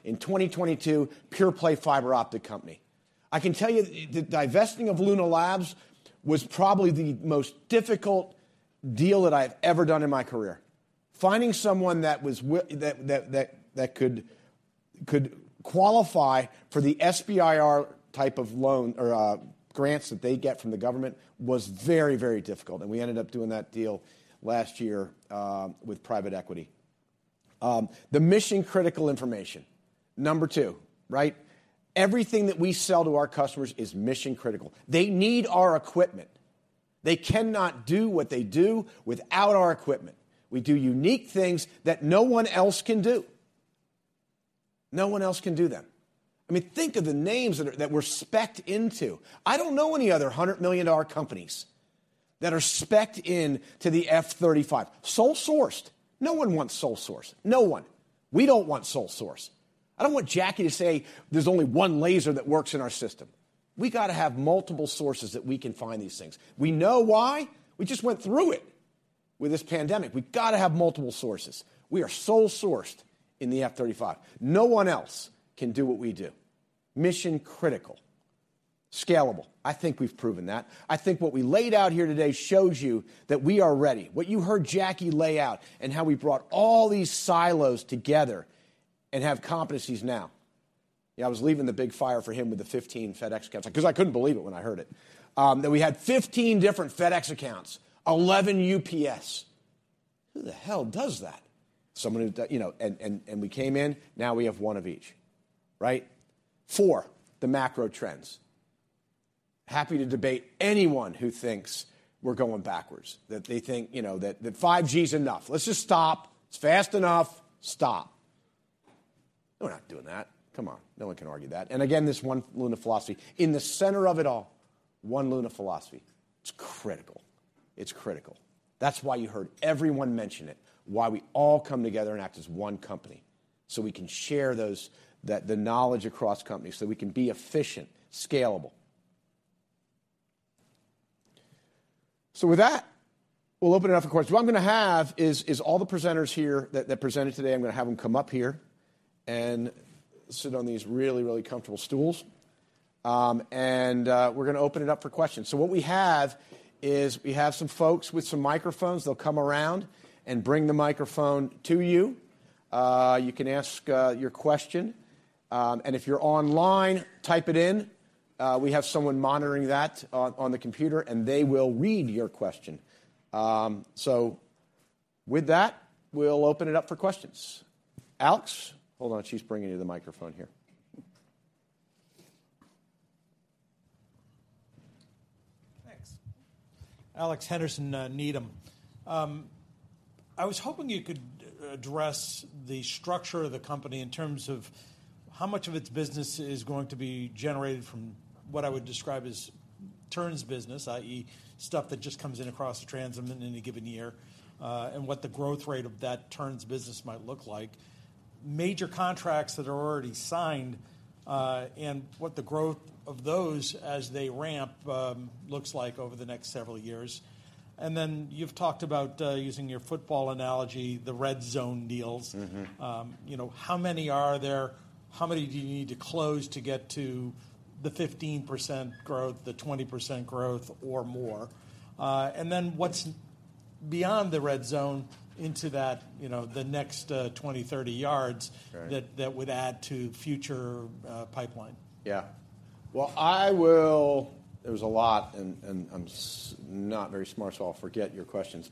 B: in 2022, pure-play fiber optic company. I can tell you the divesting of Luna Labs was probably the most difficult deal that I've ever done in my career. Finding someone that could qualify for the SBIR type of loan or grants that they get from the government was very, very difficult. We ended up doing that deal last year with private equity. The mission-critical information, number two, right? Everything that we sell to our customers is mission-critical. They need our equipment. They cannot do what they do without our equipment. We do unique things that no one else can do. No one else can do them. I mean, think of the names that we're spec'd into. I don't know any other $100 million companies that are spec'd into the F-35. Sole sourced. No one wants sole source. No one. We don't want sole source. I don't want Jackie to say, "There's only one laser that works in our system." We gotta have multiple sources that we can find these things. We know why. We just went through it with this pandemic. We've gotta have multiple sources. We are sole sourced in the F-35. No one else can do what we do. Mission-critical. Scalable, I think we've proven that. I think what we laid out here today shows you that we are ready. What you heard Jackie lay out and how we brought all these silos together and have competencies now. Yeah, I was leaving the big fire for him with the 15 FedEx accounts, like, cause I couldn't believe it when I heard it, that we had 15 different FedEx accounts, 11 UPS. Who the hell does that? Someone who you know, and we came in, now we have one of each, right? Four, the macro trends. Happy to debate anyone who thinks we're going backwards, that they think, you know, that 5G is enough. Let's just stop. It's fast enough. Stop. We're not doing that. Come on. No one can argue that. Again, this One Luna philosophy. In the center of it all, One Luna philosophy. It's critical. It's critical. That's why you heard everyone mention it, why we all come together and act as one company, so we can share the knowledge across companies, so we can be efficient, scalable. With that, we'll open it up for questions. What I'm gonna have is all the presenters here that presented today, I'm gonna have them come up here and sit on these really, really comfortable stools. And we're gonna open it up for questions. What we have is we have some folks with some microphones. They'll come around and bring the microphone to you. You can ask your question. If you're online, type it in. We have someone monitoring that on the computer, and they will read your question. With that, we'll open it up for questions. Alex? Hold on. She's bringing you the microphone here.
H: Thanks. Alex Henderson, Needham. I was hoping you could address the structure of the company in terms of how much of its business is going to be generated from what I would describe as turns business, i.e., stuff that just comes in across the trans in any given year, and what the growth rate of that turns business might look like, major contracts that are already signed, and what the growth of those as they ramp, looks like over the next several years. You've talked about, using your football analogy, the red zone deals.
B: Mm-hmm.
H: You know, how many are there? How many do you need to close to get to the 15% growth, the 20% growth or more? What's beyond the red zone into that, you know, the next, 20, 30 yards.
B: Right
H: That would add to future pipeline?
B: Yeah. Well, I will... There's a lot and I'm not very smart, so I'll forget your questions.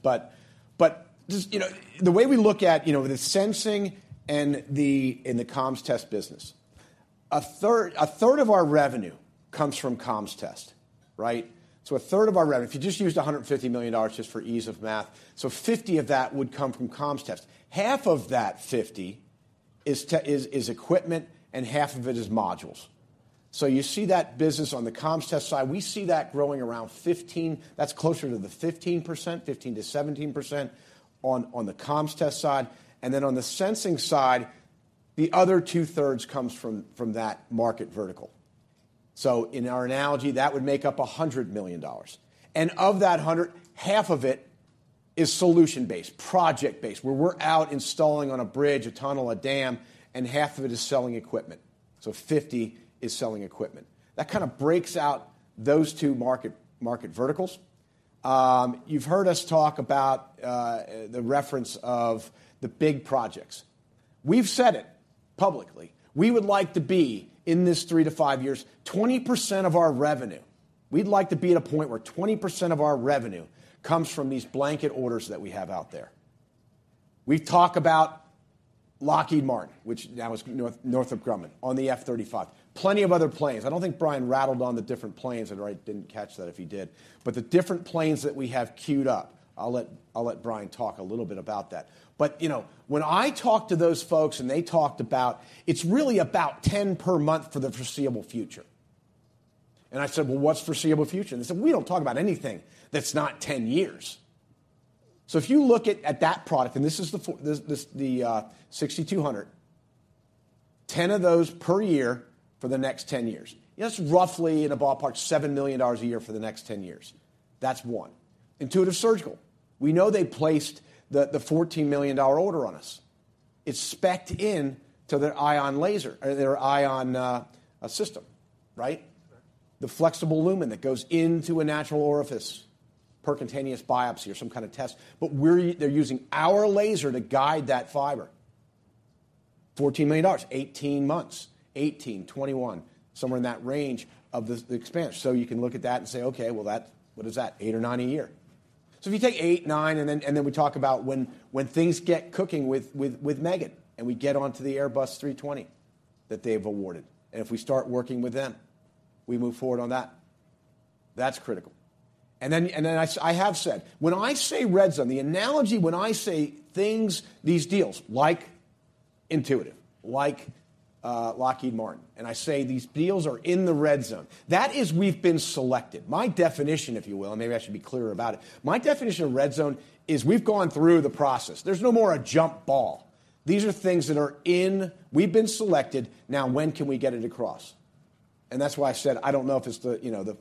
B: Just, you know, the way we look at, you know, the sensing and the comms test business, a third of our revenue comes from comms test, right? A third of our revenue, if you just used $150 million just for ease of math, $50 of that would come from comms test. Half of that $50 is equipment, and half of it is modules. You see that business on the comms test side. We see that growing around 15. That's closer to the 15%, 15%-17% on the comms test side. On the sensing side, the other 2/3 comes from that market vertical. In our analogy, that would make up $100 million. Of that $100 million, half of it is solution-based, project-based, where we're out installing on a bridge, a tunnel, a dam, and half of it is selling equipment. $50 is selling equipment. That kind of breaks out those two market verticals. You've heard us talk about the reference of the big projects. We've said it publicly. We would like to be, in this 3-5 years, 20% of our revenue, we'd like to be at a point where 20% of our revenue comes from these blanket orders that we have out there. We talk about Lockheed Martin, which now is Northrop Grumman, on the F-35. Plenty of other planes. I don't think Brian rattled on the different planes, and I didn't catch that if he did. The different planes that we have queued up, I'll let Brian talk a little bit about that. You know, when I talk to those folks and they talked about, it's really about 10 per month for the foreseeable future. I said, "Well, what's foreseeable future?" They said, "We don't talk about anything that's not 10 years." If you look at that product, and this is the 6200, 10 of those per year for the next 10 years. That's roughly in a ballpark, $7 million a year for the next 10 years. That's one. Intuitive Surgical. We know they placed the $14 million order on us. It's spec'd in to their ion laser or their ion system, right?
C: Right.
B: The flexible lumen that goes into a natural orifice, percutaneous biopsy or some kind of test. They're using our laser to guide that fiber. $14 million, 18 months. 18-21, somewhere in that range of this, the expansion. You can look at that and say, "Okay, well what is that? eight or nine a year." If you take eight, nine, and then we talk about when things get cooking with Meggitt, and we get onto the Airbus A320 that they've awarded. If we start working with them, we move forward on that. That's critical. Then I have said, when I say red zone, the analogy when I say things, these deals like Intuitive, like Lockheed Martin, and I say, "These deals are in the red zone," that is we've been selected. My definition, if you will, maybe I should be clearer about it. My definition of red zone is we've gone through the process. There's no more a jump ball. These are things that are in. We've been selected. When can we get it across? That's why I said, I don't know if it's the, you know, the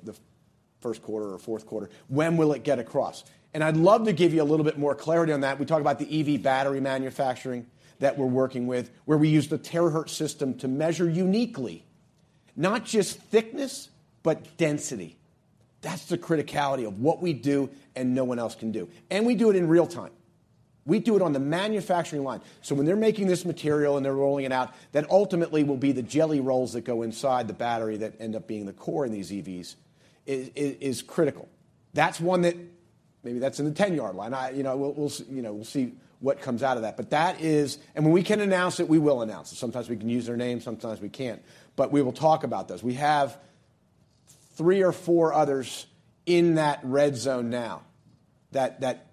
B: first quarter or fourth quarter. When will it get across? I'd love to give you a little bit more clarity on that. We talked about the EV battery manufacturing that we're working with, where we use the Terahertz system to measure uniquely, not just thickness, but density. That's the criticality of what we do and no one else can do. We do it in real time. We do it on the manufacturing line. When they're making this material and they're rolling it out, that ultimately will be the jelly rolls that go inside the battery that end up being the core in these EVs is critical. That's one that maybe that's in the 10-yard line. You know, we'll see what comes out of that. That is. When we can announce it, we will announce it. Sometimes we can use their name, sometimes we can't. We will talk about those. We have three or four others in that red zone now, that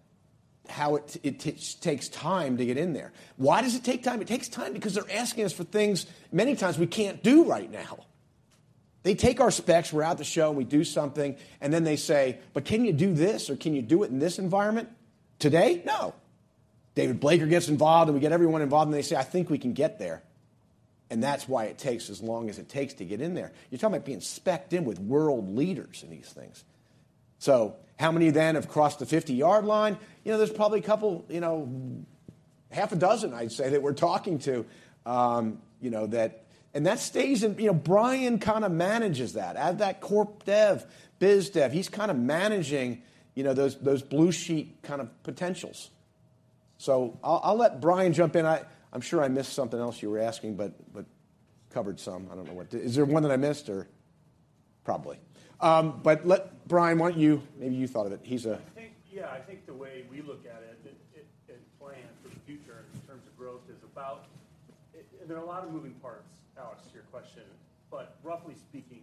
B: how it takes time to get in there. Why does it take time? It takes time because they're asking us for things many times we can't do right now. They take our specs, we're at the show, we do something, then they say, "Can you do this, or can you do it in this environment?" Today? No. David Blaker gets involved, we get everyone involved, they say, "I think we can get there." That's why it takes as long as it takes to get in there. You're talking about being spec'd in with world leaders in these things. How many then have crossed the 50-yard line? You know, there's probably a couple, you know, half a dozen, I'd say, that we're talking to, you know, that... That stays in, you know, Brian kind of manages that. At that corp dev, biz dev, he's kind of managing, you know, those blue sheet kind of potentials. I'll let Brian jump in. I'm sure I missed something else you were asking, but covered some. I don't know what. Is there one that I missed or? Probably. Let Brian, why don't you, maybe you thought of it.
C: I think, yeah, I think the way we look at it plan for the future in terms of growth is about. There are a lot of moving parts, Alex, to your question. Roughly speaking,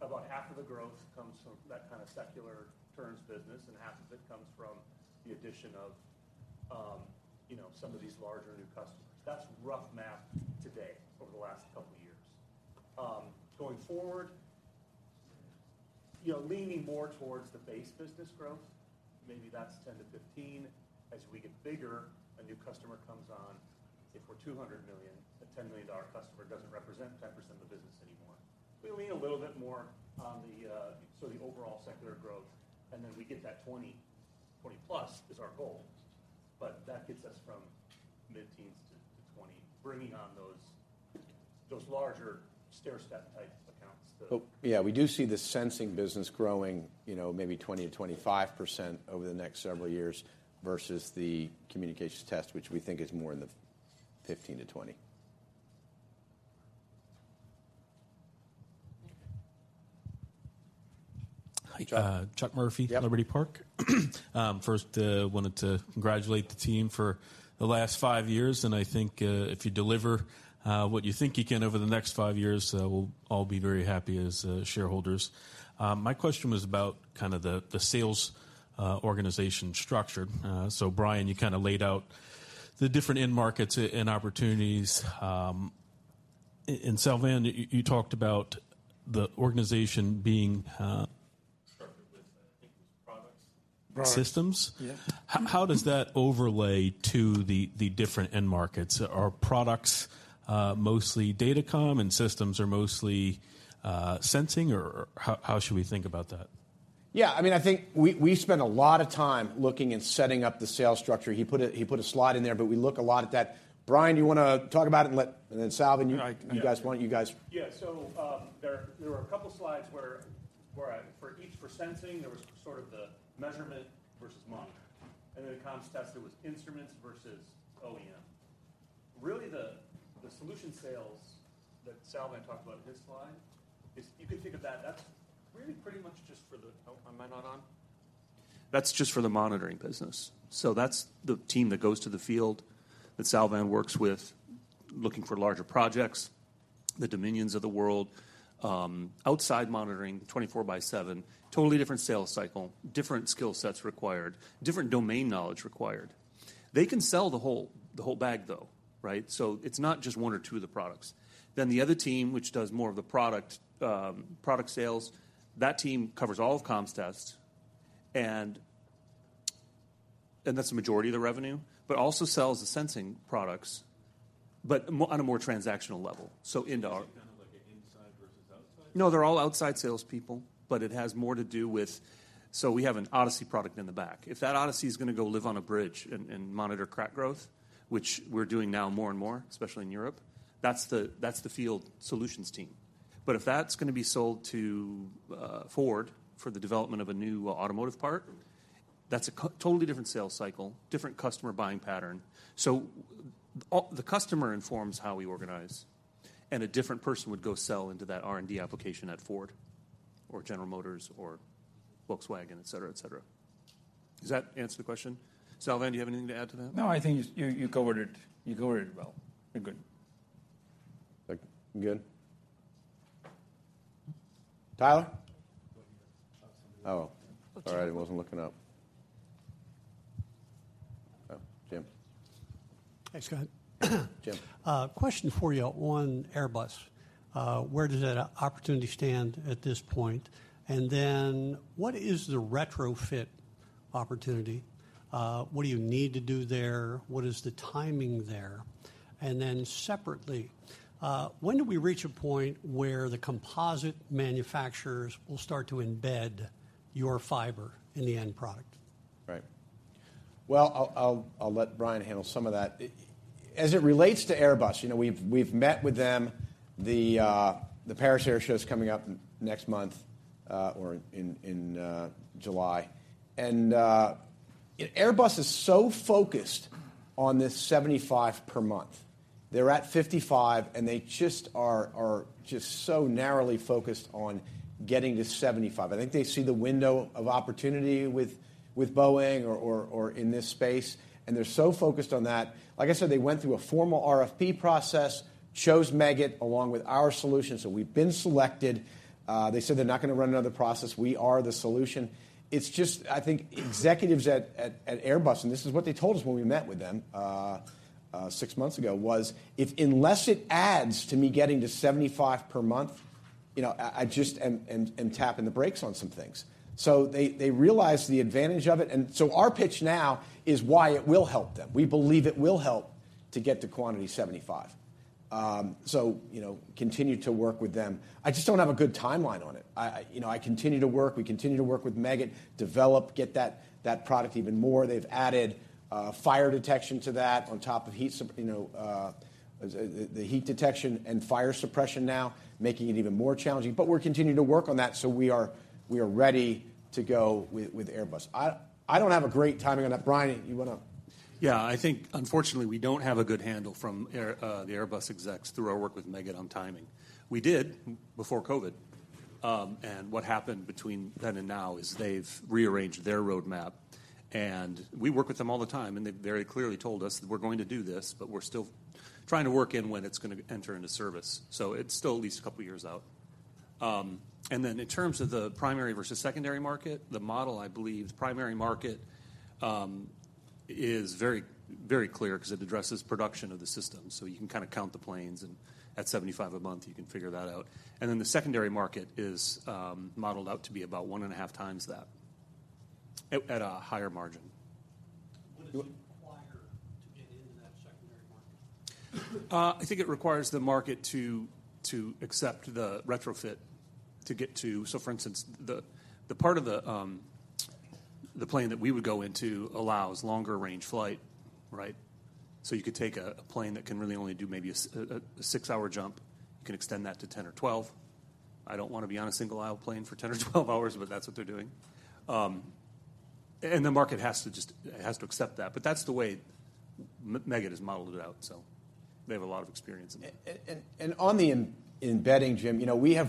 C: about half of the growth comes from that kind of secular turns business, and half of it comes from the addition of, you know, some of these larger new customers. That's rough math today over the last couple years. Going forward, you know, leaning more towards the base business growth, maybe that's 10%-15%. As we get bigger, a new customer comes on. If we're $200 million, a $10 million customer doesn't represent 10% of the business anymore. We lean a little bit more on the, so the overall secular growth, then we get that 20%, 20%+ is our goal. That gets us from mid-teens to 20, bringing on those larger stair step type accounts.
B: Yeah, we do see the sensing business growing, you know, maybe 20%-25% over the next several years versus the communications test, which we think is more in the 15%-20%. Hi, Chuck.
I: Charles Murphy.
B: Yep.
I: Liberty Park. First, wanted to congratulate the team for the last five years, and I think, if you deliver what you think you can over the next five years, we'll all be very happy as shareholders. My question was about kind of the sales organization structure. Brian, you kinda laid out the different end markets and opportunities. Salvan, you talked about the organization being structured with, I think it was products-
B: Products
I: Systems.
B: Yeah.
I: How does that overlay to the different end markets? Are products mostly datacom and systems are mostly sensing or how should we think about that?
B: Yeah, I mean, I think we spend a lot of time looking and setting up the sales structure. He put a slide in there, but we look a lot at that. Brian, you wanna talk about it and then Salvan, you...
C: I, yeah.
B: You guys want.
C: There were a couple slides where, for each for sensing, there was sort of the measurement versus monitor. In Comms test, there was instruments versus OEM. The solution sales that Salvan talked about in his slide is, you can think of that's really pretty much just for the... Oh, am I not on? That's just for the monitoring business. That's the team that goes to the field that Salvan works with, looking for larger projects, the Dominions of the world, outside monitoring, 24 by 7, totally different sales cycle, different skill sets required, different domain knowledge required. They can sell the whole bag, though, right? It's not just one or two of the products. The other team, which does more of the product sales, that team covers all of Comms test And that's the majority of the revenue, but also sells the sensing products, but on a more transactional level. into our.
I: Is it kind of like an inside versus outside sales?
C: No, they're all outside salespeople, but it has more to do with. We have an ODiSI product in the back. If that ODiSI is gonna go live on a bridge and monitor crack growth, which we're doing now more and more, especially in Europe, that's the field solutions team. But if that's gonna be sold to Ford for the development of a new automotive part, that's a totally different sales cycle, different customer buying pattern. The customer informs how we organize, and a different person would go sell into that R&D application at Ford or General Motors or Volkswagen, et cetera, et cetera. Does that answer the question? Salvan, do you have anything to add to that?
F: No, I think you covered it well. You're good.
I: Thank you. I'm good.
B: Tyler? Oh. All right. I wasn't looking up. Oh, Jim.
J: Thanks, Scott.
B: Jim.
J: Question for you on Airbus? Where does that opportunity stand at this point? What is the retrofit opportunity? What do you need to do there? What is the timing there? Separately, when do we reach a point where the composite manufacturers will start to embed your fiber in the end product?
B: Right. Well, I'll let Brian handle some of that. As it relates to Airbus, you know, we've met with them. The Paris Air Show is coming up next month or in July. Airbus is so focused on this 75 per month. They're at 55, and they just are just so narrowly focused on getting to 75. I think they see the window of opportunity with Boeing or in this space, and they're so focused on that. Like I said, they went through a formal RFP process, chose Meggitt along with our solution, so we've been selected. They said they're not gonna run another process. We are the solution. It's just, I think executives at Airbus, and this is what they told us when we met with them, six months ago, was, "Unless it adds to me getting to 75 per month, you know, I just am tapping the brakes on some things." They, they realize the advantage of it. Our pitch now is why it will help them. We believe it will help to get to quantity 75. You know, continue to work with them. I just don't have a good timeline on it. I, you know, I continue to work, we continue to work with Meggitt, develop, get that product even more. They've added fire detection to that on top of you know, the heat detection and fire suppression now, making it even more challenging. We're continuing to work on that, so we are ready to go with Airbus. I don't have a great timing on that. Brian, you wanna?
C: Yeah. I think unfortunately, we don't have a good handle from the Airbus execs through our work with Meggitt on timing. We did before COVID, and what happened between then and now is they've rearranged their roadmap. We work with them all the time, and they've very clearly told us that, "We're going to do this, but we're still trying to work in when it's gonna enter into service." It's still at least a couple years out. In terms of the primary versus secondary market, the model, I believe, the primary market, is very, very clear because it addresses production of the system, so you can kinda count the planes, and at 75 a month, you can figure that out. The secondary market is modeled out to be about 1.5x that at a higher margin.
J: What does it require to get into that secondary market?
C: I think it requires the market to accept the retrofit to get to... For instance, the part of the plane that we would go into allows longer range flight, right? You could take a plane that can really only do maybe a 6-hour jump. You could extend that to 10 or 12. I don't wanna be on a single-aisle plane for 10 or 12 hours, but that's what they're doing. The market has to accept that. That's the way Meggitt has modeled it out, so they have a lot of experience in that.
B: On the embedding, Jim, you know, we are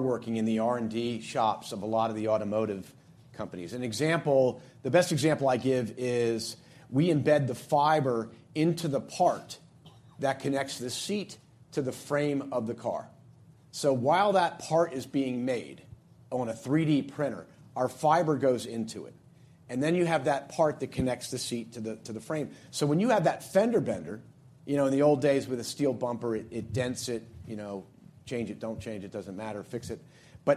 B: working in the R&D shops of a lot of the automotive companies. An example, the best example I give is we embed the fiber into the part that connects the seat to the frame of the car. While that part is being made on a 3D printer, our fiber goes into it. You have that part that connects the seat to the frame. When you have that fender bender, you know, in the old days with a steel bumper, it dents it, you know, change it, don't change it, doesn't matter, fix it.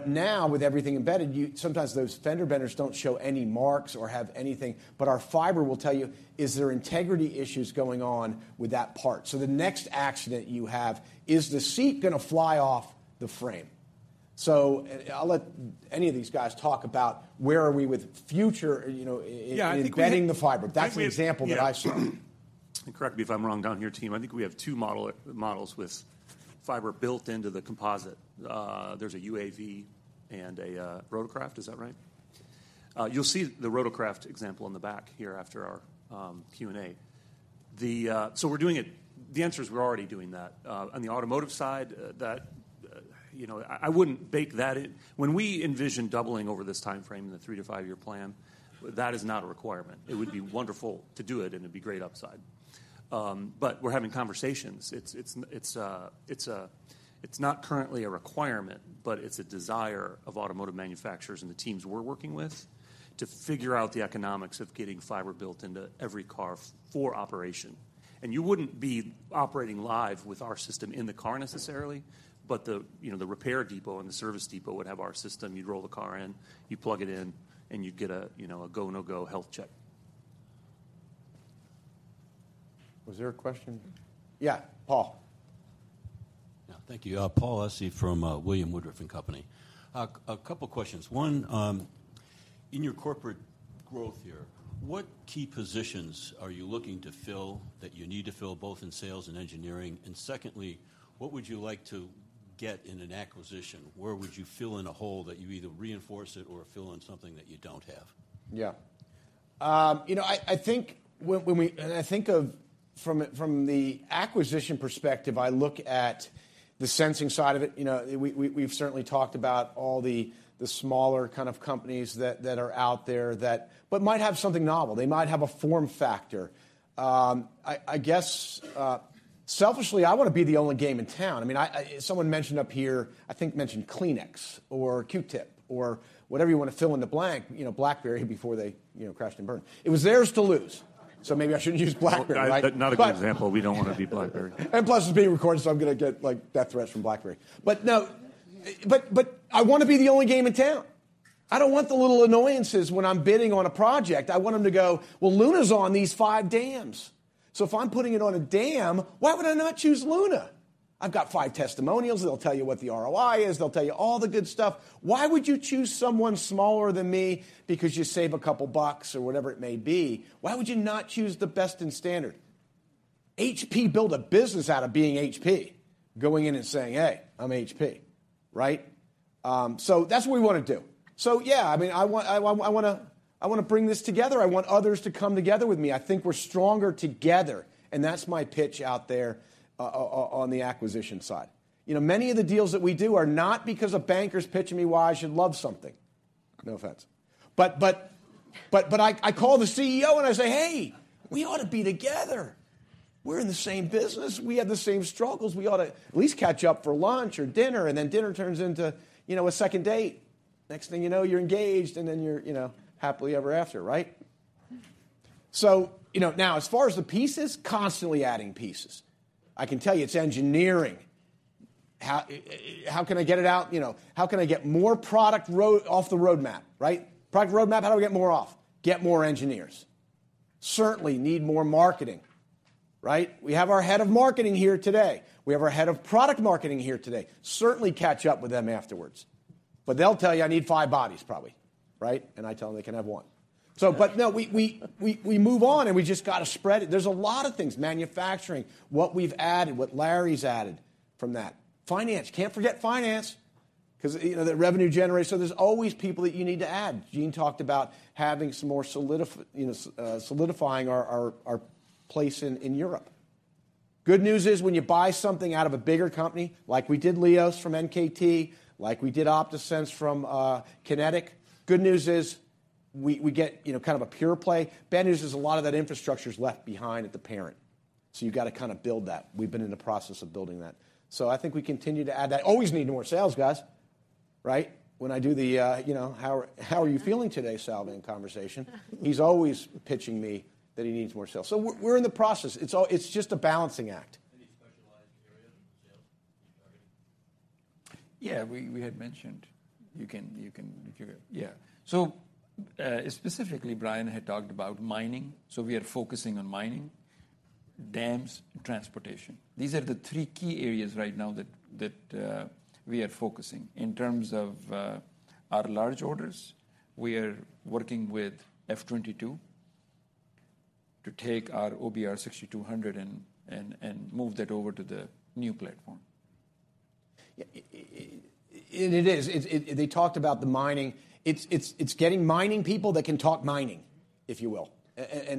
B: Now with everything embedded, sometimes those fender benders don't show any marks or have anything, but our fiber will tell you, is there integrity issues going on with that part? The next accident you have, is the seat gonna fly off the frame? I'll let any of these guys talk about where are we with future, you know, embedding the fiber. That's an example that I saw.
C: Correct me if I'm wrong down here, team, I think we have two models with fiber built into the composite. There's a UAV and a rotorcraft. Is that right? You'll see the rotorcraft example in the back here after our Q&A. We're doing it. The answer is we're already doing that. On the automotive side, you know, I wouldn't bake that in. When we envision doubling over this timeframe in the 3-5-year plan, that is not a requirement. It would be wonderful to do it, and it'd be great upside. We're having conversations. It's not currently a requirement, but it's a desire of automotive manufacturers and the teams we're working with to figure out the economics of getting fiber built into every car for operation. You wouldn't be operating live with our system in the car necessarily, but the, you know, the repair depot and the service depot would have our system. You'd roll the car in, you plug it in, and you'd get a, you know, a go, no-go health check.
B: Was there a question? Yeah. Paul.
K: Yeah. Thank you. Paul Essi from William K. Woodruff & Company. A couple questions. One, in your corporate growth here, what key positions are you looking to fill that you need to fill both in sales and engineering? Secondly, what would you like to get in an acquisition? Where would you fill in a hole that you either reinforce it or fill in something that you don't have?
B: Yeah. you know, I think when and I think of from the acquisition perspective, I look at the sensing side of it. You know, we've certainly talked about all the smaller kind of companies that are out there that but might have something novel. They might have a form factor. I guess selfishly, I wanna be the only game in town. I mean, I someone mentioned up here, I think mentioned Kleenex or Q-Tip or whatever you wanna fill in the blank, you know, BlackBerry before they, you know, crashed and burned. It was theirs to lose, so maybe I shouldn't use BlackBerry, right?
C: Not a good example. We don't wanna be BlackBerry.
B: Plus, it's being recorded, so I'm gonna get, like, death threats from BlackBerry. No, but I wanna be the only game in town. I don't want the little annoyances when I'm bidding on a project. I want them to go, "Well, Luna's on these five dams." If I'm putting it on a dam, why would I not choose Luna? I've got five testimonials. They'll tell you what the ROI is. They'll tell you all the good stuff. Why would you choose someone smaller than me because you save a couple bucks or whatever it may be? Why would you not choose the best in standard? HP built a business out of being HP, going in and saying, "Hey, I'm HP." Right? That's what we wanna do. Yeah, I mean, I want, I wanna, I wanna bring this together. I want others to come together with me. I think we're stronger together, and that's my pitch out there on the acquisition side. You know, many of the deals that we do are not because a banker's pitching me why I should love something. No offense. I call the CEO and I say, "Hey, we ought to be together. We're in the same business. We have the same struggles. We ought to at least catch up for lunch or dinner." Then dinner turns into, you know, a second date. Next thing you know, you're engaged, and then you're, you know, happily ever after, right? You know, now as far as the pieces, constantly adding pieces. I can tell you it's engineering. How, how can I get it out? You know, how can I get more product off the roadmap, right? Product roadmap, how do I get more off? Get more engineers. Certainly need more marketing, right? We have our head of marketing here today. We have our head of product marketing here today. Certainly catch up with them afterwards. They'll tell you I need five bodies probably, right? I tell them they can have one. No, we move on, and we just gotta spread it. There's a lot of things, manufacturing, what we've added, what Larry's added from that. Finance, can't forget finance 'cause, you know, the revenue generated, so there's always people that you need to add. Gene talked about having some more solidifying our place in Europe. Good news is when you buy something out of a bigger company, like we did LIOS from NKT, like we did OptaSense from QinetiQ, good news is we get, you know, kind of a pure play. Bad news is a lot of that infrastructure's left behind at the parent, so you've gotta kinda build that. We've been in the process of building that. I think we continue to add that. Always need more sales guys, right? When I do the, you know, "How are, how are you feeling today," Salvan conversation, he's always pitching me that he needs more sales. We're in the process. It's just a balancing act.
K: Any specialized area in sales that you're targeting?
F: We had mentioned. Specifically Brian Soller had talked about mining, so we are focusing on mining, dams and transportation. These are the three key areas right now that we are focusing. In terms of our large orders, we are working with F-22 to take our OBR 6200 and move that over to the new platform.
B: Yeah. And it is. They talked about the mining. It's getting mining people that can talk mining, if you will.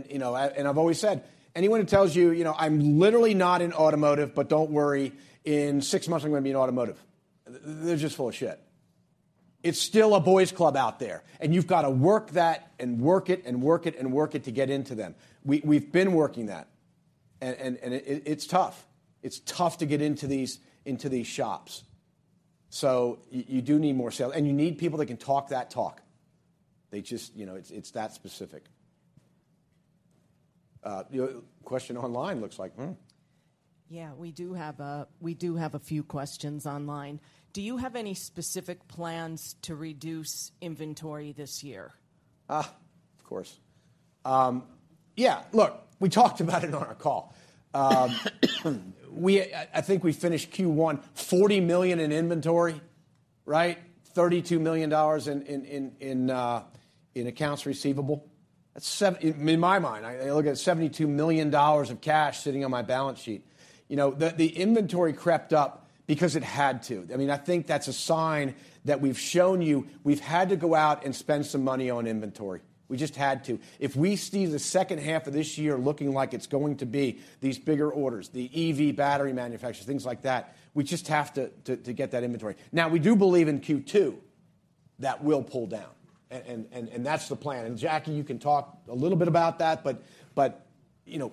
B: You know, and I've always said, anyone who tells you know, "I'm literally not in automotive, but don't worry, in six months I'm gonna be in automotive," they're just full of. It's still a boys club out there, and you've gotta work that and work it and work it and work it to get into them. We've been working that and it's tough. It's tough to get into these, into these shops. You do need more sale, and you need people that can talk that talk. They just... You know, it's that specific. You have a question online looks like, hmm.
L: We do have a few questions online. Do you have any specific plans to reduce inventory this year?
B: Of course. Look, we talked about it on our call. We, I think we finished Q1, $40 million in inventory, right? $32 million in accounts receivable. That's I mean, in my mind, I look at $72 million of cash sitting on my balance sheet. You know, the inventory crept up because it had to. I mean, I think that's a sign that we've shown you we've had to go out and spend some money on inventory. We just had to. If we see the second half of this year looking like it's going to be these bigger orders, the EV battery manufacturers, things like that, we just have to get that inventory. Now, we do believe in Q2 that we'll pull down and that's the plan. Jackie, you can talk a little bit about that, but, you know,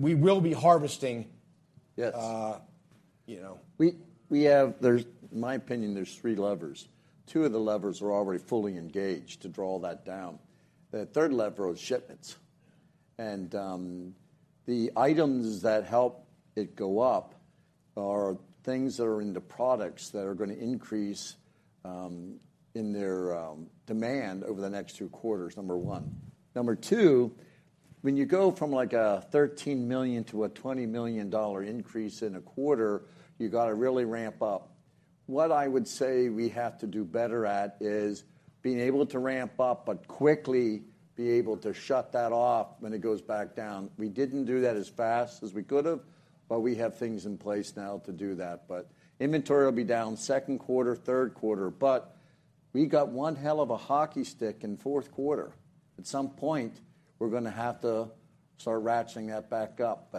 B: we will be harvesting
E: Yes.
B: You know.
E: We have, in my opinion, there's three levers. Two of the levers are already fully engaged to draw that down. The third lever is shipments. The items that help it go up are things that are in the products that are gonna increase in their demand over the next two quarters, number one. Number two, when you go from, like, a $13 million to a $20 million increase in a quarter, you gotta really ramp up. What I would say we have to do better at is being able to ramp up, but quickly be able to shut that off when it goes back down. We didn't do that as fast as we could've, but we have things in place now to do that. Inventory will be down second quarter, third quarter, but we got one hell of a hockey stick in fourth quarter. At some point, we're gonna have to start ratcheting that back up.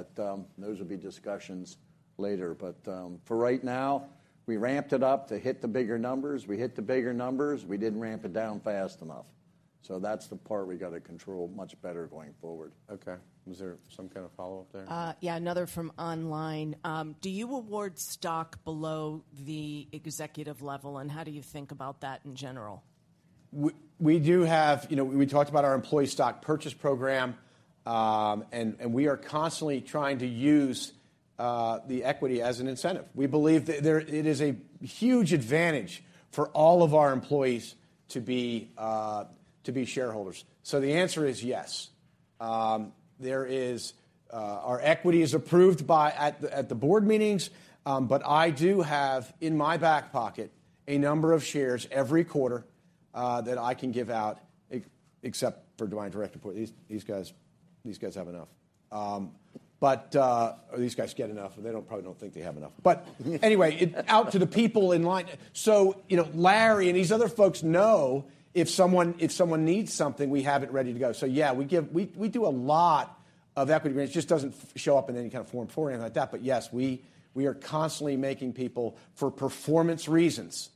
E: Those will be discussions later. For right now, we ramped it up to hit the bigger numbers. We hit the bigger numbers. We didn't ramp it down fast enough. That's the part we gotta control much better going forward.
B: Okay. Was there some kind of follow-up there?
L: Yeah, another from online. Do you award stock below the executive level, how do you think about that in general?
E: We do have. You know, we talked about our employee stock purchase program, and we are constantly trying to use the equity as an incentive. We believe that it is a huge advantage for all of our employees to be shareholders. The answer is yes. There is, our equity is approved by at the board meetings, I do have in my back pocket a number of shares every quarter that I can give out except for Dwayne and Director Portee. These guys have enough. Or these guys get enough. They don't, probably don't think they have enough. Out to the people in line. You know, Larry and these other folks know if someone needs something, we have it ready to go. Yeah, we do a lot of equity grants. It just doesn't show up in any kind of Form 4 and like that. Yes, we are constantly making people, for performance reasons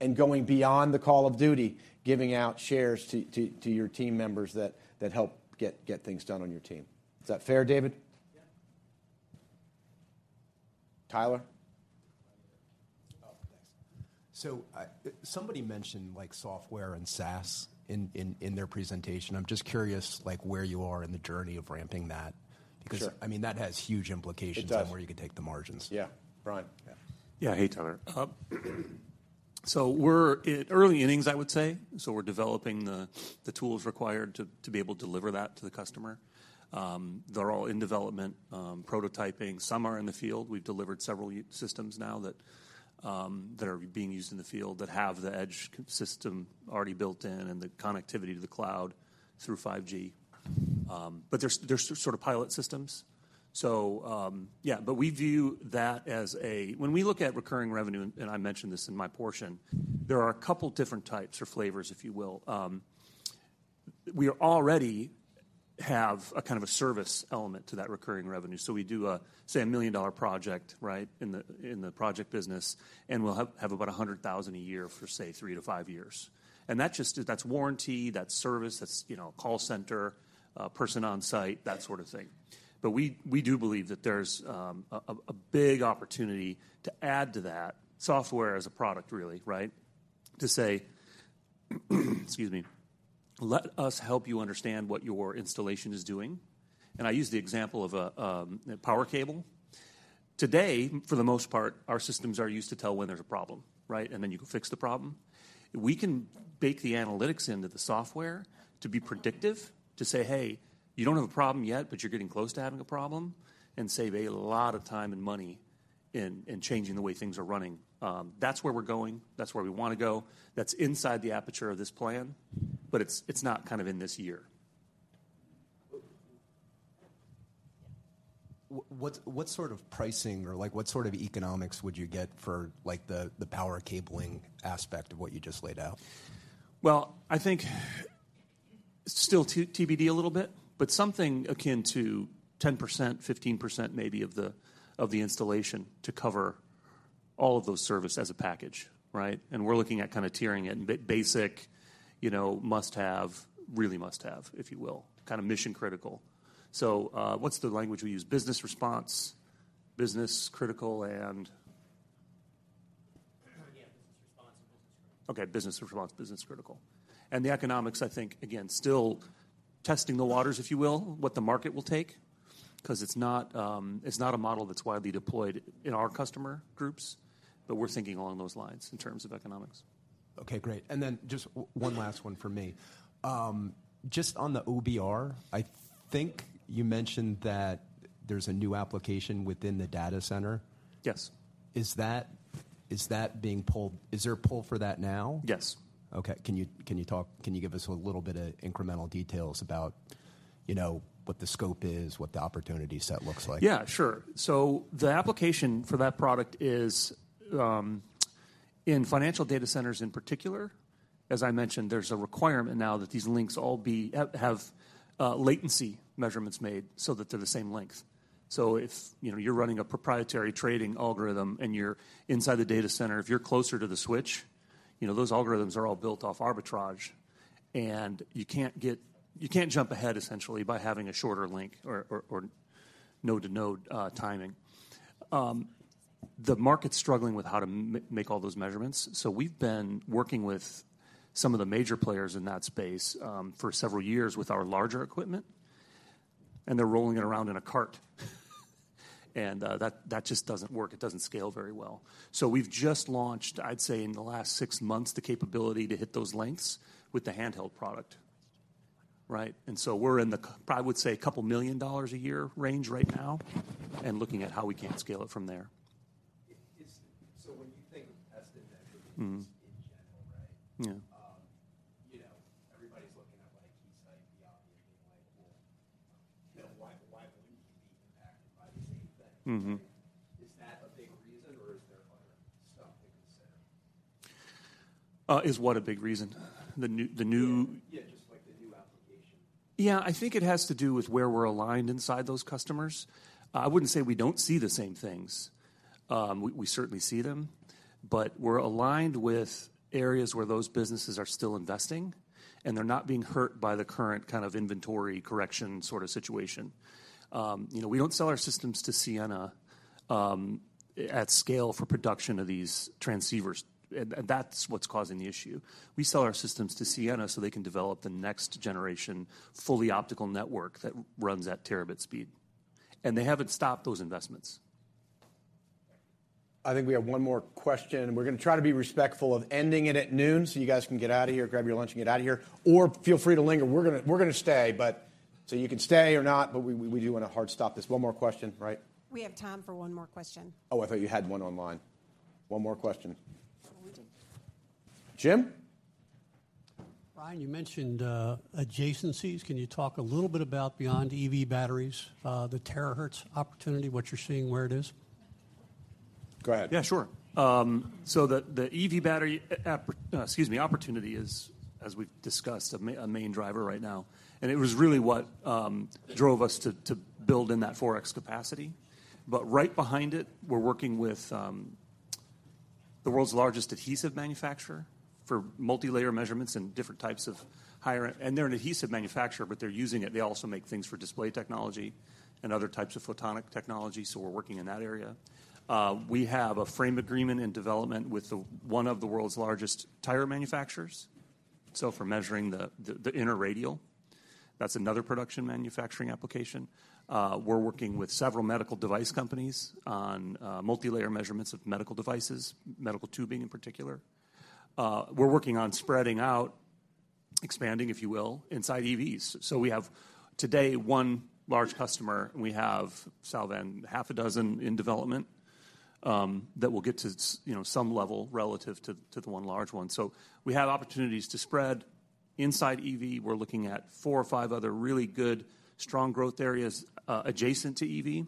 E: and going beyond the call of duty, giving out shares to your team members that help get things done on your team. Is that fair, David?
B: Yeah.
E: Tyler?
M: Thanks. Somebody mentioned, like, software and SaaS in their presentation. I'm just curious, like, where you are in the journey of ramping that.
E: Sure.
M: Because I mean, that has huge implications.
E: It does.
M: On where you could take the margins.
E: Yeah. Brian? Yeah.
C: Yeah. Hey, Tyler. We're in early innings, I would say. We're developing the tools required to be able to deliver that to the customer. They're all in development, prototyping. Some are in the field. We've delivered several systems now that are being used in the field that have the Edge system already built in and the connectivity to the cloud through 5G. They're sort of pilot systems. Yeah. We view that as a. When we look at recurring revenue, and I mentioned this in my portion, there are a couple different types or flavors, if you will. We already have a kind of a service element to that recurring revenue. We do a, say, a $1 million project, right, in the project business, and we'll have about $100,000 a year for, say, 3-5 years. That just is, that's warranty, that's service, that's, you know, call center, person on site, that sort of thing. We do believe that there's a big opportunity to add to that software as a product really, right? To say, excuse me, "Let us help you understand what your installation is doing." I use the example of a power cable. Today, for the most part, our systems are used to tell when there's a problem, right? Then you can fix the problem. We can bake the analytics into the software to be predictive, to say, "Hey, you don't have a problem yet, but you're getting close to having a problem," and save a lot of time and money in changing the way things are running. That's where we're going. That's where we wanna go. That's inside the aperture of this plan, but it's not kind of in this year.
M: What sort of pricing or, like, what sort of economics would you get for, like, the power cabling aspect of what you just laid out?
C: I think still TBD a little bit, but something akin to 10%, 15% maybe of the installation to cover all of those service as a package, right? We're looking at kinda tiering it, basic, you know, must-have, really must-have, if you will, kinda mission critical. What's the language we use? Business response, Business critical.
L: Yeah. Business response, business critical.
C: Okay. Business response, business critical. The economics, I think, again, still testing the waters, if you will, what the market will take, 'cause it's not, it's not a model that's widely deployed in our customer groups, but we're thinking along those lines in terms of economics.
M: Okay, great. Just one last one from me. Just on the OBR, I think you mentioned that there's a new application within the data center.
C: Yes.
M: Is that being pulled? Is there a pull for that now?
C: Yes.
M: Okay. Can you talk, can you give us a little bit of incremental details about, you know, what the scope is, what the opportunity set looks like?
C: Yeah, sure. The application for that product is, in financial data centers in particular. As I mentioned, there's a requirement now that these links all be, have, latency measurements made so that they're the same length. If, you know, you're running a proprietary trading algorithm and you're inside the data center, if you're closer to the switch, you know, those algorithms are all built off arbitrage, and you can't get... You can't jump ahead essentially by having a shorter link or node-to-node timing. The market's struggling with how to make all those measurements, so we've been working with some of the major players in that space, for several years with our larger equipment, and they're rolling it around in a cart. That just doesn't work. It doesn't scale very well. We've just launched, I'd say in the last six months, the capability to hit those lengths with the handheld product, right? We're in the I would say a couple million dollars a year range right now and looking at how we can scale it from there.
B: When you think of test and.
C: Mm.
M: Teams in general, right?
C: Yeah.
M: You know, everybody's looking at like a Keysight, the obvious thing like, well, you know, why wouldn't you be impacted by the same thing?
C: Mm-hmm.
M: Is that a big reason, or is there other stuff that you consider?
C: Is what a big reason? The new
M: Yeah, just like the new application.
C: Yeah. I think it has to do with where we're aligned inside those customers. I wouldn't say we don't see the same things. We certainly see them. We're aligned with areas where those businesses are still investing, and they're not being hurt by the current kind of inventory correction sort of situation. You know, we don't sell our systems to Ciena, at scale for production of these transceivers. That's what's causing the issue. We sell our systems to Ciena so they can develop the next generation fully optical network that runs at terabit speed, and they haven't stopped those investments.
B: I think we have one more question. We're gonna try to be respectful of ending it at noon. You guys can get out of here, grab your lunch and get out of here. Feel free to linger. We're gonna stay, but. You can stay or not. We do wanna hard stop this. One more question, right?
L: We have time for one more question.
B: Oh, I thought you had one online. One more question.
L: No, we do.
B: Jim?
J: Brian, you mentioned adjacencies. Can you talk a little bit about beyond EV batteries, the Terahertz opportunity, what you're seeing, where it is?
B: Go ahead.
C: Yeah, sure. So the EV battery opportunity is, as we've discussed, a main driver right now, and it was really what drove us to build in that 4x capacity. Right behind it, we're working with the world's largest adhesive manufacturer for multilayer measurements and different types of higher end... They're an adhesive manufacturer, but they're using it. They also make things for display technology and other types of photonic technology. We're working in that area. We have a frame agreement in development with one of the world's largest tire manufacturers for measuring the inner radial. That's another production manufacturing application. We're working with several medical device companies on multilayer measurements of medical devices, medical tubing in particular. We're working on spreading out, expanding if you will, inside EVs. We have today one large customer, and we have, Sal, then half a dozen in development, that will get to you know, some level relative to the one large one. We have opportunities to spread inside EV. We're looking at four or five other really good strong growth areas, adjacent to EV.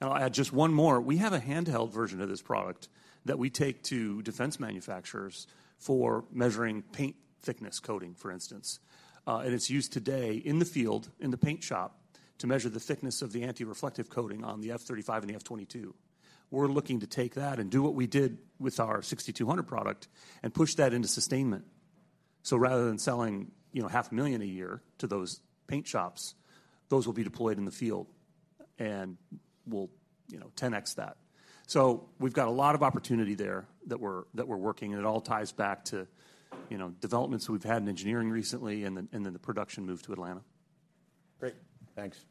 C: I'll add just one more. We have a handheld version of this product that we take to defense manufacturers for measuring paint thickness coating, for instance. It's used today in the field, in the paint shop to measure the thickness of the anti-reflective coating on the F-35 and the F-22. We're looking to take that and do what we did with our 6200 product and push that into sustainment. Rather than selling, you know, half a million a year to those paint shops, those will be deployed in the field, and we'll, you know, 10x that. We've got a lot of opportunity there that we're working, and it all ties back to, you know, developments we've had in engineering recently and then the production move to Atlanta.
B: Great. Thanks.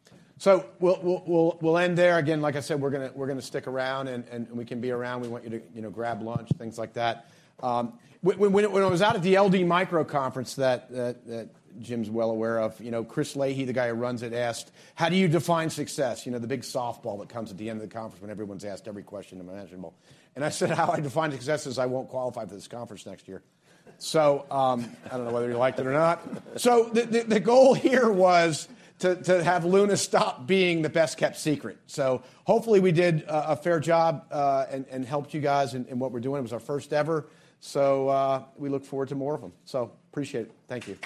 B: We'll end there. Again, like I said, we're gonna stick around, and we can be around. We want you to, you know, grab lunch, things like that. When I was out at the LD Micro conference that Jim's well aware of, you know, Chris Leahy, the guy who runs it, asked, "How do you define success?" You know, the big softball that comes at the end of the conference when everyone's asked every question imaginable. I said how I define success is I won't qualify for this conference next year. I don't know whether you liked it or not. The goal here was to have Luna stop being the best-kept secret. Hopefully we did a fair job, and helped you guys in what we're doing. It was our first ever, so, we look forward to more of them. Appreciate it. Thank you.